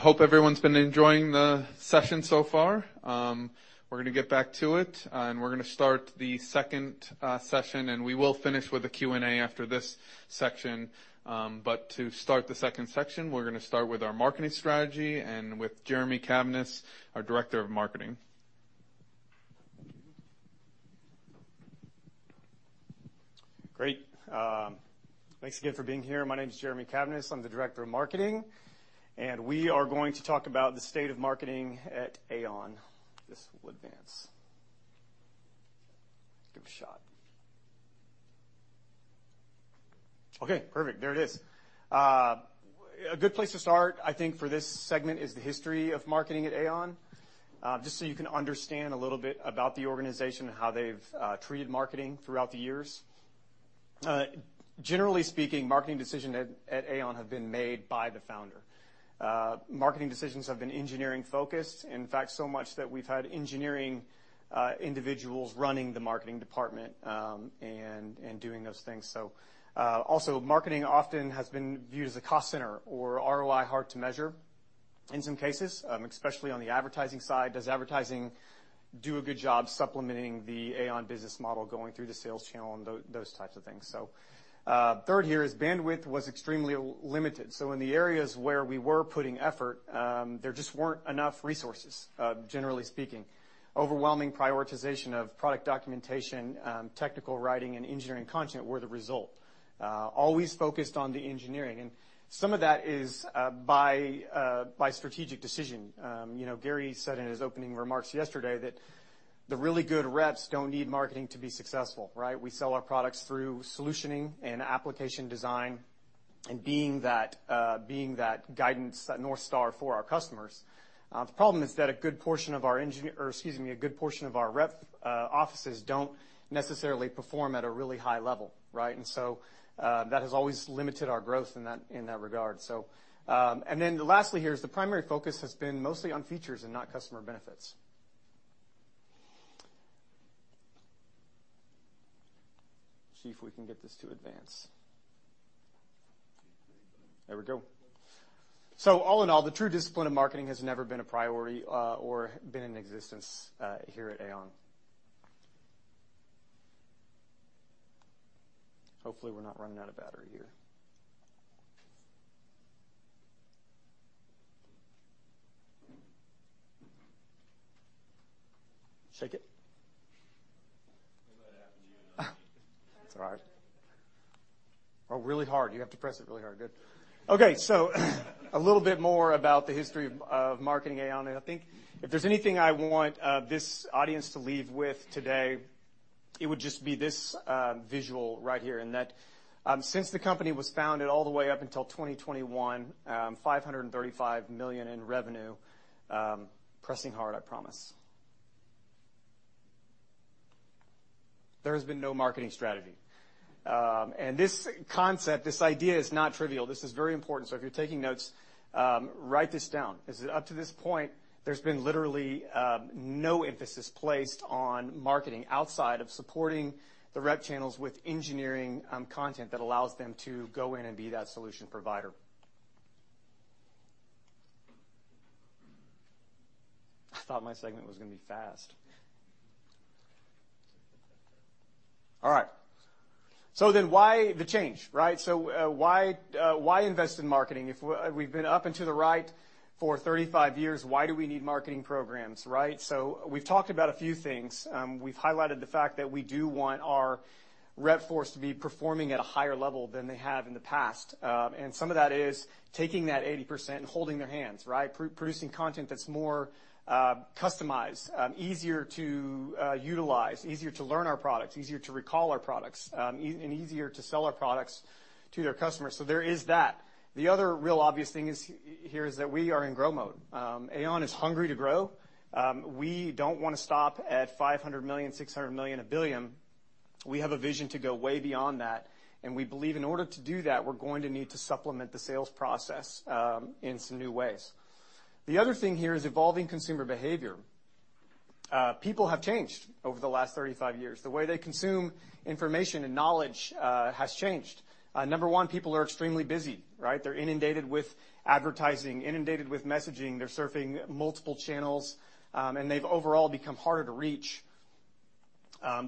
Speaker 1: Hope everyone's been enjoying the session so far. We're gonna get back to it, and we're gonna start the second session, and we will finish with a Q&A after this section. To start the second section, we're gonna start with our marketing strategy and with Jeremy Cavness, our Director of Marketing.
Speaker 9: Great. Thanks again for being here. My name is Jeremy Cavness. I'm the Director of Marketing. We are going to talk about the state of marketing at AAON. This will advance. Give it a shot. Okay, perfect. There it is. A good place to start, I think, for this segment is the history of marketing at AAON, just so you can understand a little bit about the organization and how they've treated marketing throughout the years. Generally speaking, marketing decisions at AAON have been made by the founder. Marketing decisions have been engineering-focused. In fact, so much that we've had engineering individuals running the marketing department, and doing those things. Also, marketing often has been viewed as a cost center or ROI hard to measure in some cases, especially on the advertising side. Does advertising do a good job supplementing the AAON business model going through the sales channel and those types of things? Third here is bandwidth was extremely limited. In the areas where we were putting effort, there just weren't enough resources, generally speaking. Overwhelming prioritization of product documentation, technical writing, and engineering content were the result. Always focused on the engineering. Some of that is by strategic decision. You know, Gary said in his opening remarks yesterday that the really good reps don't need marketing to be successful, right? We sell our products through solutioning and application design and being that, being that guidance, that North Star for our customers. The problem is that a good portion of our engine... Excuse me, a good portion of our rep offices don't necessarily perform at a really high level, right? That has always limited our growth in that regard. Then lastly here is the primary focus has been mostly on features and not customer benefits. See if we can get this to advance. There we go. All in all, the true discipline of marketing has never been a priority or been in existence here at AAON. Hopefully, we're not running out of battery here. Shake it. That happened to you and I. It's all right. Really hard. You have to press it really hard. Good. Okay, a little bit more about the history of marketing AAON. I think if there's anything I want this audience to leave with today, it would just be this visual right here, and that since the company was founded all the way up until 2021, $535 million in revenue... Pressing hard, I promise. There has been no marketing strategy. This concept, this idea is not trivial. This is very important. If you're taking notes, write this down. 'Cause up to this point, there's been literally no emphasis placed on marketing outside of supporting the rep channels with engineering content that allows them to go in and be that solution provider. I thought my segment was gonna be fast. All right. Why the change, right? Why invest in marketing? If we've been up and to the right for 35 years, why do we need marketing programs, right? We've talked about a few things. We've highlighted the fact that we do want our rep force to be performing at a higher level than they have in the past. And some of that is taking that 80% and holding their hands, right? Producing content that's more customized, easier to utilize, easier to learn our products, easier to recall our products, and easier to sell our products to their customers. There is that. The other real obvious thing is here is that we are in grow mode. AAON is hungry to grow. We don't wanna stop at $500 million, $600 million, $1 billion. We have a vision to go way beyond that, we believe in order to do that, we're going to need to supplement the sales process in some new ways. The other thing here is evolving consumer behavior. People have changed over the last 35 years. The way they consume information and knowledge has changed. Number one, people are extremely busy, right? They're inundated with advertising, inundated with messaging. They're surfing multiple channels, and they've overall become harder to reach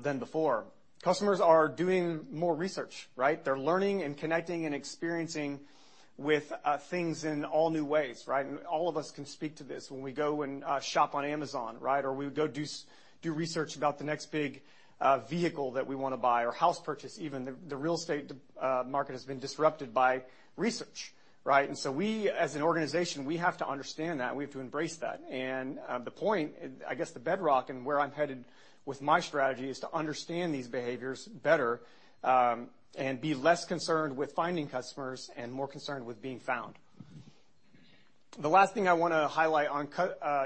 Speaker 9: than before. Customers are doing more research, right? They're learning and connecting and experiencing with things in all new ways, right? All of us can speak to this when we go and shop on Amazon, right? Or we go do research about the next big vehicle that we wanna buy or house purchase even. The real estate market has been disrupted by research, right? We, as an organization, we have to understand that, we have to embrace that. The point, I guess the bedrock and where I'm headed with my strategy is to understand these behaviors better and be less concerned with finding customers and more concerned with being found. The last thing I wanna highlight on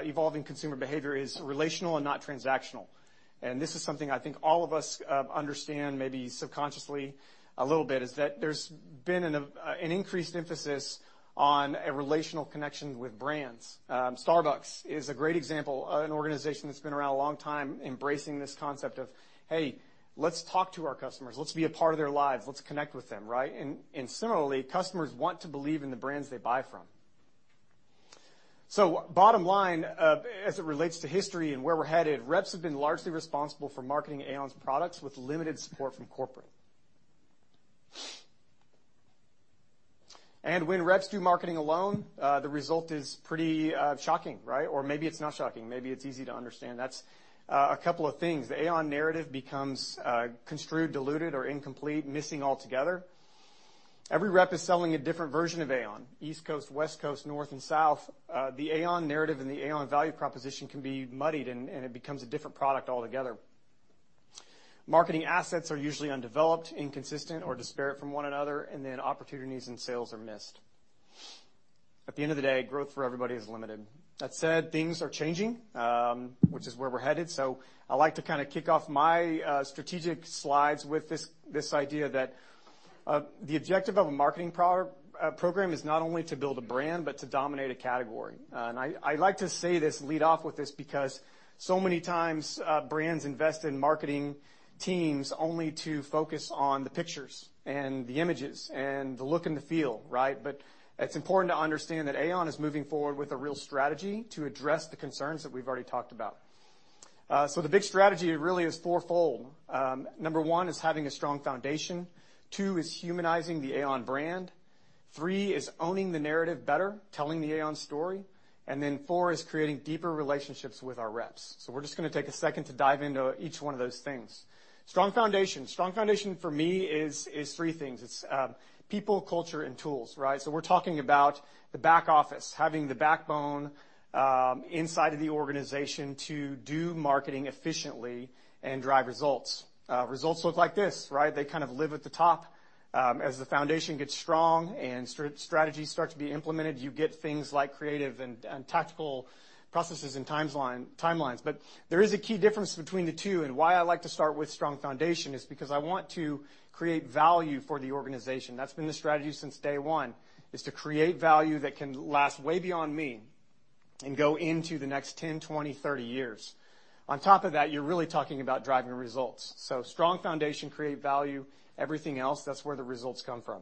Speaker 9: evolving consumer behavior is relational and not transactional. This is something I think all of us understand maybe subconsciously a little bit, is that there's been an increased emphasis on a relational connection with brands. Starbucks is a great example, an organization that's been around a long time embracing this concept of, "Hey, let's talk to our customers. Let's be a part of their lives. Let's connect with them," right? Similarly, customers want to believe in the brands they buy from. Bottom line, as it relates to history and where we're headed, reps have been largely responsible for marketing AAON's products with limited support from corporate. When reps do marketing alone, the result is pretty shocking, right? Or maybe it's not shocking, maybe it's easy to understand. That's a couple of things. The AAON narrative becomes construed, diluted, or incomplete, missing altogether. Every rep is selling a different version of AAON, East Coast, West Coast, North, and South. The AAON narrative and the AAON value proposition can be muddied, and it becomes a different product altogether. Marketing assets are usually undeveloped, inconsistent, or disparate from one another, opportunities and sales are missed. At the end of the day, growth for everybody is limited. That said, things are changing, which is where we're headed. I like to kinda kick off my strategic slides with this idea that the objective of a marketing program is not only to build a brand, but to dominate a category. I like to say this, lead off with this because so many times brands invest in marketing teams only to focus on the pictures and the images and the look and the feel, right? It's important to understand that AAON is moving forward with a real strategy to address the concerns that we've already talked about. The big strategy really is fourfold. Number one is having a strong foundation. Two is humanizing the AAON brand. Three is owning the narrative better, telling the AAON story. Four is creating deeper relationships with our reps. We're just gonna take a second to dive into each one of those things. Strong foundation. Strong foundation for me is three things. It's people, culture, and tools, right? We're talking about the back office, having the backbone inside of the organization to do marketing efficiently and drive results. Results look like this, right? They kind of live at the top. As the foundation gets strong and strategy start to be implemented, you get things like creative and tactical processes and timelines. There is a key difference between the two, and why I like to start with strong foundation is because I want to create value for the organization. That's been the strategy since day one, is to create value that can last way beyond me and go into the next 10, 20, 30 years. On top of that, you're really talking about driving results. Strong foundation, create value. Everything else, that's where the results come from.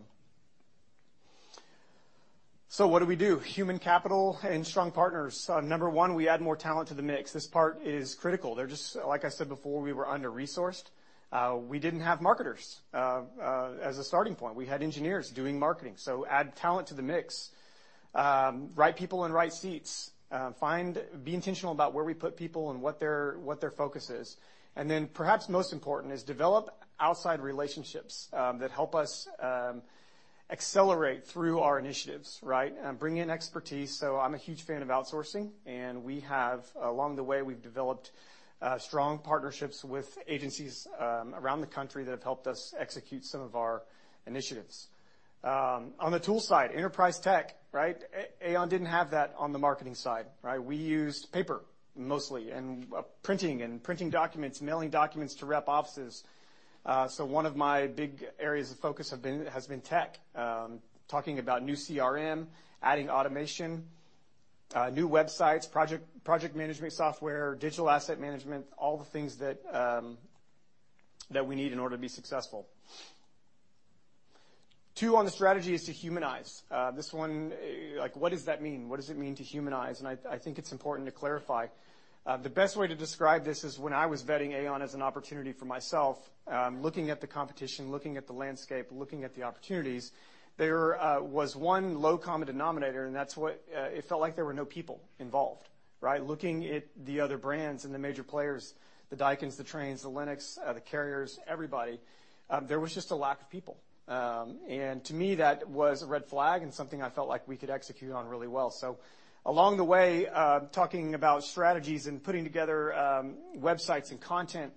Speaker 9: What do we do? Human capital and strong partners. Number one, we add more talent to the mix. This part is critical. Like I said before, we were under-resourced. We didn't have marketers, as a starting point. We had engineers doing marketing. Add talent to the mix. Right people in right seats. Be intentional about where we put people and what their focus is. Perhaps most important is develop outside relationships that help us accelerate through our initiatives, right? Bring in expertise. I'm a huge fan of outsourcing, and we have Along the way, we've developed strong partnerships with agencies around the country that have helped us execute some of our initiatives. On the tool side, enterprise tech, right? AAON didn't have that on the marketing side, right? We used paper mostly, and printing and printing documents, mailing documents to rep offices. One of my big areas of focus has been tech. Talking about new CRM, adding automation, new websites, project management software, digital asset management, all the things that we need in order to be successful. Two on the strategy is to humanize. This one, like what does that mean? What does it mean to humanize? I think it's important to clarify. The best way to describe this is when I was vetting AAON as an opportunity for myself, looking at the competition, looking at the landscape, looking at the opportunities, there was one low common denominator, and that's what... it felt like there were no people involved, right? Looking at the other brands and the major players, the Daikin, the Trane, the Lennox, the Carrier, everybody, there was just a lack of people. To me, that was a red flag and something I felt like we could execute on really well. Along the way, talking about strategies and putting together websites and content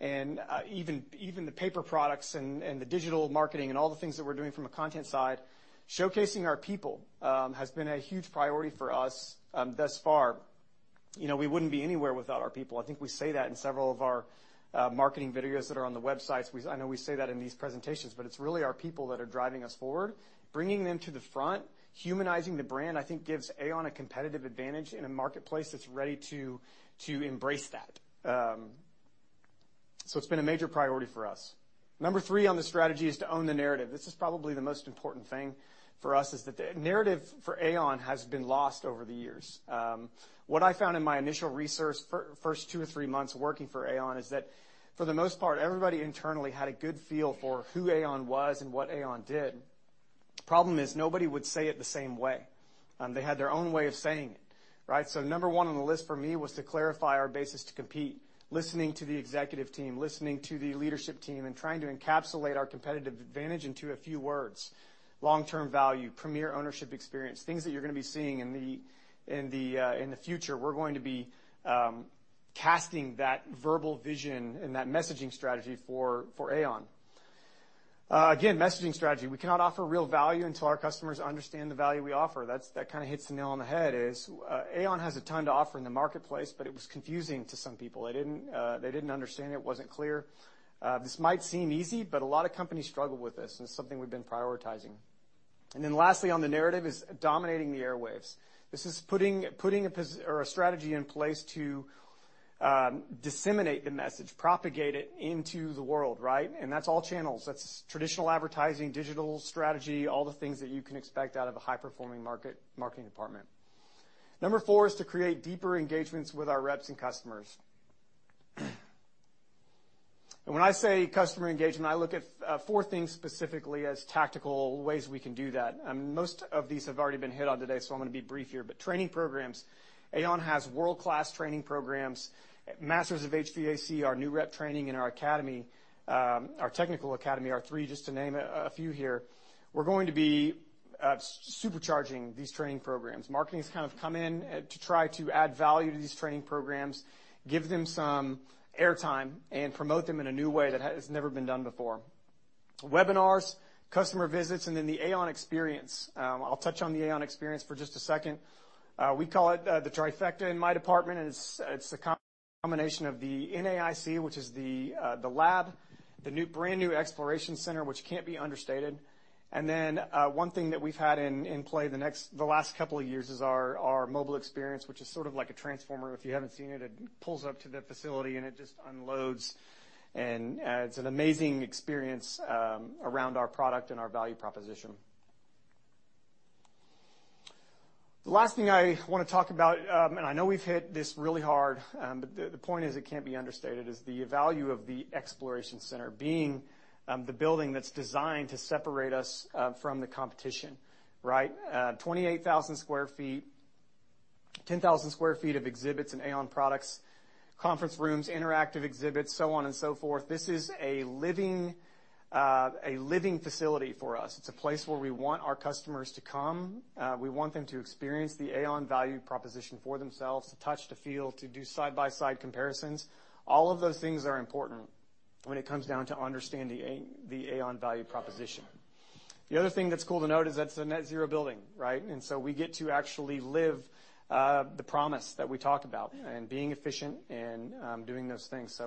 Speaker 9: and even the paper products and the digital marketing and all the things that we're doing from a content side, showcasing our people has been a huge priority for us thus far. You know, we wouldn't be anywhere without our people. I think we say that in several of our marketing videos that are on the websites. I know we say that in these presentations, but it's really our people that are driving us forward. Bringing them to the front, humanizing the brand, I think gives AAON a competitive advantage in a marketplace that's ready to embrace that. It's been a major priority for us. Number three on the strategy is to own the narrative. This is probably the most important thing for us, is that the narrative for AAON has been lost over the years. What I found in my initial research first two or three months working for AAON is that for the most part, everybody internally had a good feel for who AAON was and what AAON did. Problem is nobody would say it the same way. They had their own way of saying it, right? Number one on the list for me was to clarify our basis to compete, listening to the executive team, listening to the leadership team, and trying to encapsulate our competitive advantage into a few words. Long-term value, premier ownership experience, things that you're gonna be seeing in the, in the future. We're going to be casting that verbal vision and that messaging strategy for AAON. Again, messaging strategy. We cannot offer real value until our customers understand the value we offer. That kind of hits the nail on the head is AAON has a ton to offer in the marketplace, but it was confusing to some people. They didn't, they didn't understand, it wasn't clear. This might seem easy, but a lot of companies struggle with this, it's something we've been prioritizing. Lastly on the narrative is dominating the airwaves. This is putting a strategy in place to disseminate the message, propagate it into the world, right? That's all channels. That's traditional advertising, digital strategy, all the things that you can expect out of a high-performing marketing department. Number four is to create deeper engagements with our reps and customers. When I say customer engagement, I look at four things specifically as tactical ways we can do that. Most of these have already been hit on today, so I'm gonna be brief here. Training programs. AAON has world-class training programs. Masters of HVAC, our new rep training in our Academy, our Technical Academy, are three just to name a few here. We're going to be supercharging these training programs. Marketing's kind of come in to try to add value to these training programs, give them some airtime, and promote them in a new way that has never been done before. Webinars, customer visits, and then the AAON Experience. I'll touch on the AAON Experience for just a second. We call it the trifecta in my department, and it's the combination of the NAIC, which is the lab, the brand new Exploration Center, which can't be understated. Then, one thing that we've had in play the last couple of years is our Mobile Experience, which is sort of like a transformer. If you haven't seen it pulls up to the facility, and it just unloads and adds an amazing experience around our product and our value proposition. The last thing I wanna talk about, I know we've hit this really hard, the point is it can't be understated, is the value of the Exploration Center being the building that's designed to separate us from the competition, right? 28,000 sq ft, 10,000 sq ft of exhibits and AAON products, conference rooms, interactive exhibits, so on and so forth. This is a living facility for us. It's a place where we want our customers to come. We want them to experience the AAON value proposition for themselves, to touch, to feel, to do side-by-side comparisons. All of those things are important when it comes down to understanding the AAON value proposition. The other thing that's cool to note is that it's a net zero building, right? We get to actually live the promise that we talk about and being efficient and doing those things.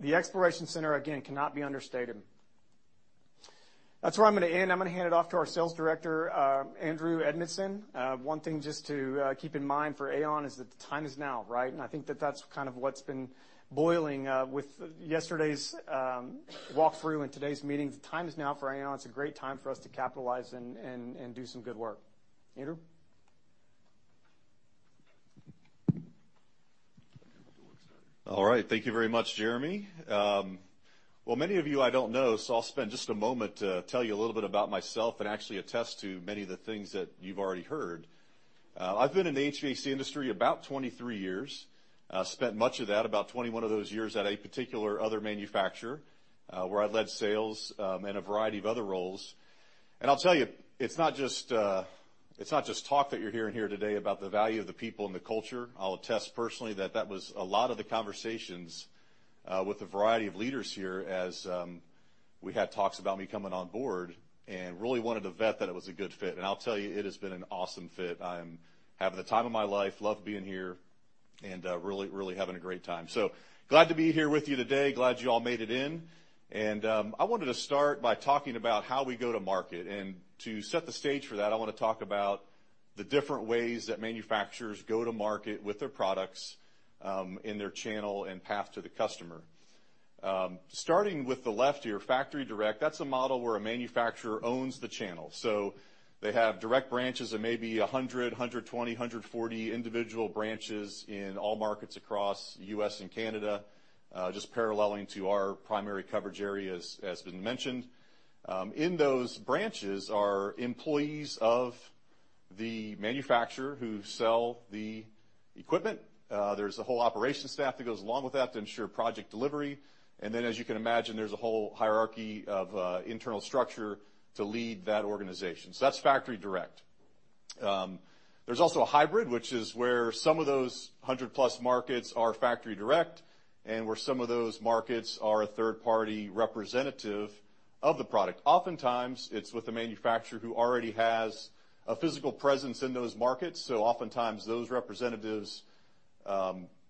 Speaker 9: The Exploration Center, again, cannot be understated. That's where I'm gonna end. I'm gonna hand it off to our Sales Director, Andrew Edmondson. One thing just to keep in mind for AAON is that the time is now, right? I think that that's kind of what's been boiling with yesterday's walk-through and today's meeting. The time is now for AAON. It's a great time for us to capitalize and do some good work. Andrew.
Speaker 10: All right. Thank you very much, Jeremy. Well, many of you I don't know, I'll spend just a moment to tell you a little bit about myself and actually attest to many of the things that you've already heard. I've been in the HVAC industry about twenty three years. Spent much of that, about 21 of those years, at a particular other manufacturer, where I led sales, and a variety of other roles. I'll tell you, it's not just, it's not just talk that you're hearing here today about the value of the people and the culture. I'll attest personally that that was a lot of the conversations with a variety of leaders here as we had talks about me coming on board and really wanted to vet that it was a good fit. I'll tell you, it has been an awesome fit. I am having the time of my life. Love being here and really having a great time. Glad to be here with you today. Glad you all made it in. I wanted to start by talking about how we go to market. To set the stage for that, I wanna talk about the different ways that manufacturers go to market with their products in their channel and path to the customer. Starting with the left here, factory direct, that's a model where a manufacturer owns the channel. They have direct branches of maybe 100, 120, 140 individual branches in all markets across U.S. and Canada, just paralleling to our primary coverage area as been mentioned. In those branches are employees of the manufacturer who sell the equipment. There's a whole operation staff that goes along with that to ensure project delivery. As you can imagine, there's a whole hierarchy of internal structure to lead that organization. That's factory direct. There's also a hybrid, which is where some of those 100-plus markets are factory direct and where some of those markets are a third-party representative of the product. Oftentimes, it's with a manufacturer who already has a physical presence in those markets. Oftentimes, those representatives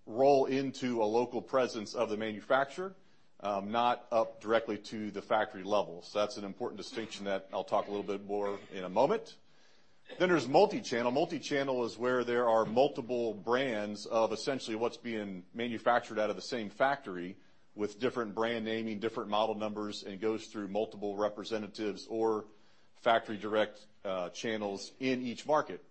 Speaker 10: roll into a local presence of the manufacturer, not up directly to the factory level. That's an important distinction that I'll talk a little bit more in a moment. There's multichannel. Multichannel is where there are multiple brands of essentially what's being manufactured out of the same factory with different brand naming, different model numbers, and it goes through multiple representatives or factory direct channels in each market.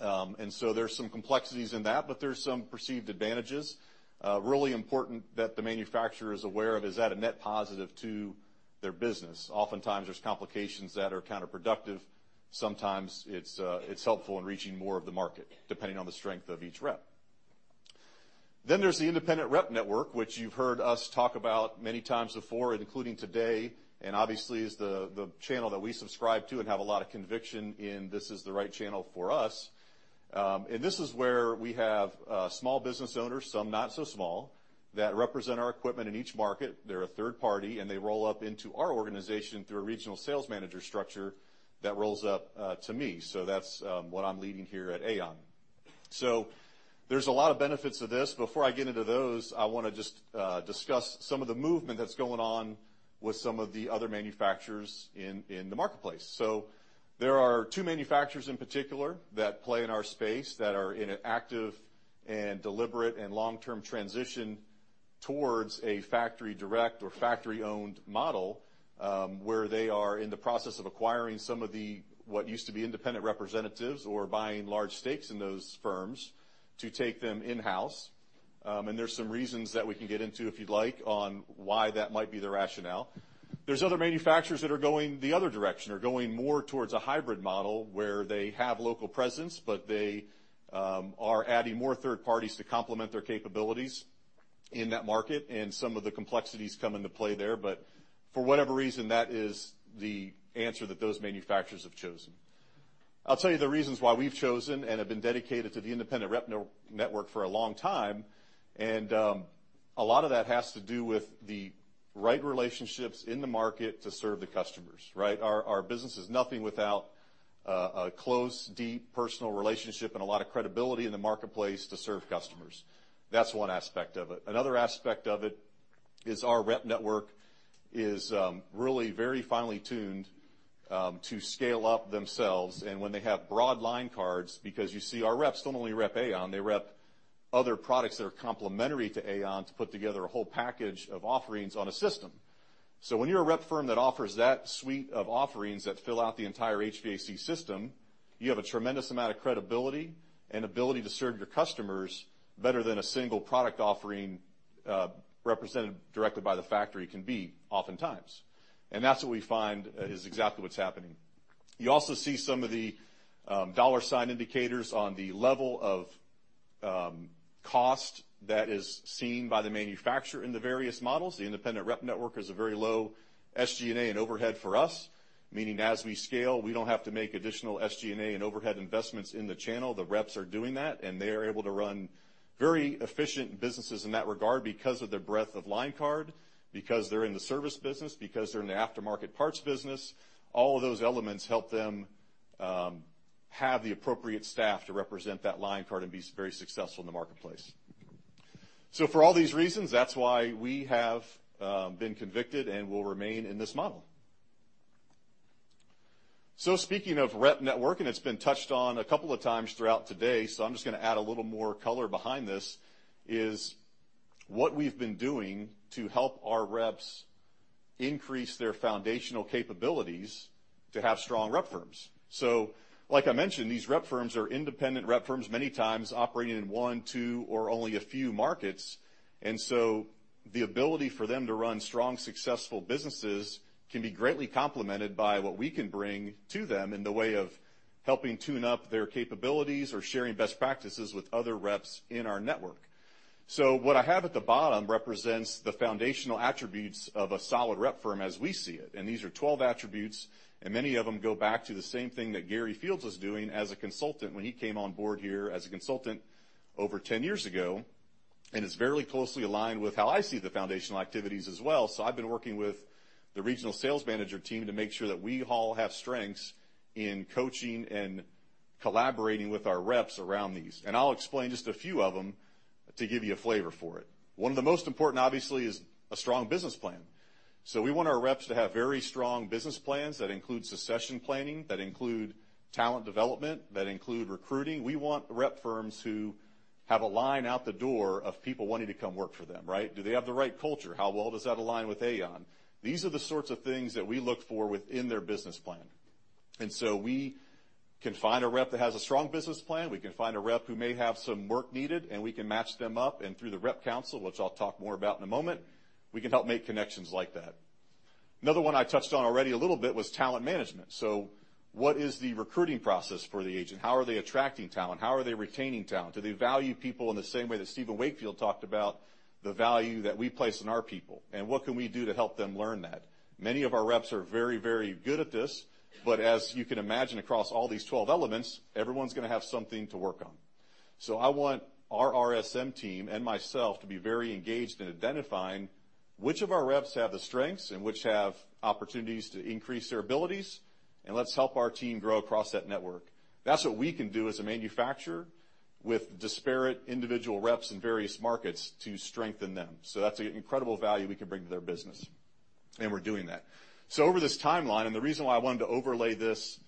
Speaker 10: There's some complexities in that, but there's some perceived advantages. Really important that the manufacturer is aware of, is that a net positive to their business? Oftentimes, there's complications that are counterproductive. Sometimes it's helpful in reaching more of the market, depending on the strength of each rep. There's the independent rep network, which you've heard us talk about many times before, including today, and obviously is the channel that we subscribe to and have a lot of conviction in this is the right channel for us. This is where we have small business owners, some not so small, that represent our equipment in each market. They're a third party, and they roll up into our organization through a regional sales manager structure that rolls up to me. That's what I'm leading here at AAON. There's a lot of benefits to this. Before I get into those, I wanna just discuss some of the movement that's going on with some of the other manufacturers in the marketplace. There are two manufacturers in particular that play in our space that are in an active and deliberate and long-term transition towards a factory direct or factory-owned model, where they are in the process of acquiring some of the what used to be independent representatives or buying large stakes in those firms to take them in-house. There's some reasons that we can get into, if you'd like, on why that might be the rationale. There's other manufacturers that are going the other direction, are going more towards a hybrid model where they have local presence, but they are adding more third parties to complement their capabilities in that market and some of the complexities come into play there. For whatever reason, that is the answer that those manufacturers have chosen. I'll tell you the reasons why we've chosen and have been dedicated to the independent rep network for a long time. A lot of that has to do with the right relationships in the market to serve the customers, right? Our business is nothing without a close, deep personal relationship and a lot of credibility in the marketplace to serve customers. That's one aspect of it. Another aspect of it is our rep network is really very finely tuned to scale up themselves. When they have broad line cards, because you see our reps don't only rep AAON, they rep other products that are complementary to AAON to put together a whole package of offerings on a system. When you're a rep firm that offers that suite of offerings that fill out the entire HVAC system, you have a tremendous amount of credibility and ability to serve your customers better than a single product offering represented directly by the factory can be oftentimes. That's what we find is exactly what's happening. You also see some of the dollar sign indicators on the level of cost that is seen by the manufacturer in the various models. The independent rep network is a very low SG&A and overhead for us, meaning as we scale, we don't have to make additional SG&A and overhead investments in the channel. The reps are doing that, and they are able to run very efficient businesses in that regard because of their breadth of line card, because they're in the service business, because they're in the aftermarket parts business. All of those elements help them have the appropriate staff to represent that line card and be very successful in the marketplace. For all these reasons, that's why we have been convicted and will remain in this model. Speaking of rep network, and it's been touched on a couple of times throughout today, I'm just gonna add a little more color behind this, is what we've been doing to help our reps increase their foundational capabilities to have strong rep firms. Like I mentioned, these rep firms are independent rep firms many times operating in one, two or only a few markets. The ability for them to run strong, successful businesses can be greatly complemented by what we can bring to them in the way of helping tune up their capabilities or sharing best practices with other reps in our network. What I have at the bottom represents the foundational attributes of a solid rep firm as we see it. These are 12 attributes, and many of them go back to the same thing that Gary Fields was doing as a consultant when he came on board here as a consultant over 10 years ago. It's very closely aligned with how I see the foundational activities as well. I've been working with the regional sales manager team to make sure that we all have strengths in coaching and collaborating with our reps around these. I'll explain just a few of them to give you a flavor for it. One of the most important, obviously, is a strong business plan. We want our reps to have very strong business plans that include succession planning, that include talent development, that include recruiting. We want rep firms who have a line out the door of people wanting to come work for them, right? Do they have the right culture? How well does that align with AAON? These are the sorts of things that we look for within their business plan. So we can find a rep that has a strong business plan. We can find a rep who may have some work needed, and we can match them up. Through the rep council, which I'll talk more about in a moment, we can help make connections like that. Another one I touched on already a little bit was talent management. What is the recruiting process for the agent? How are they attracting talent? How are they retaining talent? Do they value people in the same way that Stephen Wakefield talked about the value that we place in our people? What can we do to help them learn that? Many of our reps are very, very good at this, but as you can imagine across all these 12 elements, everyone's gonna have something to work on. I want our RSM team and myself to be very engaged in identifying which of our reps have the strengths and which have opportunities to increase their abilities, and let's help our team grow across that network. That's what we can do as a manufacturer with disparate individual reps in various markets to strengthen them. That's an incredible value we can bring to their business, and we're doing that. Over this timeline, and the reason why I wanted to overlay this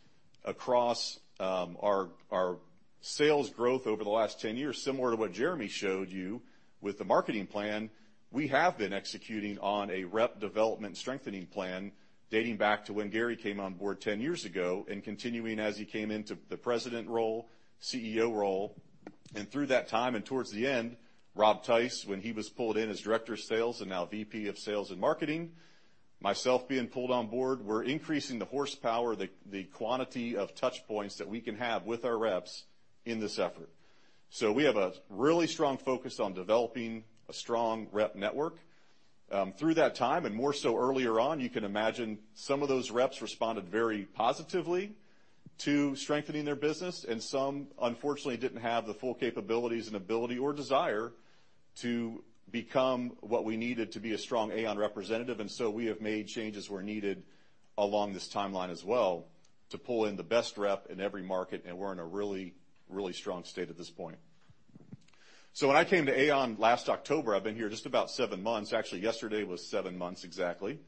Speaker 10: across our sales growth over the last 10 years, similar to what Jeremy showed you with the marketing plan, we have been executing on a rep development strengthening plan dating back to when Gary came on board 10 years ago and continuing as he came into the President role, CEO role. Through that time and towards the end, Rob Teis, when he was pulled in as Director of Sales and now VP of Sales and Marketing, myself being pulled on board, we're increasing the horsepower, the quantity of touch points that we can have with our reps in this effort. We have a really strong focus on developing a strong rep network. Through that time and more so earlier on, you can imagine some of those reps responded very positively to strengthening their business, and some unfortunately didn't have the full capabilities and ability or desire to become what we needed to be a strong AAON representative. We have made changes where needed along this timeline as well to pull in the best rep in every market, and we're in a really, really strong state at this point. When I came to AAON last October, I've been here just about seven months. Actually, yesterday was seven months exactly.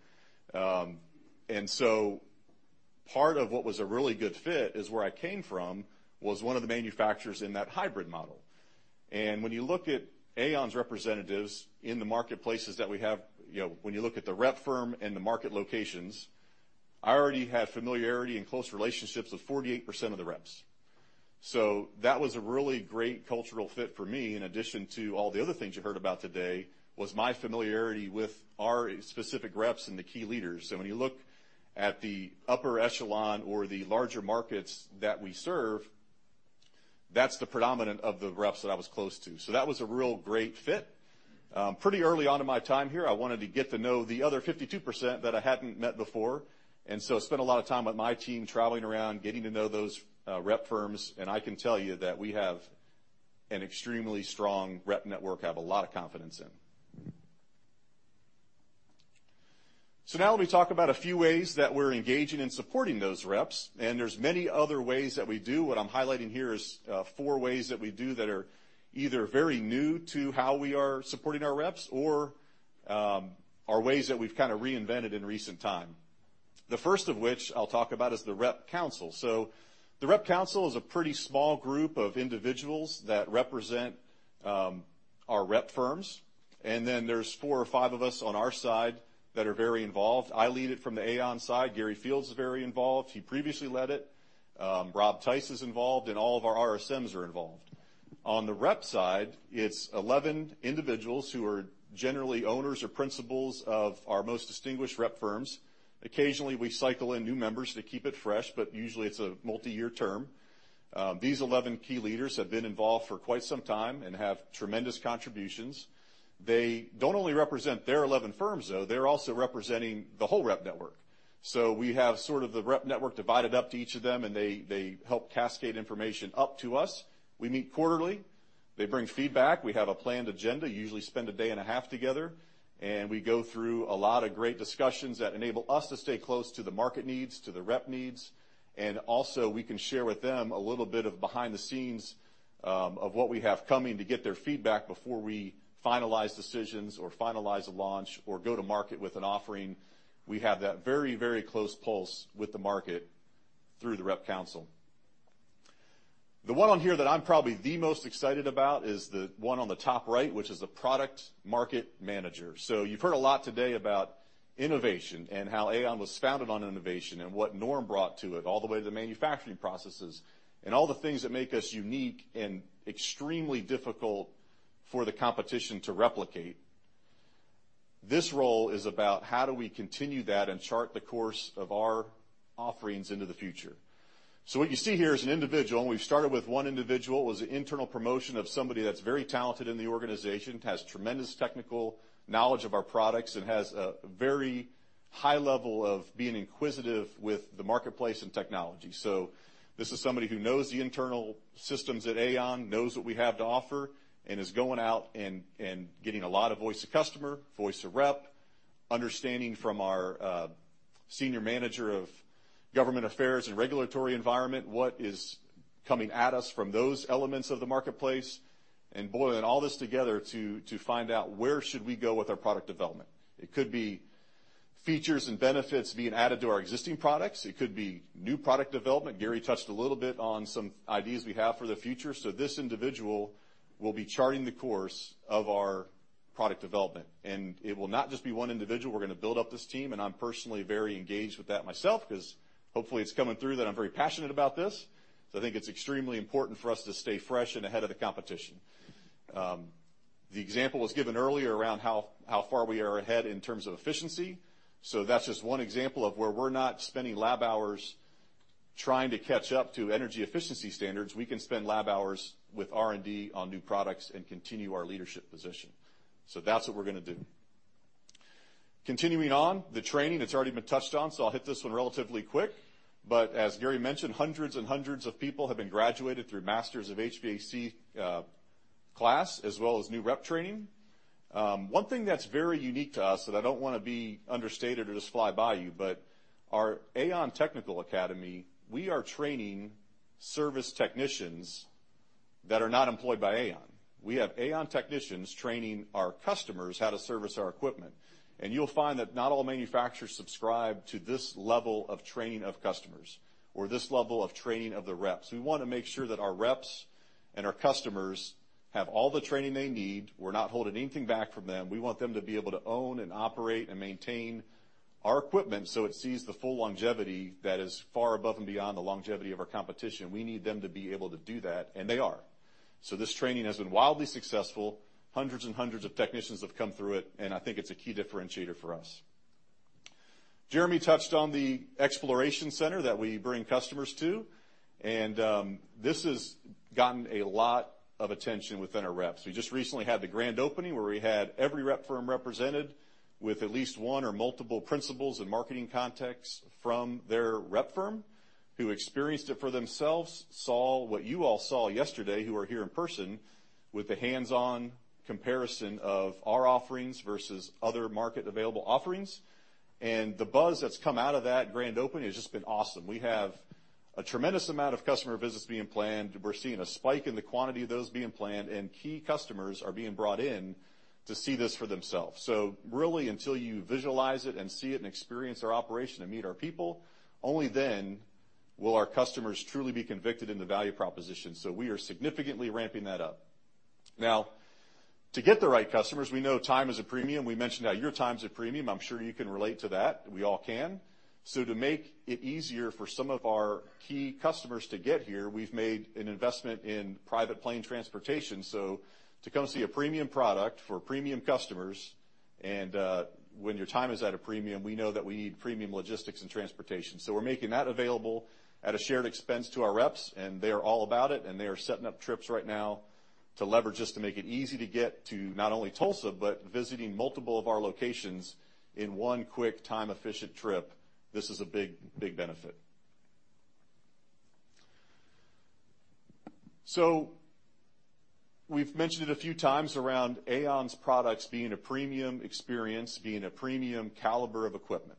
Speaker 10: Part of what was a really good fit is where I came from was one of the manufacturers in that hybrid model. When you look at AAON's representatives in the marketplaces that we have, you know, when you look at the rep firm and the market locations, I already had familiarity and close relationships with 48% of the reps. That was a really great cultural fit for me, in addition to all the other things you heard about today, was my familiarity with our specific reps and the key leaders. When you look at the upper echelon or the larger markets that we serve, that's the predominant of the reps that I was close to. That was a real great fit. Pretty early on in my time here, I wanted to get to know the other 52% that I hadn't met before. I spent a lot of time with my team traveling around, getting to know those rep firms, and I can tell you that we have an extremely strong rep network I have a lot of confidence in. Let me talk about a few ways that we're engaging in supporting those reps, and there's many other ways that we do. What I'm highlighting here is four ways that we do that are either very new to how we are supporting our reps, or are ways that we've kinda reinvented in recent time. The first of which I'll talk about is the rep council. The rep council is a pretty small group of individuals that represent our rep firms. There's four or five of us on our side that are very involved. I lead it from the AAON side. Gary Fields is very involved. He previously led it. Rob Teis is involved. All of our RSMs are involved. On the rep side, it's 11 individuals who are generally owners or principals of our most distinguished rep firms. Occasionally, we cycle in new members to keep it fresh. Usually it's a multi-year term. These 11 key leaders have been involved for quite some time and have tremendous contributions. They don't only represent their 11 firms, though, they're also representing the whole rep network. We have sort of the rep network divided up to each of them. They help cascade information up to us. We meet quarterly. They bring feedback. We have a planned agenda, usually spend a day and a half together, we go through a lot of great discussions that enable us to stay close to the market needs, to the rep needs. Also, we can share with them a little bit of behind the scenes of what we have coming to get their feedback before we finalize decisions or finalize a launch or go to market with an offering. We have that very, very close pulse with the market through the rep council. The one on here that I'm probably the most excited about is the one on the top right, which is the product marketing manager. You've heard a lot today about innovation and how AAON was founded on innovation and what Norm brought to it, all the way to the manufacturing processes and all the things that make us unique and extremely difficult for the competition to replicate. This role is about how do we continue that and chart the course of our offerings into the future. What you see here is an individual, and we started with one individual, was an internal promotion of somebody that's very talented in the organization, has tremendous technical knowledge of our products and has a very high level of being inquisitive with the marketplace and technology. This is somebody who knows the internal systems at AAON, knows what we have to offer, and is going out and getting a lot of voice of customer, voice of rep, understanding from our senior manager of government affairs and regulatory environment what is coming at us from those elements of the marketplace, and boiling all this together to find out where should we go with our product development. It could be features and benefits being added to our existing products. It could be new product development. Gary touched a little bit on some ideas we have for the future. This individual will be charting the course of our product development. It will not just be one individual. We're gonna build up this team, and I'm personally very engaged with that myself 'cause hopefully it's coming through that I'm very passionate about this. I think it's extremely important for us to stay fresh and ahead of the competition. The example was given earlier around how far we are ahead in terms of efficiency. That's just one example of where we're not spending lab hours trying to catch up to energy efficiency standards. We can spend lab hours with R&D on new products and continue our leadership position. That's what we're gonna do. Continuing on, the training, it's already been touched on, so I'll hit this one relatively quick. As Gary mentioned, hundreds and hundreds of people have been graduated through Masters of HVAC class, as well as new rep training. One thing that's very unique to us, and I don't wanna be understated or just fly by you, but our AAON Technical Academy, we are training service technicians that are not employed by AAON. We have AAON technicians training our customers how to service our equipment. You'll find that not all manufacturers subscribe to this level of training of customers or this level of training of the reps. We wanna make sure that our reps and our customers have all the training they need. We're not holding anything back from them. We want them to be able to own and operate and maintain our equipment, so it sees the full longevity that is far above and beyond the longevity of our competition. We need them to be able to do that, and they are. This training has been wildly successful. Hundreds and hundreds of technicians have come through it, and I think it's a key differentiator for us. Jeremy touched on the Exploration Center that we bring customers to, and this has gotten a lot of attention within our reps. We just recently had the grand opening where we had every rep firm represented with at least one or multiple principals and marketing contacts from their rep firm who experienced it for themselves, saw what you all saw yesterday, who are here in person with the hands-on comparison of our offerings versus other market available offerings. The buzz that's come out of that grand opening has just been awesome. We have a tremendous amount of customer visits being planned. We're seeing a spike in the quantity of those being planned. Key customers are being brought in to see this for themselves. Really until you visualize it and see it and experience our operation and meet our people, only then will our customers truly be convicted in the value proposition. We are significantly ramping that up. Now to get the right customers, we know time is a premium. We mentioned how your time is a premium. I'm sure you can relate to that. We all can. To make it easier for some of our key customers to get here, we've made an investment in private plane transportation. To come see a premium product for premium customers, and when your time is at a premium, we know that we need premium logistics and transportation. We're making that available at a shared expense to our reps, and they are all about it, and they are setting up trips right now to leverage this to make it easy to get to not only Tulsa, but visiting multiple of our locations in one quick time-efficient trip. This is a big benefit. We've mentioned it a few times around AAON's products being a premium experience, being a premium caliber of equipment,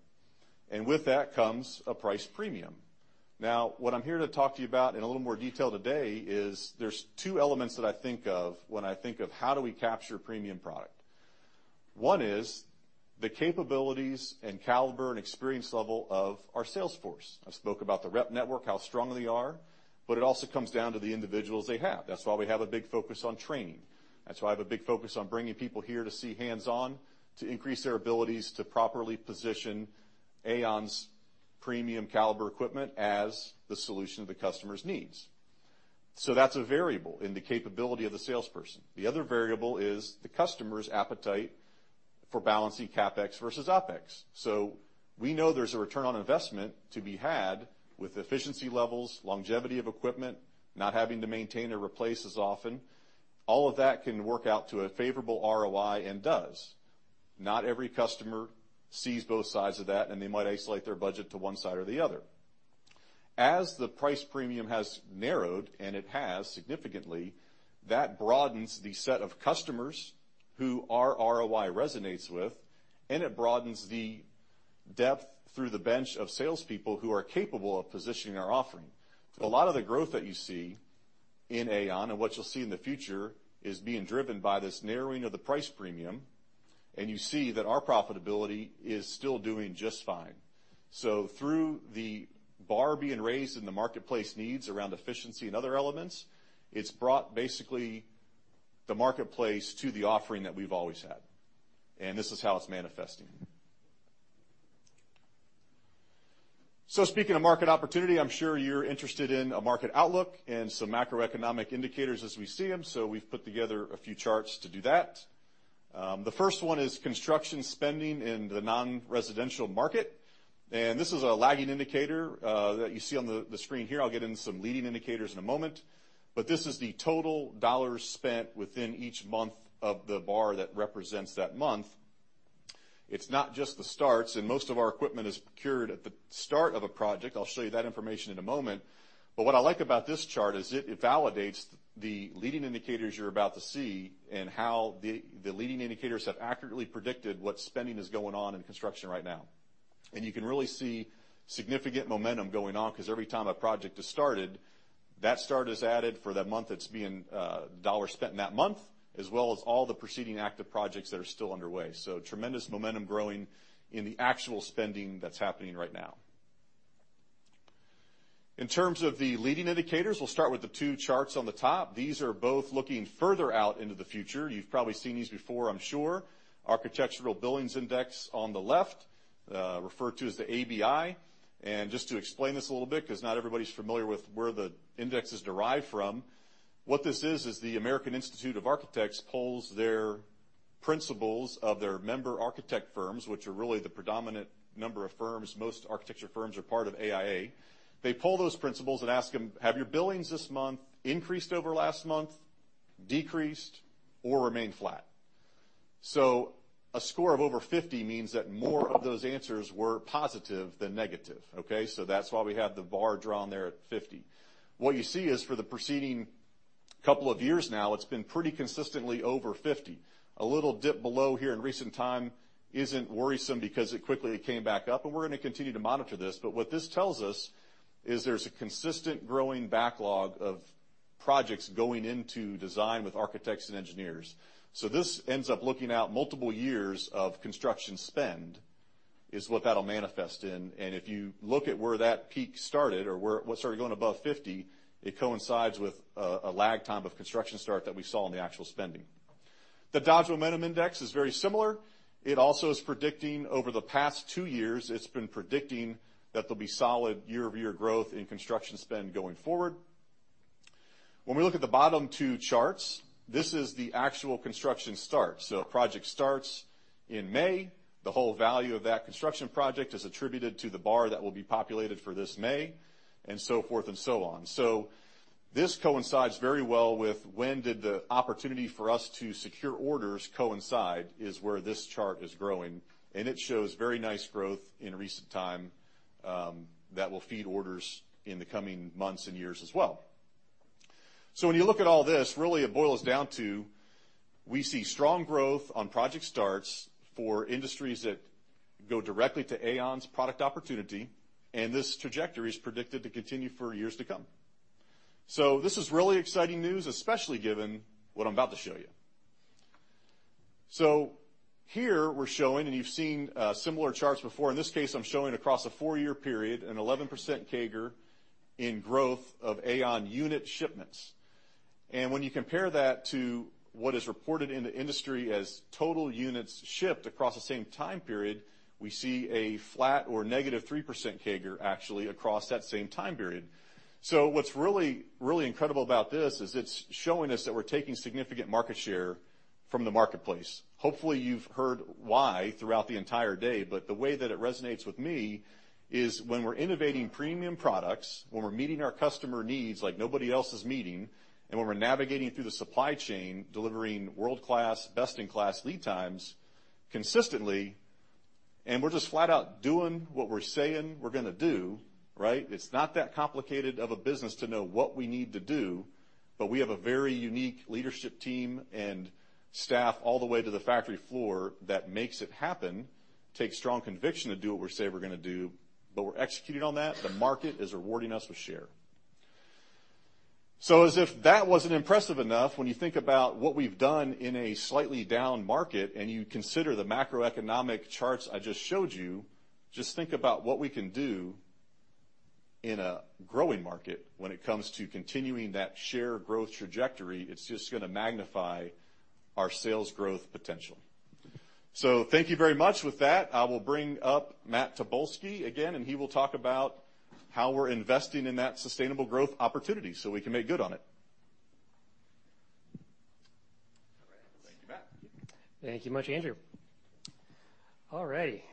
Speaker 10: and with that comes a price premium. What I'm here to talk to you about in a little more detail today is there's two elements that I think of when I think of how do we capture premium product. One is the capabilities and caliber and experience level of our sales force. I spoke about the rep network, how strong they are, but it also comes down to the individuals they have. That's why we have a big focus on training. That's why I have a big focus on bringing people here to see hands-on, to increase their abilities to properly position AAON's premium caliber equipment as the solution to the customer's needs. That's a variable in the capability of the salesperson. The other variable is the customer's appetite for balancing CapEx versus OpEx. We know there's a return on investment to be had with efficiency levels, longevity of equipment, not having to maintain or replace as often. All of that can work out to a favorable ROI, and does. Not every customer sees both sides of that, and they might isolate their budget to one side or the other. As the price premium has narrowed, and it has significantly, that broadens the set of customers who our ROI resonates with, and it broadens the depth through the bench of salespeople who are capable of positioning our offering. A lot of the growth that you see in AAON, and what you'll see in the future, is being driven by this narrowing of the price premium, and you see that our profitability is still doing just fine. Through the bar being raised and the marketplace needs around efficiency and other elements, it's brought basically the marketplace to the offering that we've always had, and this is how it's manifesting. Speaking of market opportunity, I'm sure you're interested in a market outlook and some macroeconomic indicators as we see them, so we've put together a few charts to do that. The first one is construction spending in the non-residential market, and this is a lagging indicator that you see on the screen here. I'll get into some leading indicators in a moment. This is the total dollars spent within each month of the bar that represents that month. It's not just the starts, and most of our equipment is procured at the start of a project. I'll show you that information in a moment. What I like about this chart is it validates the leading indicators you're about to see and how the leading indicators have accurately predicted what spending is going on in construction right now. You can really see significant momentum going on 'cause every time a project is started, that start is added for that month it's being dollars spent in that month, as well as all the preceding active projects that are still underway. Tremendous momentum growing in the actual spending that's happening right now. In terms of the leading indicators, we'll start with the two charts on the top. These are both looking further out into the future. You've probably seen these before, I'm sure. Architecture Billings Index on the left, referred to as the ABI. Just to explain this a little, 'cause not everybody's familiar with where the index is derived from, what this is, the American Institute of Architects polls their principals of their member architect firms, which are really the predominant number of firms. Most architecture firms are part of AIA. They poll those principals and ask them, "Have your billings this month increased over last month, decreased, or remained flat?" A score of over 50 means that more of those answers were positive than negative, okay? That's why we have the bar drawn there at 50. What you see is, for the preceding couple of years now, it's been pretty consistently over 50. A little dip below here in recent time isn't worrisome because it quickly came back up, and we're gonna continue to monitor this. What this tells us is there's a consistent growing backlog of projects going into design with architects and engineers. This ends up looking out multiple years of construction spend, is what that'll manifest in. If you look at where that peak started or where it started going above 50, it coincides with a lag time of construction start that we saw in the actual spending. The Dodge Momentum Index is very similar. It also is predicting. Over the past two years, it's been predicting that there'll be solid year-over-year growth in construction spend going forward. When we look at the bottom two charts, this is the actual construction start. A project starts in May, the whole value of that construction project is attributed to the bar that will be populated for this May and so forth and so on. This coincides very well with when did the opportunity for us to secure orders coincide, is where this chart is growing. It shows very nice growth in recent time, that will feed orders in the coming months and years as well. When you look at all this, really it boils down to, we see strong growth on project starts for industries that go directly to AAON's product opportunity, and this trajectory is predicted to continue for years to come. This is really exciting news, especially given what I'm about to show you. Here we're showing, and you've seen similar charts before. In this case, I'm showing across a four-year period an 11% CAGR in growth of AAON unit shipments. When you compare that to what is reported in the industry as total units shipped across the same time period, we see a flat or negative 3% CAGR, actually, across that same time period. What's really incredible about this is it's showing us that we're taking significant market share from the marketplace. Hopefully, you've heard why throughout the entire day, but the way that it resonates with me is when we're innovating premium products, when we're meeting our customer needs like nobody else is meeting, and when we're navigating through the supply chain, delivering world-class, best-in-class lead times consistently, and we're just flat out doing what we're saying we're gonna do, right? It's not that complicated of a business to know what we need to do, but we have a very unique leadership team and staff all the way to the factory floor that makes it happen. Takes strong conviction to do what we say we're gonna do, but we're executing on that. The market is rewarding us with share. As if that wasn't impressive enough, when you think about what we've done in a slightly down market, and you consider the macroeconomic charts I just showed you, just think about what we can do in a growing market when it comes to continuing that share growth trajectory. It's just gonna magnify our sales growth potential. Thank you very much. With that, I will bring up Matt Tobolski again, and he will talk about how we're investing in that sustainable growth opportunity so we can make good on it. Thank you, Matt.
Speaker 5: Thank you much, Andrew. All right.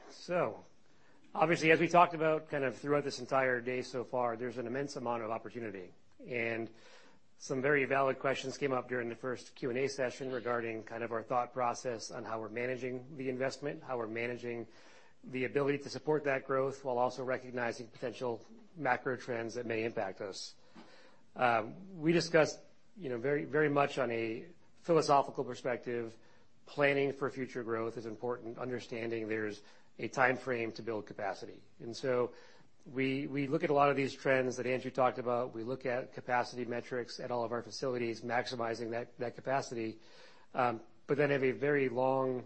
Speaker 5: Obviously, as we talked about kind of throughout this entire day so far, there's an immense amount of opportunity. Some very valid questions came up during the first Q&A session regarding kind of our thought process on how we're managing the investment, how we're managing the ability to support that growth while also recognizing potential macro trends that may impact us. We discussed, you know, very much on a philosophical perspective, planning for future growth is important, understanding there's a timeframe to build capacity. We look at a lot of these trends that Andrew talked about. We look at capacity metrics at all of our facilities, maximizing that capacity. Have a very long,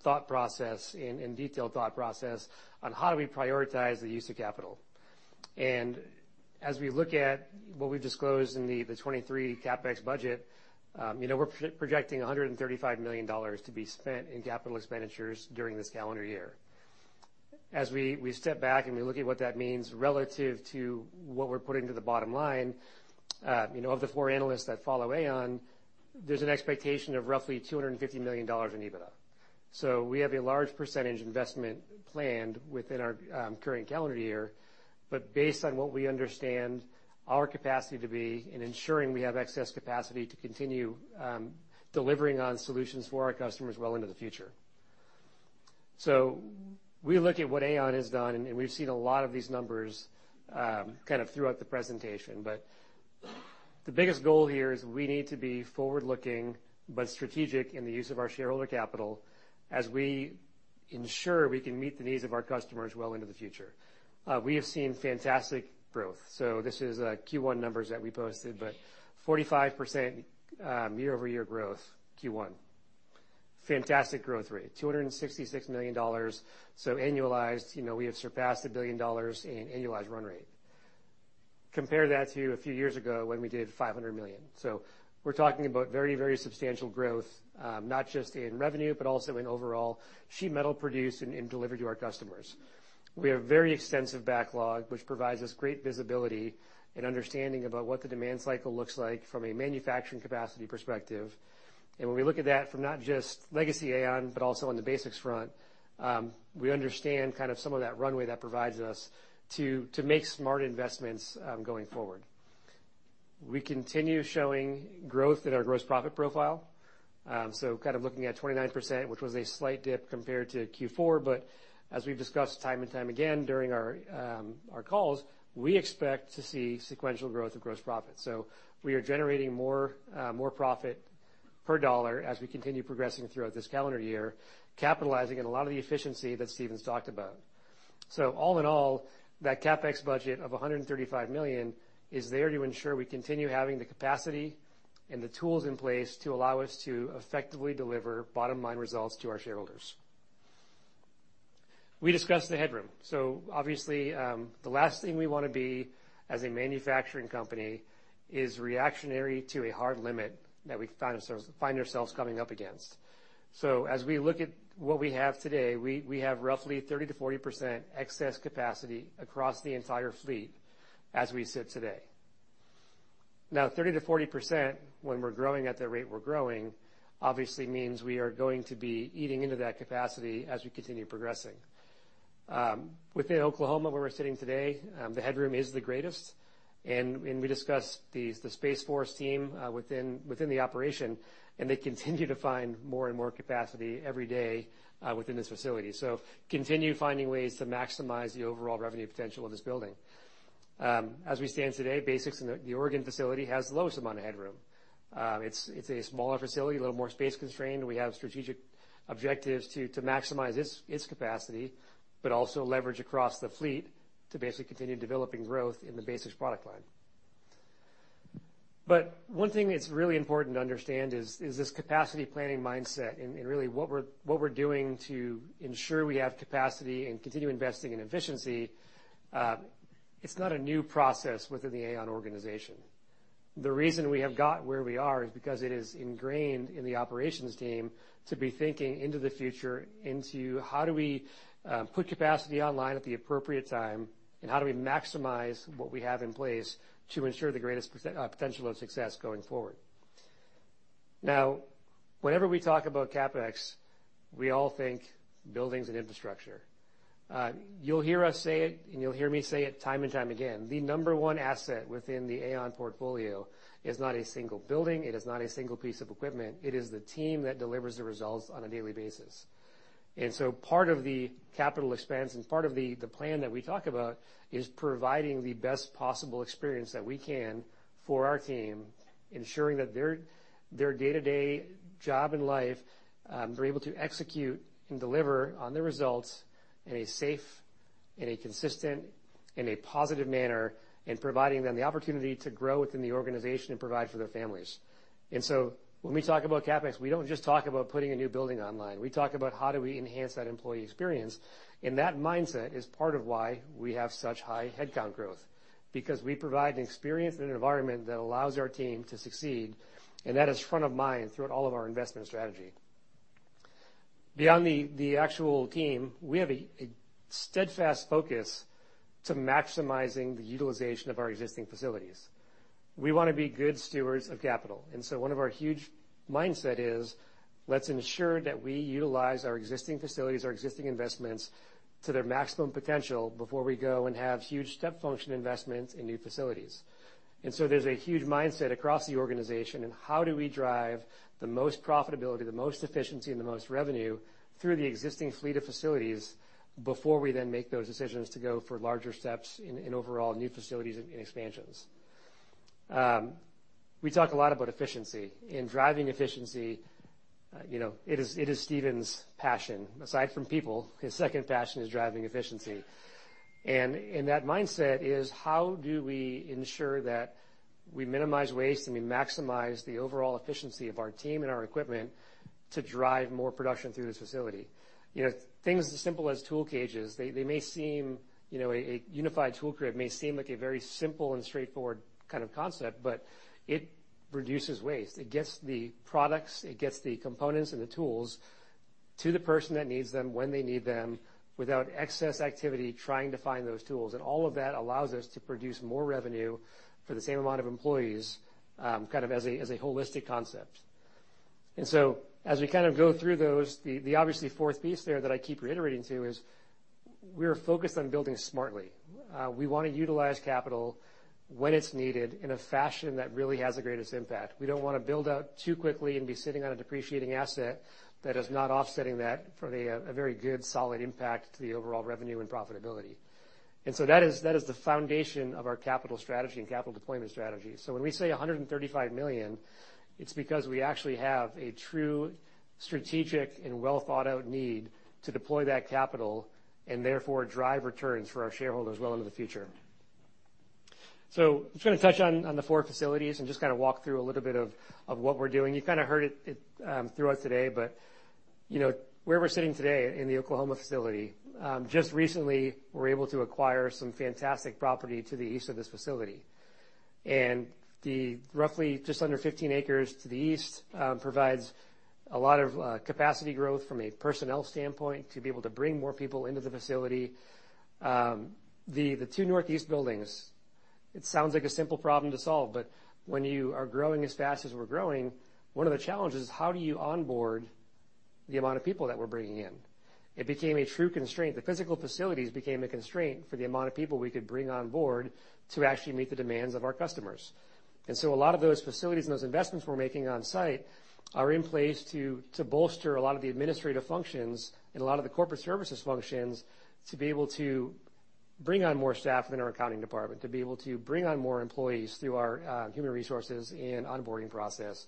Speaker 5: thought process and detailed thought process on how do we prioritize the use of capital. As we look at what we've disclosed in the 2023 CapEx budget, you know, we're projecting $135 million to be spent in capital expenditures during this calendar year. As we step back, and we look at what that means relative to what we're putting to the bottom line, you know, of the 4 analysts that follow AAON, there's an expectation of roughly $250 million in EBITDA. We have a large percentage investment planned within our current calendar year, but based on what we understand our capacity to be in ensuring we have excess capacity to continue delivering on solutions for our customers well into the future. We look at what AAON has done, and we've seen a lot of these numbers, kind of throughout the presentation, but the biggest goal here is we need to be forward-looking but strategic in the use of our shareholder capital as we ensure we can meet the needs of our customers well into the future. We have seen fantastic growth. This is Q1 numbers that we posted, but 45% year-over-year growth, Q1. Fantastic growth rate, $266 million. Annualized, you know, we have surpassed $1 billion in annualized run rate. Compare that to a few years ago when we did $500 million. We're talking about very, very substantial growth, not just in revenue, but also in overall sheet metal produced and delivered to our customers. We have very extensive backlog, which provides us great visibility and understanding about what the demand cycle looks like from a manufacturing capacity perspective. When we look at that from not just legacy AAON but also on the BasX front, we understand kind of some of that runway that provides us to make smart investments going forward. We continue showing growth in our gross profit profile, so kind of looking at 29%, which was a slight dip compared to Q4. As we've discussed time and time again during our calls, we expect to see sequential growth of gross profit. We are generating more profit per dollar as we continue progressing throughout this calendar year, capitalizing on a lot of the efficiency that Stephen's talked about. All in all, that CapEx budget of $135 million is there to ensure we continue having the capacity and the tools in place to allow us to effectively deliver bottom-line results to our shareholders. We discussed the headroom. Obviously, the last thing we wanna be as a manufacturing company is reactionary to a hard limit that we find ourselves coming up against. As we look at what we have today, we have roughly 30%-40% excess capacity across the entire fleet as we sit today. Now, 30%-40%, when we're growing at the rate we're growing, obviously means we are going to be eating into that capacity as we continue progressing. Within Oklahoma, where we're sitting today, the headroom is the greatest, and we discussed these, the Space Force team within the operation, and they continue to find more and more capacity every day within this facility. Continue finding ways to maximize the overall revenue potential of this building. As we stand today, BasX in the Oregon facility has the lowest amount of headroom. It's a smaller facility, a little more space-constrained. We have strategic objectives to maximize its capacity, but also leverage across the fleet to basically continue developing growth in the BasX product line. One thing that's really important to understand is this capacity planning mindset and really what we're doing to ensure we have capacity and continue investing in efficiency. It's not a new process within the AAON organization. The reason we have got where we are is because it is ingrained in the operations team to be thinking into the future, into how do we put capacity online at the appropriate time, and how do we maximize what we have in place to ensure the greatest potential of success going forward. Now, whenever we talk about CapEx, we all think buildings and infrastructure. You'll hear us say it, and you'll hear me say it time and time again. The number one asset within the AAON portfolio is not a single building. It is not a single piece of equipment. It is the team that delivers the results on a daily basis. Part of the capital expense and part of the plan that we talk about is providing the best possible experience that we can for our team, ensuring that their day-to-day job and life, they're able to execute and deliver on the results in a safe, in a consistent, in a positive manner, and providing them the opportunity to grow within the organization and provide for their families. When we talk about CapEx, we don't just talk about putting a new building online. We talk about how do we enhance that employee experience, and that mindset is part of why we have such high headcount growth. Because we provide an experience and an environment that allows our team to succeed, and that is front of mind throughout all of our investment strategy. Beyond the actual team, we have a steadfast focus to maximizing the utilization of our existing facilities. We wanna be good stewards of capital. One of our huge mindset is, let's ensure that we utilize our existing facilities, our existing investments to their maximum potential before we go and have huge step function investments in new facilities. There's a huge mindset across the organization in how do we drive the most profitability, the most efficiency, and the most revenue through the existing fleet of facilities before we then make those decisions to go for larger steps in overall new facilities and expansions. We talk a lot about efficiency. In driving efficiency, you know, it is Stephen's passion. Aside from people, his second passion is driving efficiency. That mindset is how do we ensure that we minimize waste and we maximize the overall efficiency of our team and our equipment to drive more production through this facility? You know, things as simple as tool cages. They may seem, you know, a unified tool crib may seem like a very simple and straightforward kind of concept, but it reduces waste. It gets the products, it gets the components and the tools to the person that needs them, when they need them, without excess activity trying to find those tools. All of that allows us to produce more revenue for the same amount of employees, kind of as a holistic concept. As we kind of go through those, the obviously fourth piece there that I keep reiterating to is we're focused on building smartly. We wanna utilize capital when it's needed in a fashion that really has the greatest impact. We don't wanna build out too quickly and be sitting on a depreciating asset that is not offsetting that for a very good, solid impact to the overall revenue and profitability. That is the foundation of our capital strategy and capital deployment strategy. So when we say $135 million, it's because we actually have a true strategic and well-thought-out need to deploy that capital and therefore drive returns for our shareholders well into the future. So I'm just gonna touch on the four facilities and just kinda walk through a little bit of what we're doing. You kinda heard it throughout today, you know, where we're sitting today in the Oklahoma facility, just recently we're able to acquire some fantastic property to the east of this facility. The roughly just under 15 acres to the east, provides a lot of capacity growth from a personnel standpoint to be able to bring more people into the facility. The two northeast buildings, it sounds like a simple problem to solve, when you are growing as fast as we're growing, one of the challenges is how do you onboard the amount of people that we're bringing in? It became a true constraint. The physical facilities became a constraint for the amount of people we could bring on board to actually meet the demands of our customers. A lot of those facilities and those investments we're making on site are in place to bolster a lot of the administrative functions and a lot of the corporate services functions to be able to bring on more staff in our accounting department, to be able to bring on more employees through our human resources and onboarding process.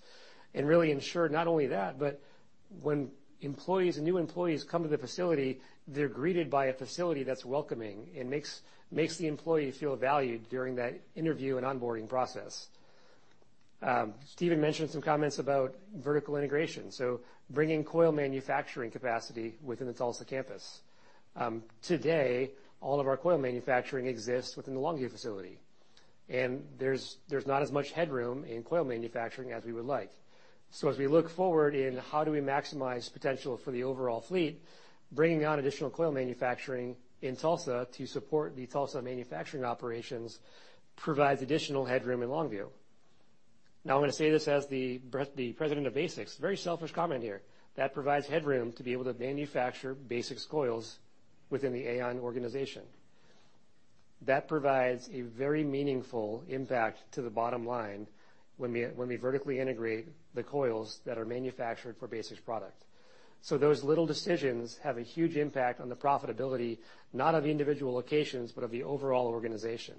Speaker 5: Really ensure not only that, but when employees and new employees come to the facility, they're greeted by a facility that's welcoming and makes the employee feel valued during that interview and onboarding process. Stephen mentioned some comments about vertical integration, so bringing coil manufacturing capacity within the Tulsa campus. Today, all of our coil manufacturing exists within the Longview facility, and there's not as much headroom in coil manufacturing as we would like. As we look forward in how do we maximize potential for the overall fleet, bringing on additional coil manufacturing in Tulsa to support the Tulsa manufacturing operations provides additional headroom in Longview. Now I'm gonna say this as the president of BASX, very selfish comment here. That provides headroom to be able to manufacture BASX coils within the AAON organization. That provides a very meaningful impact to the bottom line when we vertically integrate the coils that are manufactured for BASX product. Those little decisions have a huge impact on the profitability, not of individual locations, but of the overall organization.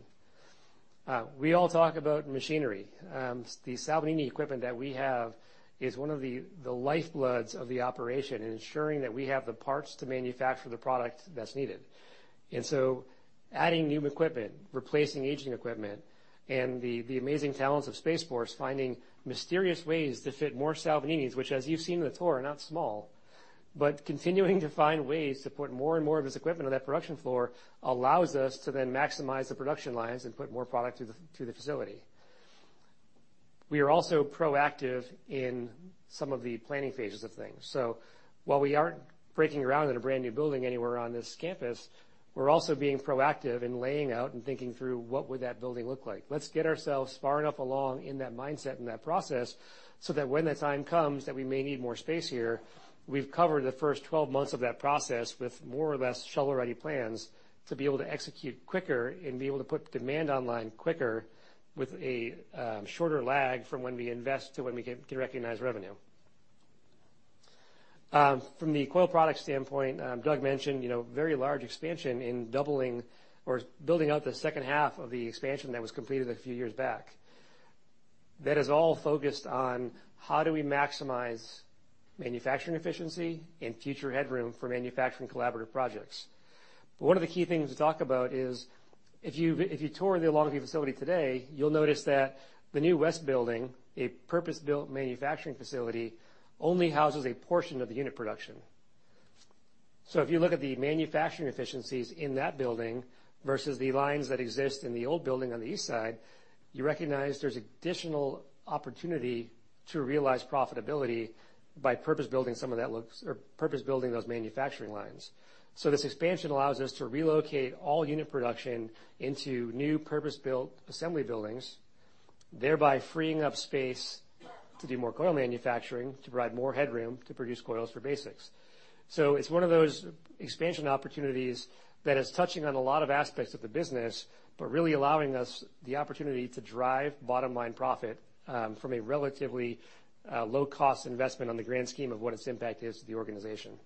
Speaker 5: We all talk about machinery. The Salvagnini equipment that we have is one of the lifebloods of the operation in ensuring that we have the parts to manufacture the product that's needed. Adding new equipment, replacing aging equipment, and the amazing talents of Space Force finding mysterious ways to fit more Salvagninis, which as you've seen in the tour, are not small. Continuing to find ways to put more and more of this equipment on that production floor allows us to then maximize the production lines and put more product through the facility. We are also proactive in some of the planning phases of things. While we aren't breaking ground on a brand-new building anywhere on this campus, we're also being proactive in laying out and thinking through what would that building look like. Let's get ourselves far enough along in that mindset and that process so that when the time comes that we may need more space here, we've covered the first 12 months of that process with more or less shovel-ready plans to be able to execute quicker and be able to put demand online quicker with a shorter lag from when we invest to when we can recognize revenue. From the coil product standpoint, Doug mentioned, you know, very large expansion in doubling or building out the second half of the expansion that was completed a few years back. That is all focused on how do we maximize manufacturing efficiency and future headroom for manufacturing collaborative projects. One of the key things to talk about is if you tour the Longview facility today, you'll notice that the new west building, a purpose-built manufacturing facility, only houses a portion of the unit production. If you look at the manufacturing efficiencies in that building versus the lines that exist in the old building on the east side, you recognize there's additional opportunity to realize profitability by purpose-building some of that or purpose-building those manufacturing lines. This expansion allows us to relocate all unit production into new purpose-built assembly buildings, thereby freeing up space to do more coil manufacturing, to provide more headroom to produce coils for BasX. It's one of those expansion opportunities that is touching on a lot of aspects of the business, but really allowing us the opportunity to drive bottom-line profit, from a relatively low-cost investment on the grand scheme of what its impact is to the organization.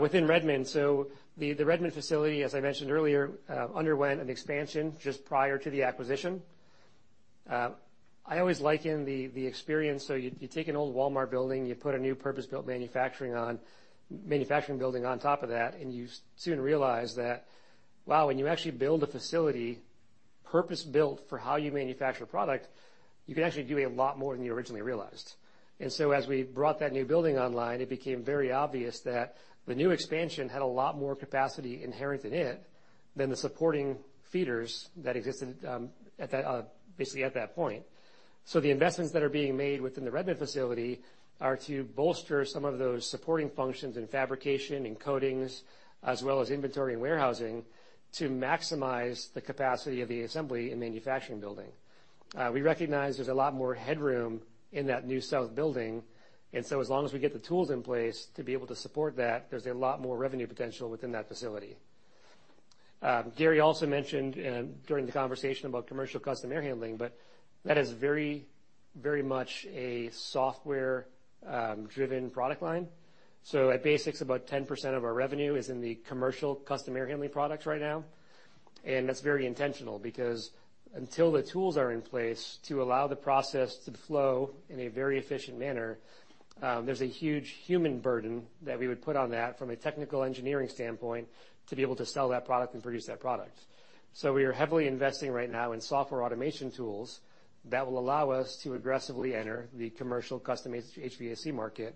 Speaker 5: Within Redmond, the Redmond facility, as I mentioned earlier, underwent an expansion just prior to the acquisition. I always liken the experience. You take an old Walmart building, you put a new purpose-built manufacturing building on top of that, and you soon realize that, wow, when you actually build a facility purpose-built for how you manufacture product, you can actually do a lot more than you originally realized. As we brought that new building online, it became very obvious that the new expansion had a lot more capacity inherent in it than the supporting feeders that existed at that, basically at that point. The investments that are being made within the Redmond facility are to bolster some of those supporting functions in fabrication and coatings as well as inventory and warehousing to maximize the capacity of the assembly and manufacturing building. We recognize there's a lot more headroom in that new south building, and so as long as we get the tools in place to be able to support that, there's a lot more revenue potential within that facility. Gary also mentioned during the conversation about commercial custom air handling, but that is very, very much a software driven product line. At BasX, about 10% of our revenue is in the commercial custom air handling products right now. That's very intentional because until the tools are in place to allow the process to flow in a very efficient manner, there's a huge human burden that we would put on that from a technical engineering standpoint to be able to sell that product and produce that product. We are heavily investing right now in software automation tools that will allow us to aggressively enter the commercial custom HVAC market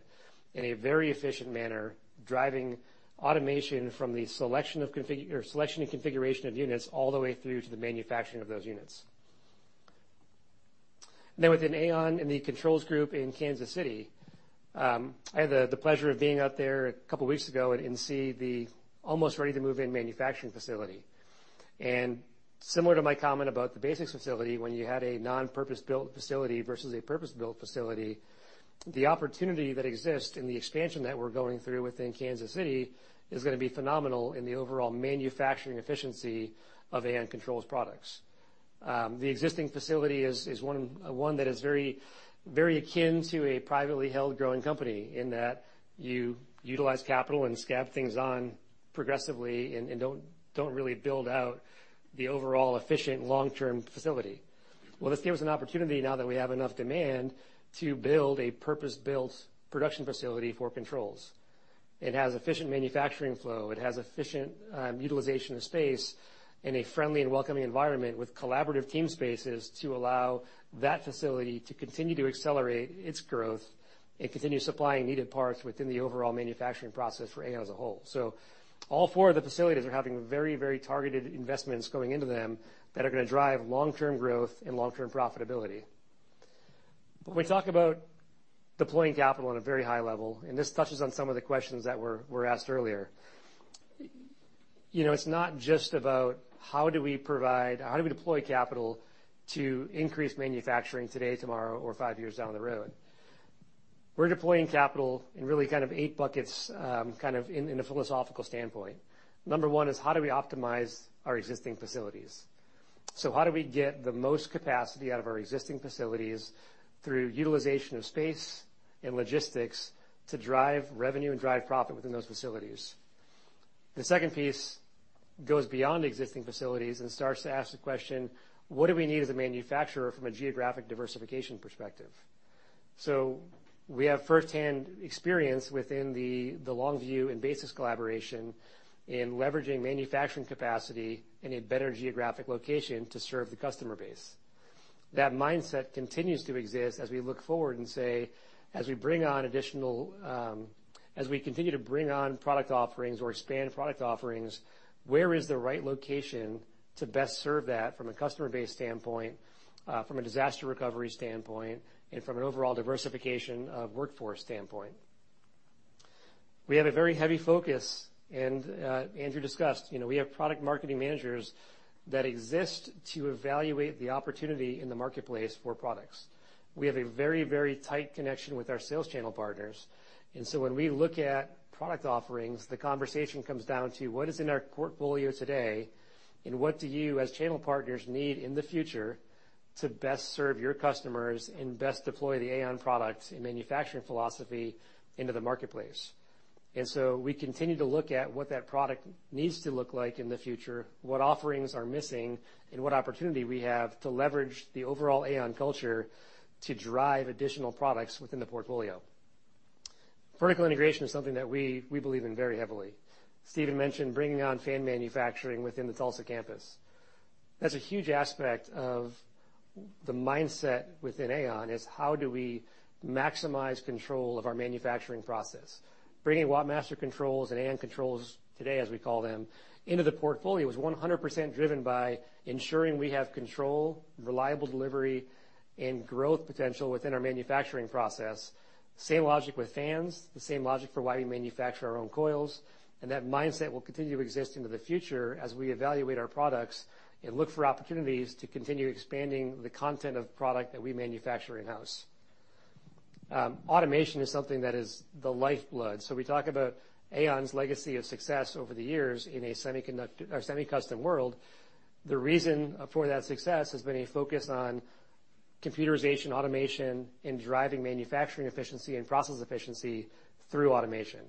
Speaker 5: in a very efficient manner, driving automation from the selection and configuration of units all the way through to the manufacturing of those units. Within AAON in the Controls group in Kansas City, I had the pleasure of being out there a couple weeks ago and see the almost ready-to-move-in manufacturing facility. Similar to my comment about the BasX facility, when you had a non-purpose-built facility versus a purpose-built facility, the opportunity that exists in the expansion that we're going through within Kansas City is gonna be phenomenal in the overall manufacturing efficiency of AAON Controls products. The existing facility is one that is very akin to a privately held growing company in that you utilize capital and scab things on progressively and don't really build out the overall efficient long-term facility. This gives us an opportunity now that we have enough demand to build a purpose-built production facility for controls. It has efficient manufacturing flow. It has efficient utilization of space in a friendly and welcoming environment with collaborative team spaces to allow that facility to continue to accelerate its growth and continue supplying needed parts within the overall manufacturing process for AAON as a whole. All four of the facilities are having very, very targeted investments going into them that are going to drive long-term growth and long-term profitability. When we talk about deploying capital on a very high level, and this touches on some of the questions that were asked earlier. You know, it's not just about how do we provide or how do we deploy capital to increase manufacturing today, tomorrow or five years down the road. We're deploying capital in really kind of eight buckets, kind of in a philosophical standpoint. Number one is how do we optimize our existing facilities. So how do we get the most capacity out of our existing facilities through utilization of space and logistics to drive revenue and drive profit within those facilities? The second piece goes beyond existing facilities and starts to ask the question, what do we need as a manufacturer from a geographic diversification perspective? We have first-hand experience within the Longview and BasX collaboration in leveraging manufacturing capacity in a better geographic location to serve the customer base. That mindset continues to exist as we look forward and say, as we bring on additional, as we continue to bring on product offerings or expand product offerings, where is the right location to best serve that from a customer base standpoint, from a disaster recovery standpoint, and from an overall diversification of workforce standpoint? We have a very heavy focus, and Andrew discussed, you know, we have product marketing managers that exist to evaluate the opportunity in the marketplace for products. We have a very tight connection with our sales channel partners. When we look at product offerings, the conversation comes down to what is in our portfolio today, and what do you as channel partners need in the future to best serve your customers and best deploy the AAON product and manufacturing philosophy into the marketplace. We continue to look at what that product needs to look like in the future, what offerings are missing, and what opportunity we have to leverage the overall AAON culture to drive additional products within the portfolio. Vertical integration is something that we believe in very heavily. Stephen mentioned bringing on fan manufacturing within the Tulsa campus. That's a huge aspect of the mindset within AAON, is how do we maximize control of our manufacturing process? Bringing WattMaster Controls controls and AAON Controls today, as we call them, into the portfolio is 100% driven by ensuring we have control, reliable delivery, and growth potential within our manufacturing process. Same logic with fans, the same logic for why we manufacture our own coils, and that mindset will continue to exist into the future as we evaluate our products and look for opportunities to continue expanding the content of product that we manufacture in-house. Automation is something that is the lifeblood. We talk about AAON's legacy of success over the years in a semi-custom world. The reason for that success has been a focus on computerization, automation, and driving manufacturing efficiency and process efficiency through automation.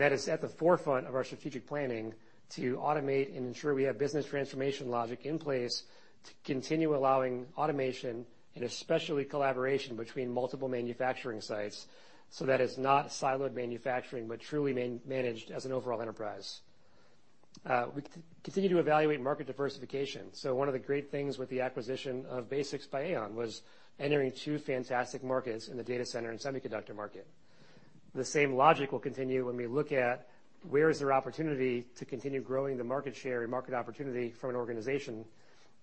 Speaker 5: That is at the forefront of our strategic planning to automate and ensure we have business transformation logic in place to continue allowing automation and especially collaboration between multiple manufacturing sites so that it's not siloed manufacturing, but truly man-managed as an overall enterprise. We continue to evaluate market diversification. One of the great things with the acquisition of BasX by AAON was entering two fantastic markets in the data center and semiconductor market. The same logic will continue when we look at where is there opportunity to continue growing the market share and market opportunity for an organization,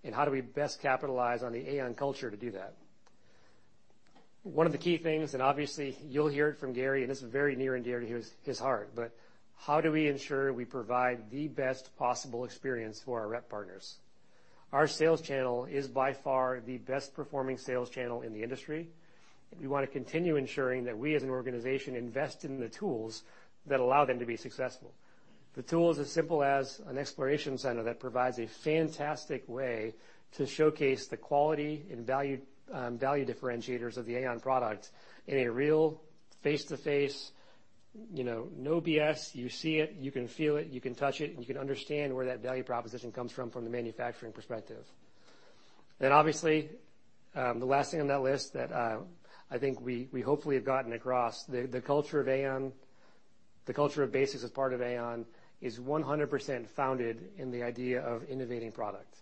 Speaker 5: and how do we best capitalize on the AAON culture to do that? One of the key things, and obviously you'll hear it from Gary, and this is very near and dear to his heart, but how do we ensure we provide the best possible experience for our rep partners? Our sales channel is by far the best performing sales channel in the industry. We wanna continue ensuring that we as an organization invest in the tools that allow them to be successful. The tool is as simple as an Exploration Center that provides a fantastic way to showcase the quality and value differentiators of the AAON product in a real face-to-face, you know, no BS. You see it, you can feel it, you can touch it, and you can understand where that value proposition comes from from the manufacturing perspective. Obviously, the last thing on that list that I think we hopefully have gotten across, the culture of AAON, the culture of BasX as part of AAON is 100% founded in the idea of innovating product.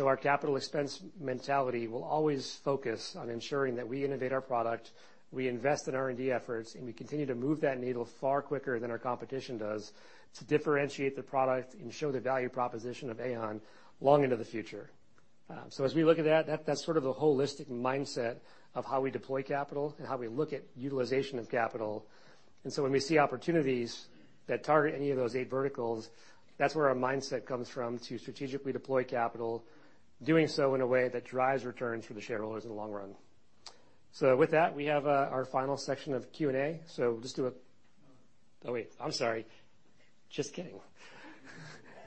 Speaker 5: Our capital expense mentality will always focus on ensuring that we innovate our product, we invest in R&D efforts, and we continue to move that needle far quicker than our competition does to differentiate the product and show the value proposition of AAON long into the future. As we look at that's sort of the holistic mindset of how we deploy capital and how we look at utilization of capital. When we see opportunities that target any of those eight verticals, that's where our mindset comes from to strategically deploy capital, doing so in a way that drives returns for the shareholders in the long run. With that, we have our final section of Q&A. Oh, wait. I'm sorry. Just kidding.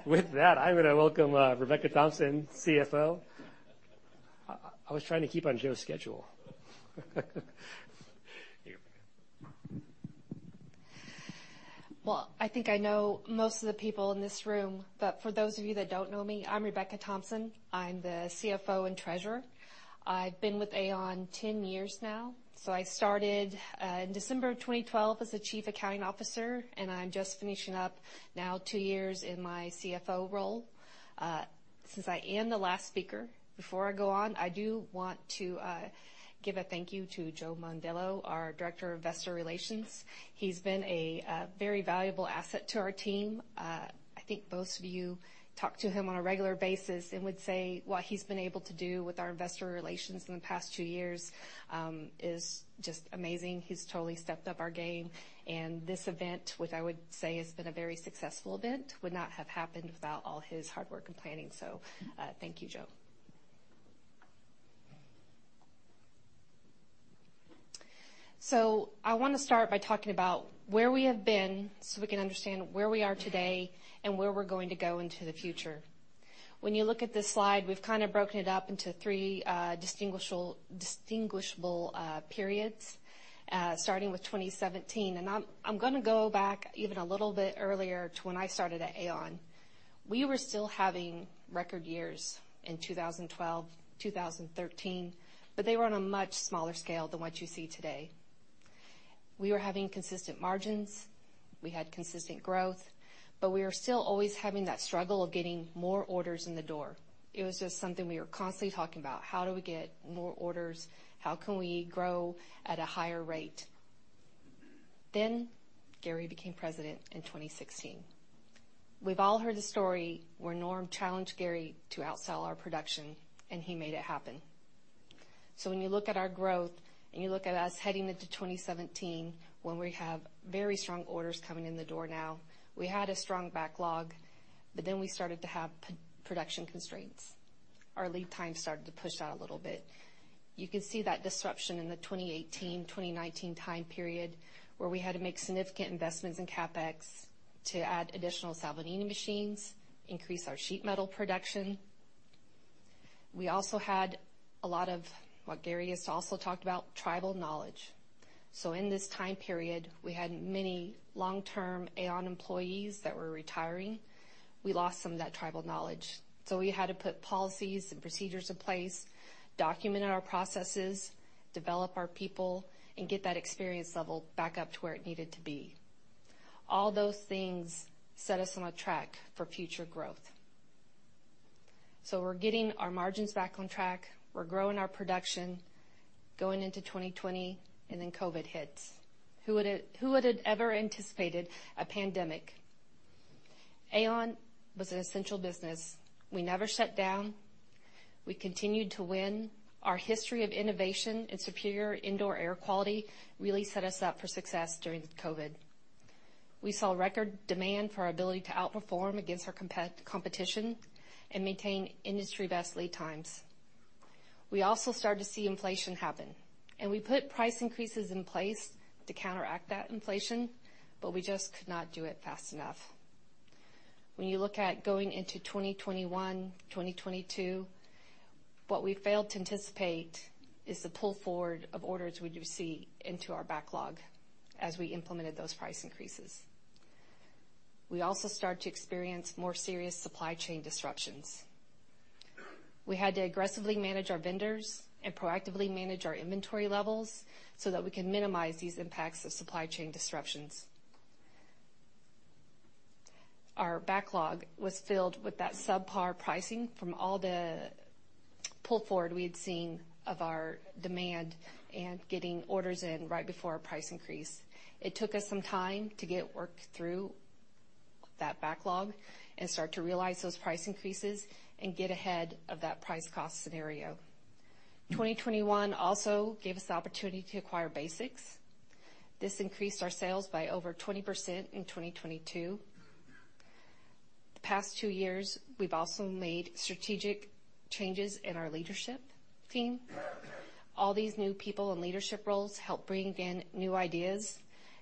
Speaker 5: With that, I'm gonna welcome Rebecca Thompson, CFO. I was trying to keep on Joe's schedule. Here.
Speaker 11: I think I know most of the people in this room, but for those of you that don't know me, I'm Rebecca Thompson. I'm the CFO and Treasurer. I've been with AAON 10 years now. I started in December of 2012 as the Chief Accounting Officer, and I'm just finishing up now two years in my CFO role. Since I am the last speaker, before I go on, I do want to give a thank you to Joseph Mondillo, our Director of Investor Relations. He's been a very valuable asset to our team. I think most of you talk to him on a regular basis and would say what he's been able to do with our investor relations in the past two years is just amazing. He's totally stepped up our game. This event, which I would say has been a very successful event, would not have happened without all his hard work and planning. Thank you, Joe. I wanna start by talking about where we have been, so we can understand where we are today and where we're going to go into the future. When you look at this slide, we've kinda broken it up into three distinguishable periods, starting with 2017. I'm gonna go back even a little bit earlier to when I started at AAON. We were still having record years in 2012, 2013, but they were on a much smaller scale than what you see today. We were having consistent margins, we had consistent growth, but we were still always having that struggle of getting more orders in the door. It was just something we were constantly talking about: How do we get more orders? How can we grow at a higher rate? Gary became president in 2016. We've all heard the story where Norm challenged Gary to outsell our production, and he made it happen. When you look at our growth and you look at us heading into 2017, when we have very strong orders coming in the door now, we had a strong backlog, but then we started to have production constraints. Our lead time started to push out a little bit. You can see that disruption in the 2018, 2019 time period, where we had to make significant investments in CapEx to add additional Salvagnini machines, increase our sheet metal production. We also had a lot of, what Gary has also talked about, tribal knowledge. In this time period, we had many long-term AAON employees that were retiring. We lost some of that tribal knowledge. We had to put policies and procedures in place, document our processes, develop our people, and get that experience level back up to where it needed to be. All those things set us on a track for future growth. We're getting our margins back on track, we're growing our production going into 2020, and then COVID hits. Who would've ever anticipated a pandemic? AAON was an essential business. We never shut down. We continued to win. Our history of innovation and superior indoor air quality really set us up for success during COVID. We saw record demand for our ability to outperform against our competition and maintain industry-best lead times. We also started to see inflation happen, and we put price increases in place to counteract that inflation, but we just could not do it fast enough. When you look at going into 2021, 2022, what we failed to anticipate is the pull forward of orders we do see into our backlog as we implemented those price increases. We also start to experience more serious supply chain disruptions. We had to aggressively manage our vendors and proactively manage our inventory levels so that we can minimize these impacts of supply chain disruptions. Our backlog was filled with that subpar pricing from all the pull forward we had seen of our demand and getting orders in right before our price increase. It took us some time to get work through that backlog and start to realize those price increases and get ahead of that price cost scenario. 2021 also gave us the opportunity to acquire BasX. This increased our sales by over 20% in 2022. The past two years, we've also made strategic changes in our leadership team. All these new people in leadership roles help bring in new ideas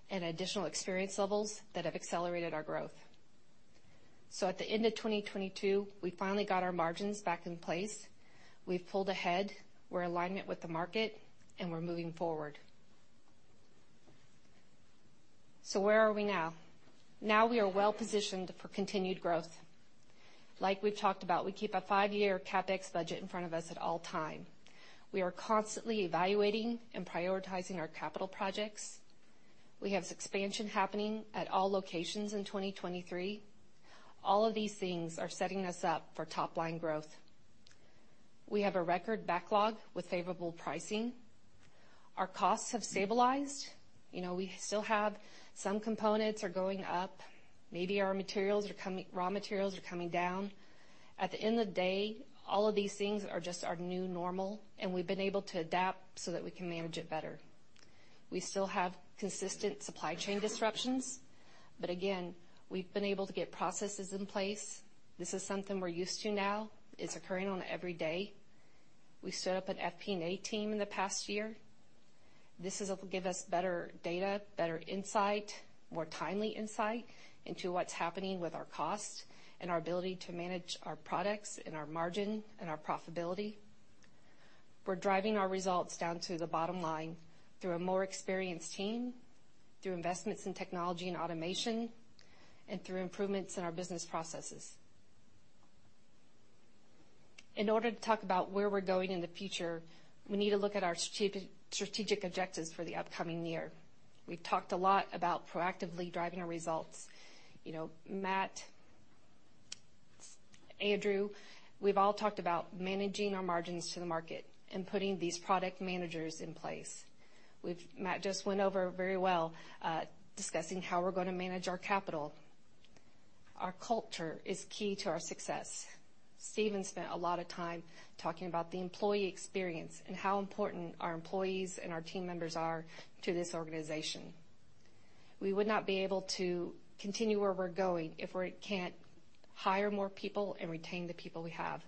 Speaker 11: and additional experience levels that have accelerated our growth. At the end of 2022, we finally got our margins back in place. We've pulled ahead, we're alignment with the market, and we're moving forward. Where are we now? Now we are well-positioned for continued growth. Like we've talked about, we keep a five-year CapEx budget in front of us at all time. We are constantly evaluating and prioritizing our capital projects. We have expansion happening at all locations in 2023. All of these things are setting us up for top line growth. We have a record backlog with favorable pricing. Our costs have stabilized. You know, we still have some components are going up, maybe our raw materials are coming down. At the end of the day, all of these things are just our new normal, and we've been able to adapt so that we can manage it better. We still have consistent supply chain disruptions, but again, we've been able to get processes in place. This is something we're used to now. It's occurring on every day. We set up an FP&A team in the past year. This is to give us better data, better insight, more timely insight into what's happening with our cost and our ability to manage our products and our margin and our profitability. We're driving our results down to the bottom line through a more experienced team, through investments in technology and automation, and through improvements in our business processes. In order to talk about where we're going in the future, we need to look at our strategic objectives for the upcoming year. We've talked a lot about proactively driving our results. You know, Matt, Andrew, we've all talked about managing our margins to the market and putting these product managers in place. We've Matt just went over very well, discussing how we're gonna manage our capital. Our culture is key to our success. Steven spent a lot of time talking about the employee experience and how important our employees and our team members are to this organization. We would not be able to continue where we're going if we're can't hire more people and retain the people we have.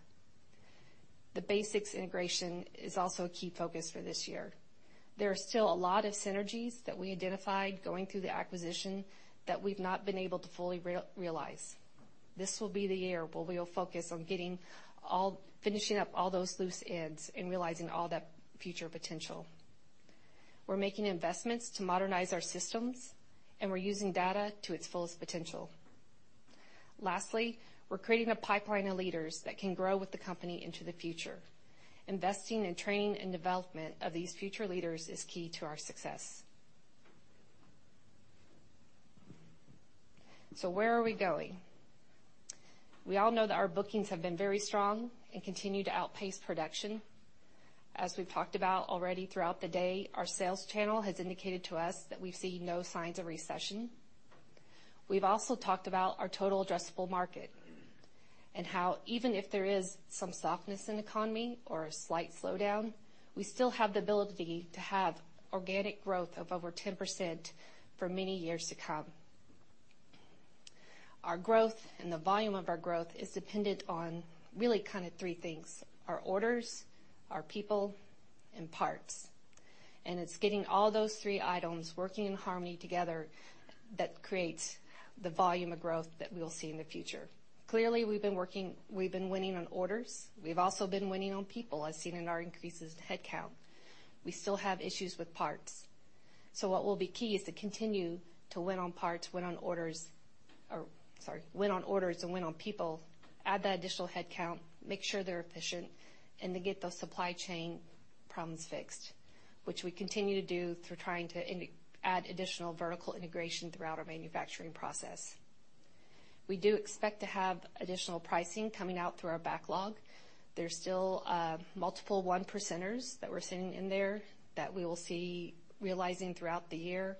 Speaker 11: The BasX integration is also a key focus for this year. There are still a lot of synergies that we identified going through the acquisition that we've not been able to fully re-realize. This will be the year where we will focus on finishing up all those loose ends and realizing all that future potential. We're making investments to modernize our systems, and we're using data to its fullest potential. Lastly, we're creating a pipeline of leaders that can grow with the company into the future. Investing in training and development of these future leaders is key to our success. Where are we going? We all know that our bookings have been very strong and continue to outpace production. As we've talked about already throughout the day, our sales channel has indicated to us that we see no signs of recession. We've also talked about our total addressable market and how even if there is some softness in the economy or a slight slowdown, we still have the ability to have organic growth of over 10% for many years to come. Our growth and the volume of our growth is dependent on really kind of three things, our orders, our people, and parts. It's getting all those three items working in harmony together that creates the volume of growth that we'll see in the future. Clearly, we've been winning on orders. We've also been winning on people, as seen in our increases in headcount. We still have issues with parts. What will be key is to continue to win on parts, win on orders and win on people, add that additional headcount, make sure they're efficient, and to get those supply chain problems fixed, which we continue to do through trying to add additional vertical integration throughout our manufacturing process. We do expect to have additional pricing coming out through our backlog. There's still multiple one percenters that we're seeing in there that we will see realizing throughout the year,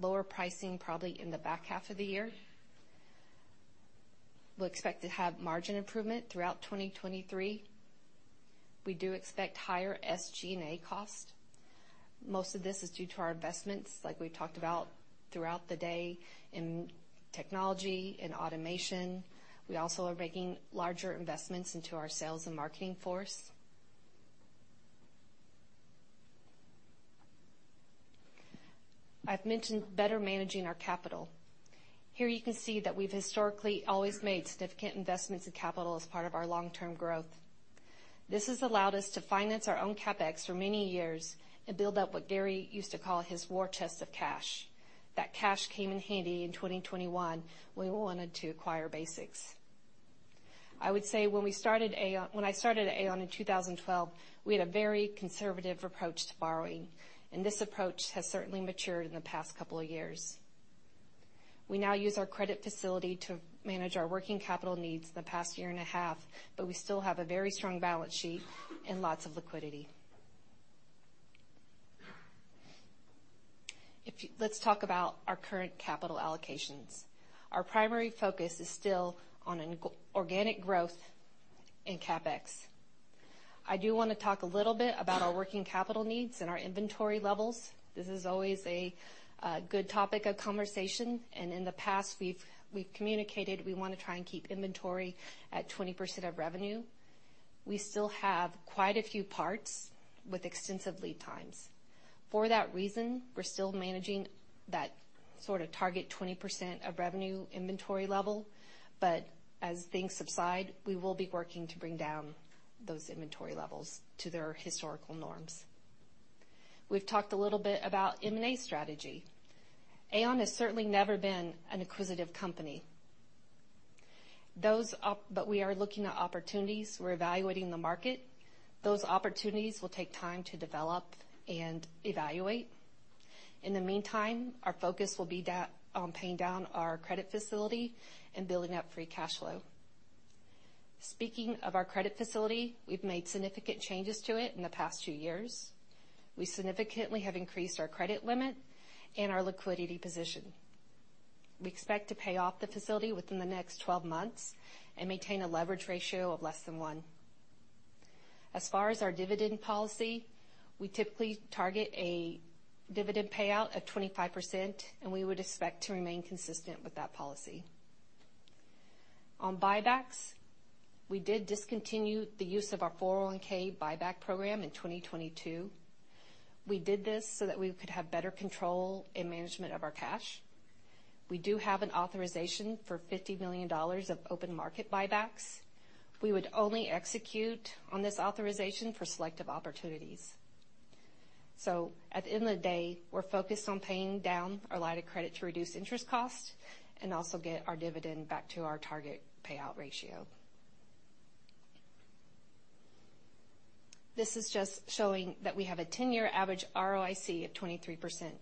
Speaker 11: lower pricing probably in the back half of the year. We'll expect to have margin improvement throughout 2023. We do expect higher SG&A cost. Most of this is due to our investments, like we talked about throughout the day, in technology and automation. We also are making larger investments into our sales and marketing force. I've mentioned better managing our capital. Here you can see that we've historically always made significant investments in capital as part of our long-term growth. This has allowed us to finance our own CapEx for many years and build up what Gary used to call his war chest of cash. That cash came in handy in 2021 when we wanted to acquire BASX. I would say when I started at AAON in 2012, we had a very conservative approach to borrowing, and this approach has certainly matured in the past couple of years. We now use our credit facility to manage our working capital needs in the past year and a half, but we still have a very strong balance sheet and lots of liquidity. Let's talk about our current capital allocations. Our primary focus is still on organic growth in CapEx. I do wanna talk a little bit about our working capital needs and our inventory levels. This is always a good topic of conversation, and in the past we've communicated we wanna try and keep inventory at 20% of revenue. We still have quite a few parts with extensive lead times. For that reason, we're still managing that sort of target 20% of revenue inventory level, but as things subside, we will be working to bring down those inventory levels to their historical norms. We've talked a little bit about M&A strategy. AAON has certainly never been an acquisitive company. We are looking at opportunities, we're evaluating the market. Those opportunities will take time to develop and evaluate. In the meantime, our focus will be paying down our credit facility and building up free cash flow. Speaking of our credit facility, we've made significant changes to it in the past two years. We significantly have increased our credit limit and our liquidity position. We expect to pay off the facility within the next 12 months and maintain a leverage ratio of less than one. As far as our dividend policy, we typically target a dividend payout of 25%, we would expect to remain consistent with that policy. On buybacks, we did discontinue the use of our 401(k) buyback program in 2022. We did this so that we could have better control in management of our cash. We do have an authorization for $50 million of open market buybacks. We would only execute on this authorization for selective opportunities. At the end of the day, we're focused on paying down our line of credit to reduce interest costs and also get our dividend back to our target payout ratio. This is just showing that we have a 10-year average ROIC of 23%.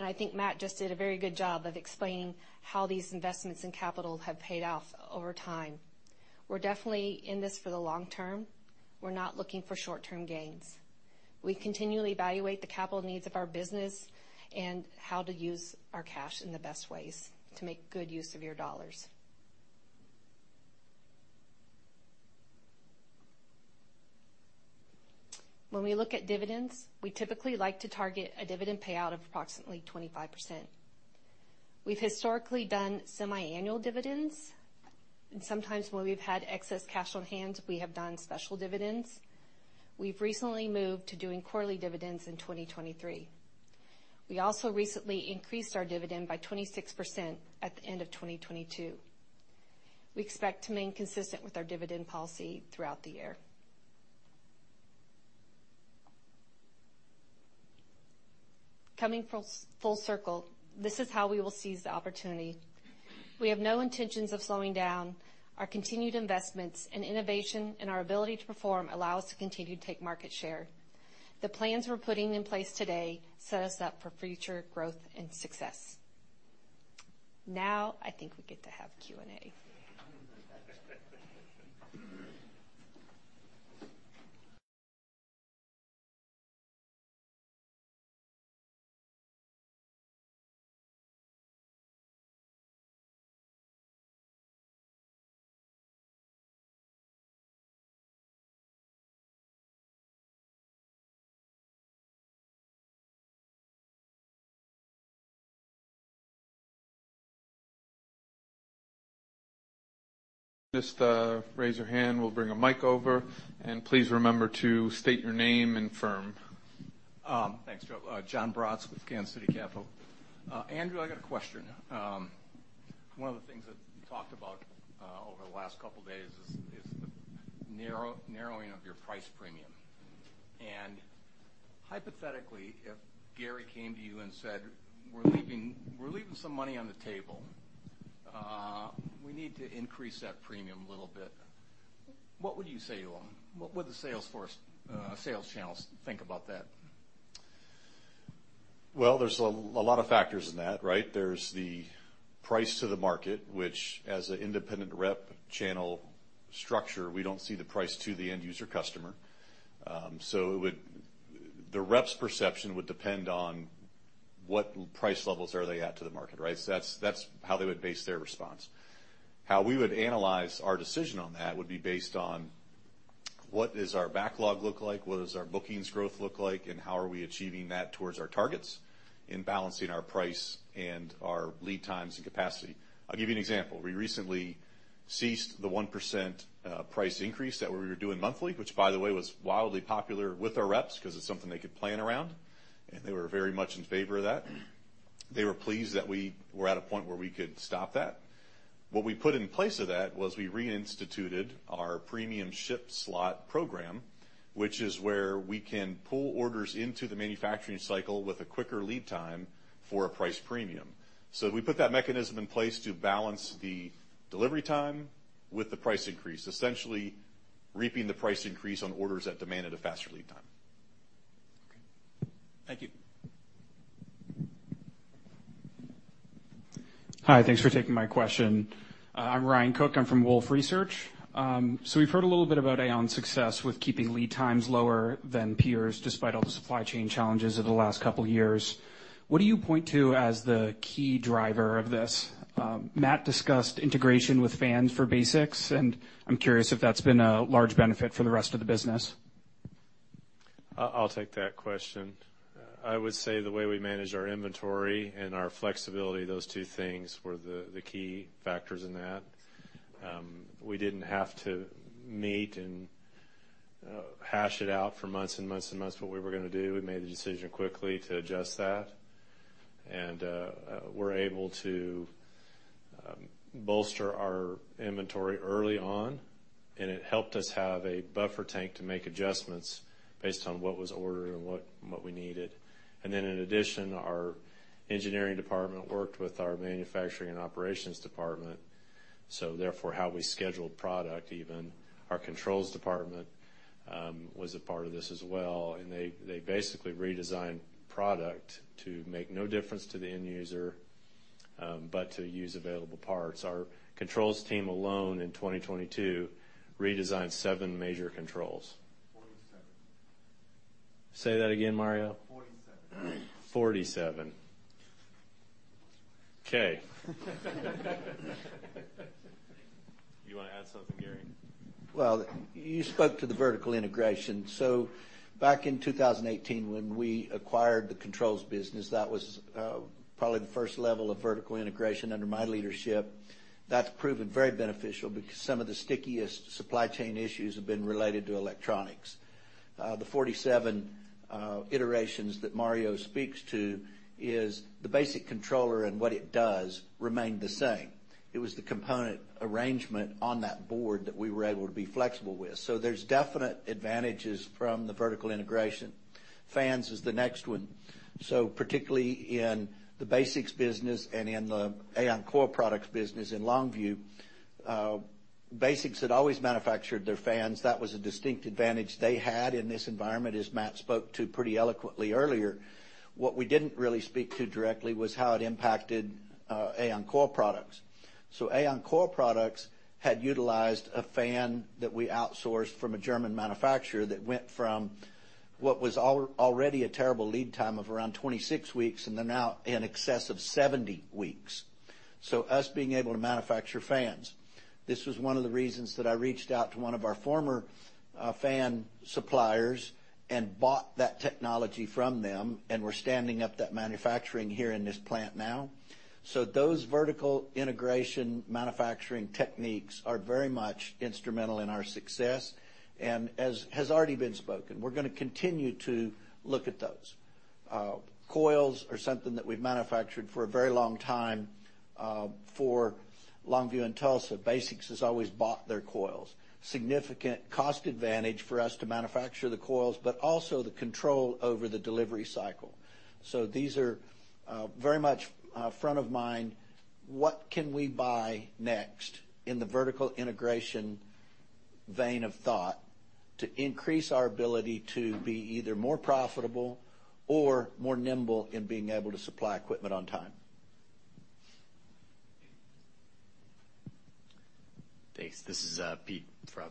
Speaker 11: I think Matt just did a very good job of explaining how these investments in capital have paid off over time. We're definitely in this for the long term. We're not looking for short-term gains. We continually evaluate the capital needs of our business and how to use our cash in the best ways to make good use of your dollars. When we look at dividends, we typically like to target a dividend payout of approximately 25%. We've historically done semiannual dividends, and sometimes when we've had excess cash on hand, we have done special dividends. We've recently moved to doing quarterly dividends in 2023. We also recently increased our dividend by 26% at the end of 2022. We expect to remain consistent with our dividend policy throughout the year. Coming full circle, this is how we will seize the opportunity. We have no intentions of slowing down. Our continued investments and innovation and our ability to perform allow us to continue to take market share. The plans we're putting in place today set us up for future growth and success. I think we get to have Q&A.
Speaker 2: Raise your hand. We'll bring a mic over, and please remember to state your name and firm.
Speaker 12: Thanks, Joe. Jon Braatz with Kansas City Capital Associates. Andrew, I got a question. One of the things that you talked about over the last two days is the narrowing of your price premium. Hypothetically, if Gary came to you and said, "We're leaving some money on the table, we need to increase that premium a little bit," what would you say to him? What would the sales force, sales channels think about that?
Speaker 10: Well, there's a lot of factors in that, right? There's the price to the market, which as an independent rep channel structure, we don't see the price to the end user customer. The rep's perception would depend on what price levels are they at to the market, right? That's how they would base their response. How we would analyze our decision on that would be based on what does our backlog look like, what does our bookings growth look like, and how are we achieving that towards our targets in balancing our price and our lead times and capacity. I'll give you an example. We recently ceased the 1% price increase that we were doing monthly, which, by the way, was wildly popular with our reps 'cause it's something they could plan around, and they were very much in favor of that. They were pleased that we were at a point where we could stop that. What we put in place of that was we reinstituted our premium ship slot program, which is where we can pull orders into the manufacturing cycle with a quicker lead time for a price premium. We put that mechanism in place to balance the delivery time with the price increase, essentially reaping the price increase on orders that demanded a faster lead time.
Speaker 12: Okay. Thank you.
Speaker 13: Hi. Thanks for taking my question. I'm Ryan Cook. I'm from Wolfe Research. We've heard a little bit about AAON's success with keeping lead times lower than peers, despite all the supply chain challenges over the last couple years. What do you point to as the key driver of this? Matt discussed integration with fans for BasX, and I'm curious if that's been a large benefit for the rest of the business.
Speaker 3: I'll take that question. I would say the way we manage our inventory and our flexibility, those two things were the key factors in that. We didn't have to meet and hash it out for months and months and months what we were gonna do. We made the decision quickly to adjust that, we're able to bolster our inventory early on, and it helped us have a buffer tank to make adjustments based on what was ordered and what we needed. In addition, our engineering department worked with our manufacturing and operations department, so therefore how we scheduled product, even our Controls Department, was a part of this as well, and they basically redesigned product to make no difference to the end user, but to use available parts. Our controls team alone in 2022 redesigned seven major controls.
Speaker 2: Forty-seven.
Speaker 3: Say that again, Mario.
Speaker 2: Forty-seven.
Speaker 3: 47. Okay. You wanna add something, Gary?
Speaker 2: You spoke to the vertical integration. Back in 2018 when we acquired the Controls business, that was probably the first level of vertical integration under my leadership. That's proven very beneficial because some of the stickiest supply chain issues have been related to electronics. The 47 iterations that Mario speaks to is the basic controller and what it does remained the same. It was the component arrangement on that board that we were able to be flexible with. There's definite advantages from the vertical integration. Fans is the next one. Particularly in the BasX business and in the AAON Coil Products business in Longview, BasX had always manufactured their fans. That was a distinct advantage they had in this environment, as Matt spoke to pretty eloquently earlier. What we didn't really speak to directly was how it impacted, AAON Coil Products. AAON Coil Products had utilized a fan that we outsourced from a German manufacturer that went from what was already a terrible lead time of around 26 weeks and then now in excess of 70 weeks. Us being able to manufacture fans. This was one of the reasons that I reached out to one of our former fan suppliers and bought that technology from them, and we're standing up that manufacturing here in this plant now. Those vertical integration manufacturing techniques are very much instrumental in our success. As has already been spoken, we're gonna continue to look at those. Coils are something that we've manufactured for a very long time, for Longview and Tulsa. BasX has always bought their coils. Significant cost advantage for us to manufacture the coils, but also the control over the delivery cycle. These are very much front of mind, what can we buy next in the vertical integration vein of thought to increase our ability to be either more profitable or more nimble in being able to supply equipment on time.
Speaker 6: Thanks. This is Pete from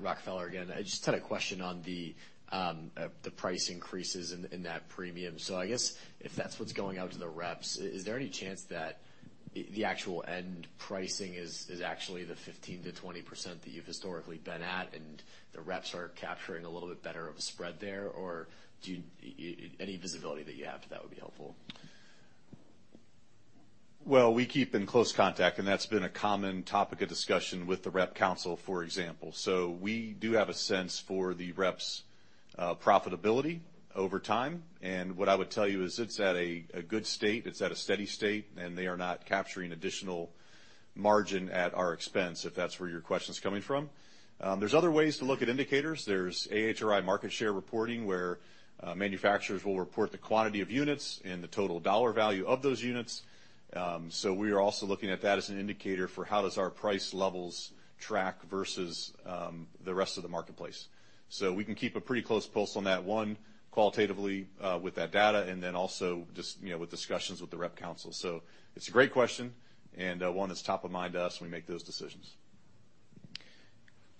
Speaker 6: Rockefeller again. I just had a question on the price increases in that premium. I guess if that's what's going out to the reps, is there any chance that the actual end pricing is actually the 15%-20% that you've historically been at, and the reps are capturing a little bit better of a spread there? Do you any visibility that you have to that would be helpful.
Speaker 10: We keep in close contact, that's been a common topic of discussion with the rep council, for example. We do have a sense for the reps' profitability over time. What I would tell you is it's at a good state, it's at a steady state, and they are not capturing additional margin at our expense, if that's where your question's coming from. There's other ways to look at indicators. There's AHRI market share reporting, where manufacturers will report the quantity of units and the total dollar value of those units. We are also looking at that as an indicator for how does our price levels track versus the rest of the marketplace. We can keep a pretty close pulse on that one qualitatively, with that data, and then also just, you know, with discussions with the Rep Council. It's a great question, and, one that's top of mind to us when we make those decisions.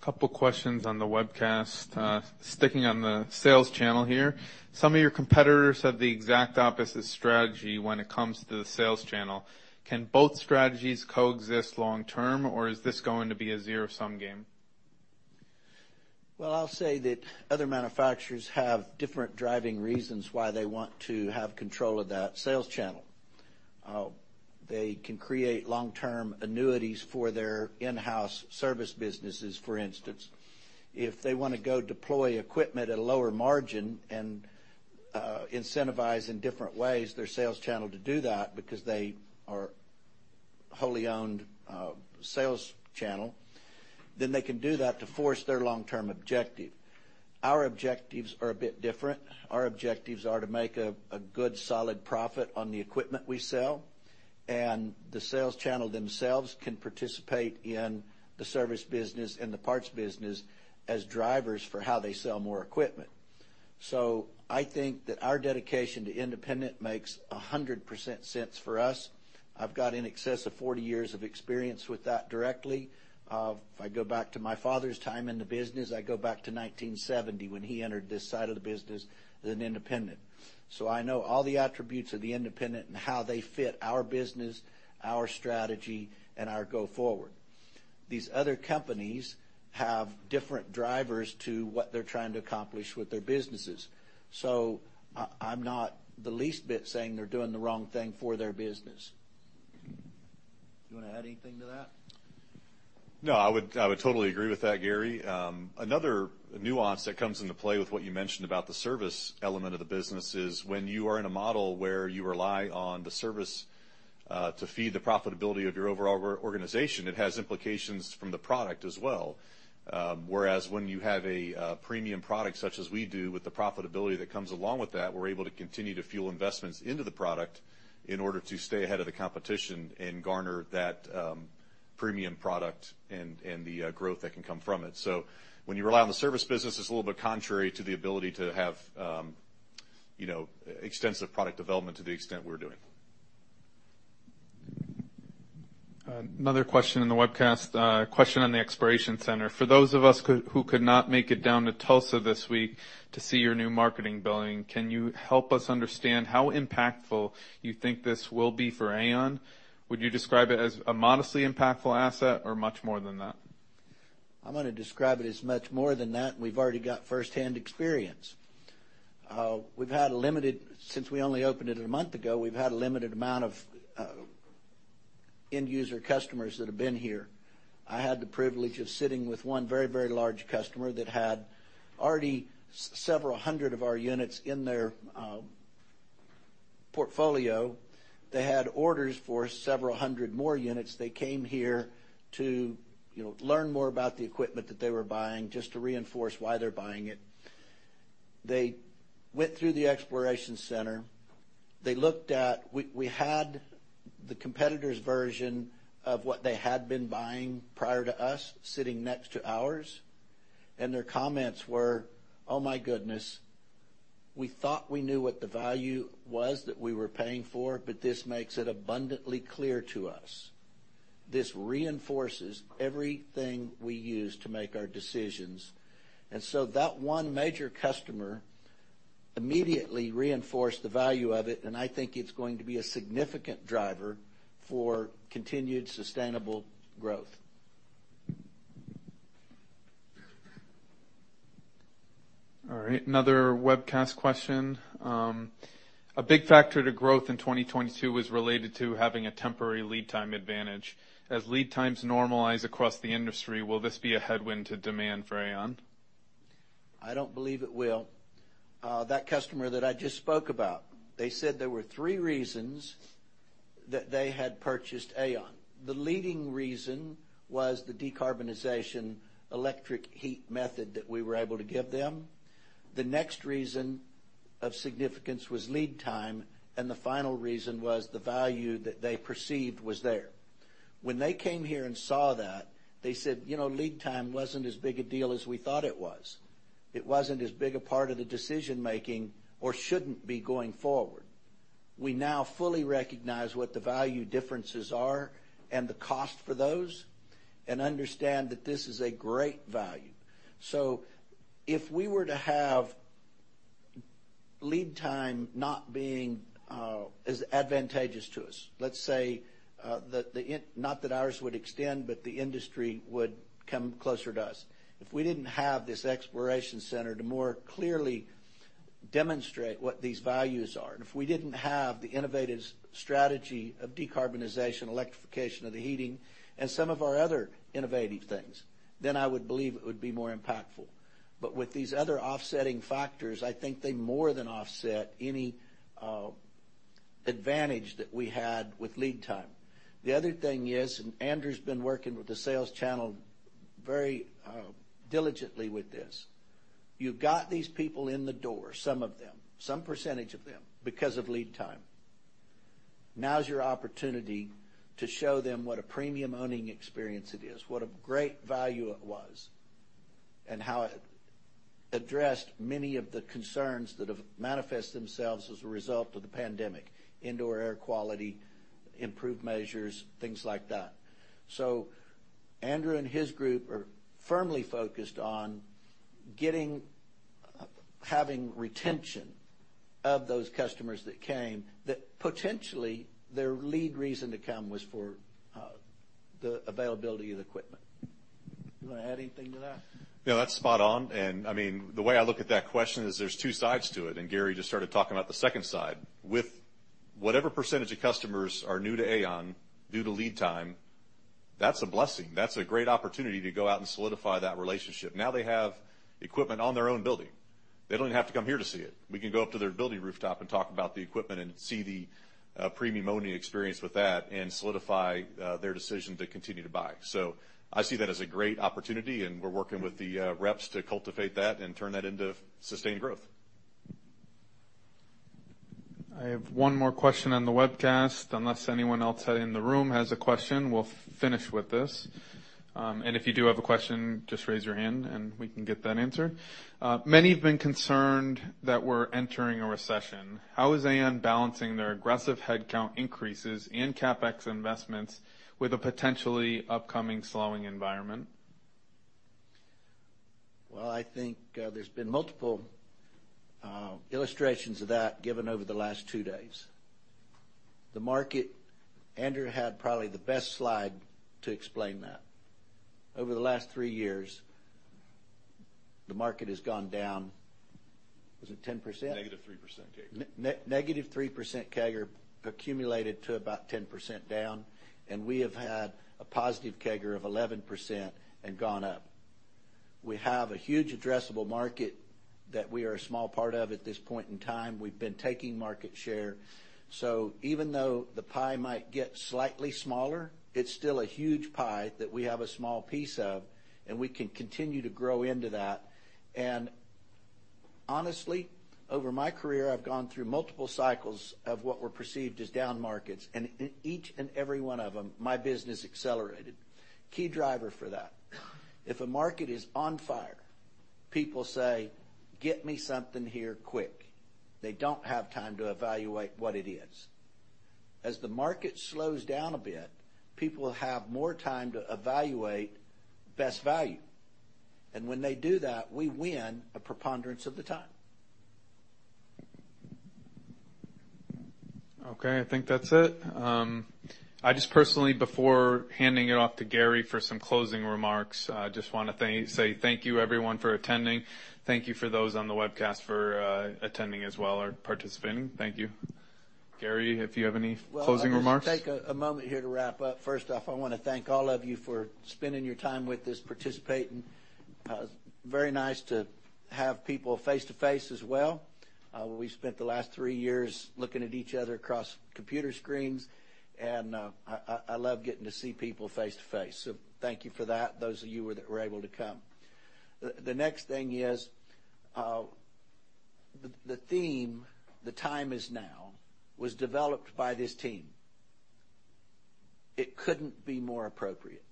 Speaker 1: Two questions on the webcast. Sticking on the sales channel here. Some of your competitors have the exact opposite strategy when it comes to the sales channel. Can both strategies coexist long term, or is this going to be a zero-sum game?
Speaker 2: I'll say that other manufacturers have different driving reasons why they want to have control of that sales channel. They can create long-term annuities for their in-house service businesses, for instance. If they wanna go deploy equipment at a lower margin and incentivize in different ways their sales channel to do that because they are wholly owned sales channel, then they can do that to force their long-term objective. Our objectives are a bit different. Our objectives are to make a good solid profit on the equipment we sell, and the sales channel themselves can participate in the service business and the parts business as drivers for how they sell more equipment. I think that our dedication to independent makes 100% sense for us. I've got in excess of 40 years of experience with that directly. If I go back to my father's time in the business, I go back to 1970 when he entered this side of the business as an independent. I know all the attributes of the independent and how they fit our business, our strategy, and our go-forward. These other companies have different drivers to what they're trying to accomplish with their businesses. I'm not the least bit saying they're doing the wrong thing for their business. You wanna add anything to that?
Speaker 10: No, I would, I would totally agree with that, Gary. Another nuance that comes into play with what you mentioned about the service element of the business is when you are in a model where you rely on the service, to feed the profitability of your overall organization, it has implications from the product as well. Whereas when you have a premium product such as we do, with the profitability that comes along with that, we're able to continue to fuel investments into the product in order to stay ahead of the competition and garner that premium product and the growth that can come from it. When you rely on the service business, it's a little bit contrary to the ability to have, you know, extensive product development to the extent we're doing.
Speaker 1: Another question in the webcast. A question on the Exploration Center. For those of us who could not make it down to Tulsa this week to see your new marketing building, can you help us understand how impactful you think this will be for AAON? Would you describe it as a modestly impactful asset or much more than that?
Speaker 2: I'm gonna describe it as much more than that, and we've already got firsthand experience. We've had limited Since we only opened it a month ago, we've had a limited amount of end user customers that have been here. I had the privilege of sitting with one very, very large customer that had already several hundred of our units in their portfolio. They had orders for several hundred more units. They came here to, you know, learn more about the equipment that they were buying, just to reinforce why they're buying it. They went through the Exploration Center. We had the competitor's version of what they had been buying prior to us sitting next to ours, and their comments were, "Oh my goodness. We thought we knew what the value was that we were paying for, but this makes it abundantly clear to us. This reinforces everything we use to make our decisions. That one major customer immediately reinforce the value of it, and I think it's going to be a significant driver for continued sustainable growth.
Speaker 1: All right, another webcast question. A big factor to growth in 2022 was related to having a temporary lead time advantage. As lead times normalize across the industry, will this be a headwind to demand for AAON?
Speaker 2: I don't believe it will. That customer that I just spoke about, they said there were three reasons that they had purchased AAON. The leading reason was the decarbonization electric heat method that we were able to give them. The next reason of significance was lead time, and the final reason was the value that they perceived was there. When they came here and saw that, they said, "You know, lead time wasn't as big a deal as we thought it was. It wasn't as big a part of the decision-making or shouldn't be going forward. We now fully recognize what the value differences are and the cost for those, and understand that this is a great value." If we were to have lead time not being as advantageous to us, let's say, that the not that ours would extend, but the industry would come closer to us. If we didn't have this Exploration Center to more clearly demonstrate what these values are, and if we didn't have the innovative strategy of decarbonization, electrification of the heating and some of our other innovative things, then I would believe it would be more impactful. With these other offsetting factors, I think they more than offset any advantage that we had with lead time. The other thing is, Andrew's been working with the sales channel very diligently with this. You've got these people in the door, some of them, some percentage of them, because of lead time. Now's your opportunity to show them what a premium owning experience it is, what a great value it was, and how it addressed many of the concerns that have manifest themselves as a result of the pandemic, indoor air quality, improved measures, things like that. Andrew and his group are firmly focused on having retention of those customers that came, that potentially their lead reason to come was for the availability of the equipment. You wanna add anything to that?
Speaker 10: No, that's spot on. I mean, the way I look at that question is there's two sides to it, and Gary just started talking about the second side. With whatever percentage of customers are new to AAON due to lead time, that's a blessing. That's a great opportunity to go out and solidify that relationship. Now they have equipment on their own building. They don't have to come here to see it. We can go up to their building rooftop and talk about the equipment and see the premium owning experience with that and solidify their decision to continue to buy. I see that as a great opportunity, and we're working with the reps to cultivate that and turn that into sustained growth.
Speaker 1: I have 1 more question on the webcast. Unless anyone else in the room has a question, we'll finish with this. If you do have a question, just raise your hand and we can get that answered. Many have been concerned that we're entering a recession. How is AAON balancing their aggressive headcount increases and CapEx investments with a potentially upcoming slowing environment?
Speaker 2: Well, I think, there's been multiple, illustrations of that given over the last two days. Andrew had probably the best slide to explain that. Over the last three years, the market has gone down. Was it 10%?
Speaker 10: -3% CAGR.
Speaker 2: Negative 3% CAGR accumulated to about 10% down. We have had a positive CAGR of 11% and gone up. We have a huge addressable market that we are a small part of at this point in time. We've been taking market share. Even though the pie might get slightly smaller, it's still a huge pie that we have a small piece of, and we can continue to grow into that. Honestly, over my career, I've gone through multiple cycles of what were perceived as down markets. In each and every one of them, my business accelerated. Key driver for that, if a market is on fire, people say, "Get me something here quick." They don't have time to evaluate what it is. As the market slows down a bit, people have more time to evaluate best value. When they do that, we win a preponderance of the time.
Speaker 1: Okay. I think that's it. I just personally, before handing it off to Gary for some closing remarks, I just wanna say thank you, everyone, for attending. Thank you for those on the webcast for attending as well or participating. Thank you. Gary, if you have any closing remarks.
Speaker 2: Well, I'll just take a moment here to wrap up. First off, I wanna thank all of you for spending your time with this, participating. It's very nice to have people face-to-face as well. We spent the last three years looking at each other across computer screens, and I love getting to see people face-to-face. Thank you for that, those of you who were able to come. The next thing is, the theme, The Time is Now, was developed by this team. It couldn't be more appropriate.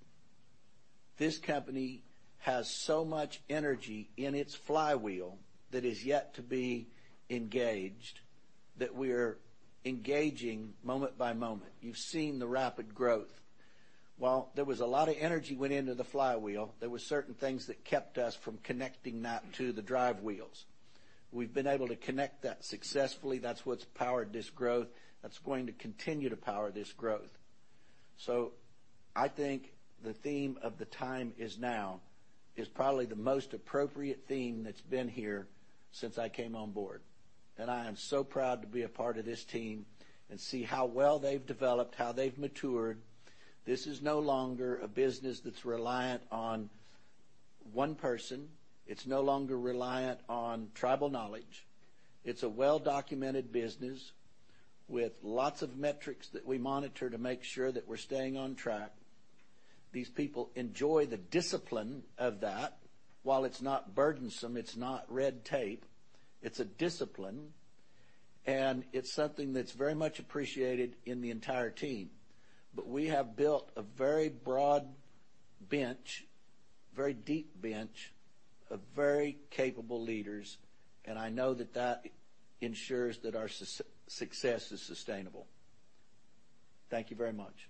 Speaker 2: This company has so much energy in its flywheel that is yet to be engaged, that we're engaging moment by moment. You've seen the rapid growth. While there was a lot of energy went into the flywheel, there were certain things that kept us from connecting that to the drive wheels. We've been able to connect that successfully. That's what's powered this growth. That's going to continue to power this growth. I think the theme of The Time is Now is probably the most appropriate theme that's been here since I came on board. I am so proud to be a part of this team and see how well they've developed, how they've matured. This is no longer a business that's reliant on one person. It's no longer reliant on tribal knowledge. It's a well-documented business with lots of metrics that we monitor to make sure that we're staying on track. These people enjoy the discipline of that. While it's not burdensome, it's not red tape, it's a discipline, and it's something that's very much appreciated in the entire team. We have built a very broad bench, very deep bench of very capable leaders, and I know that that ensures that our success is sustainable. Thank you very much.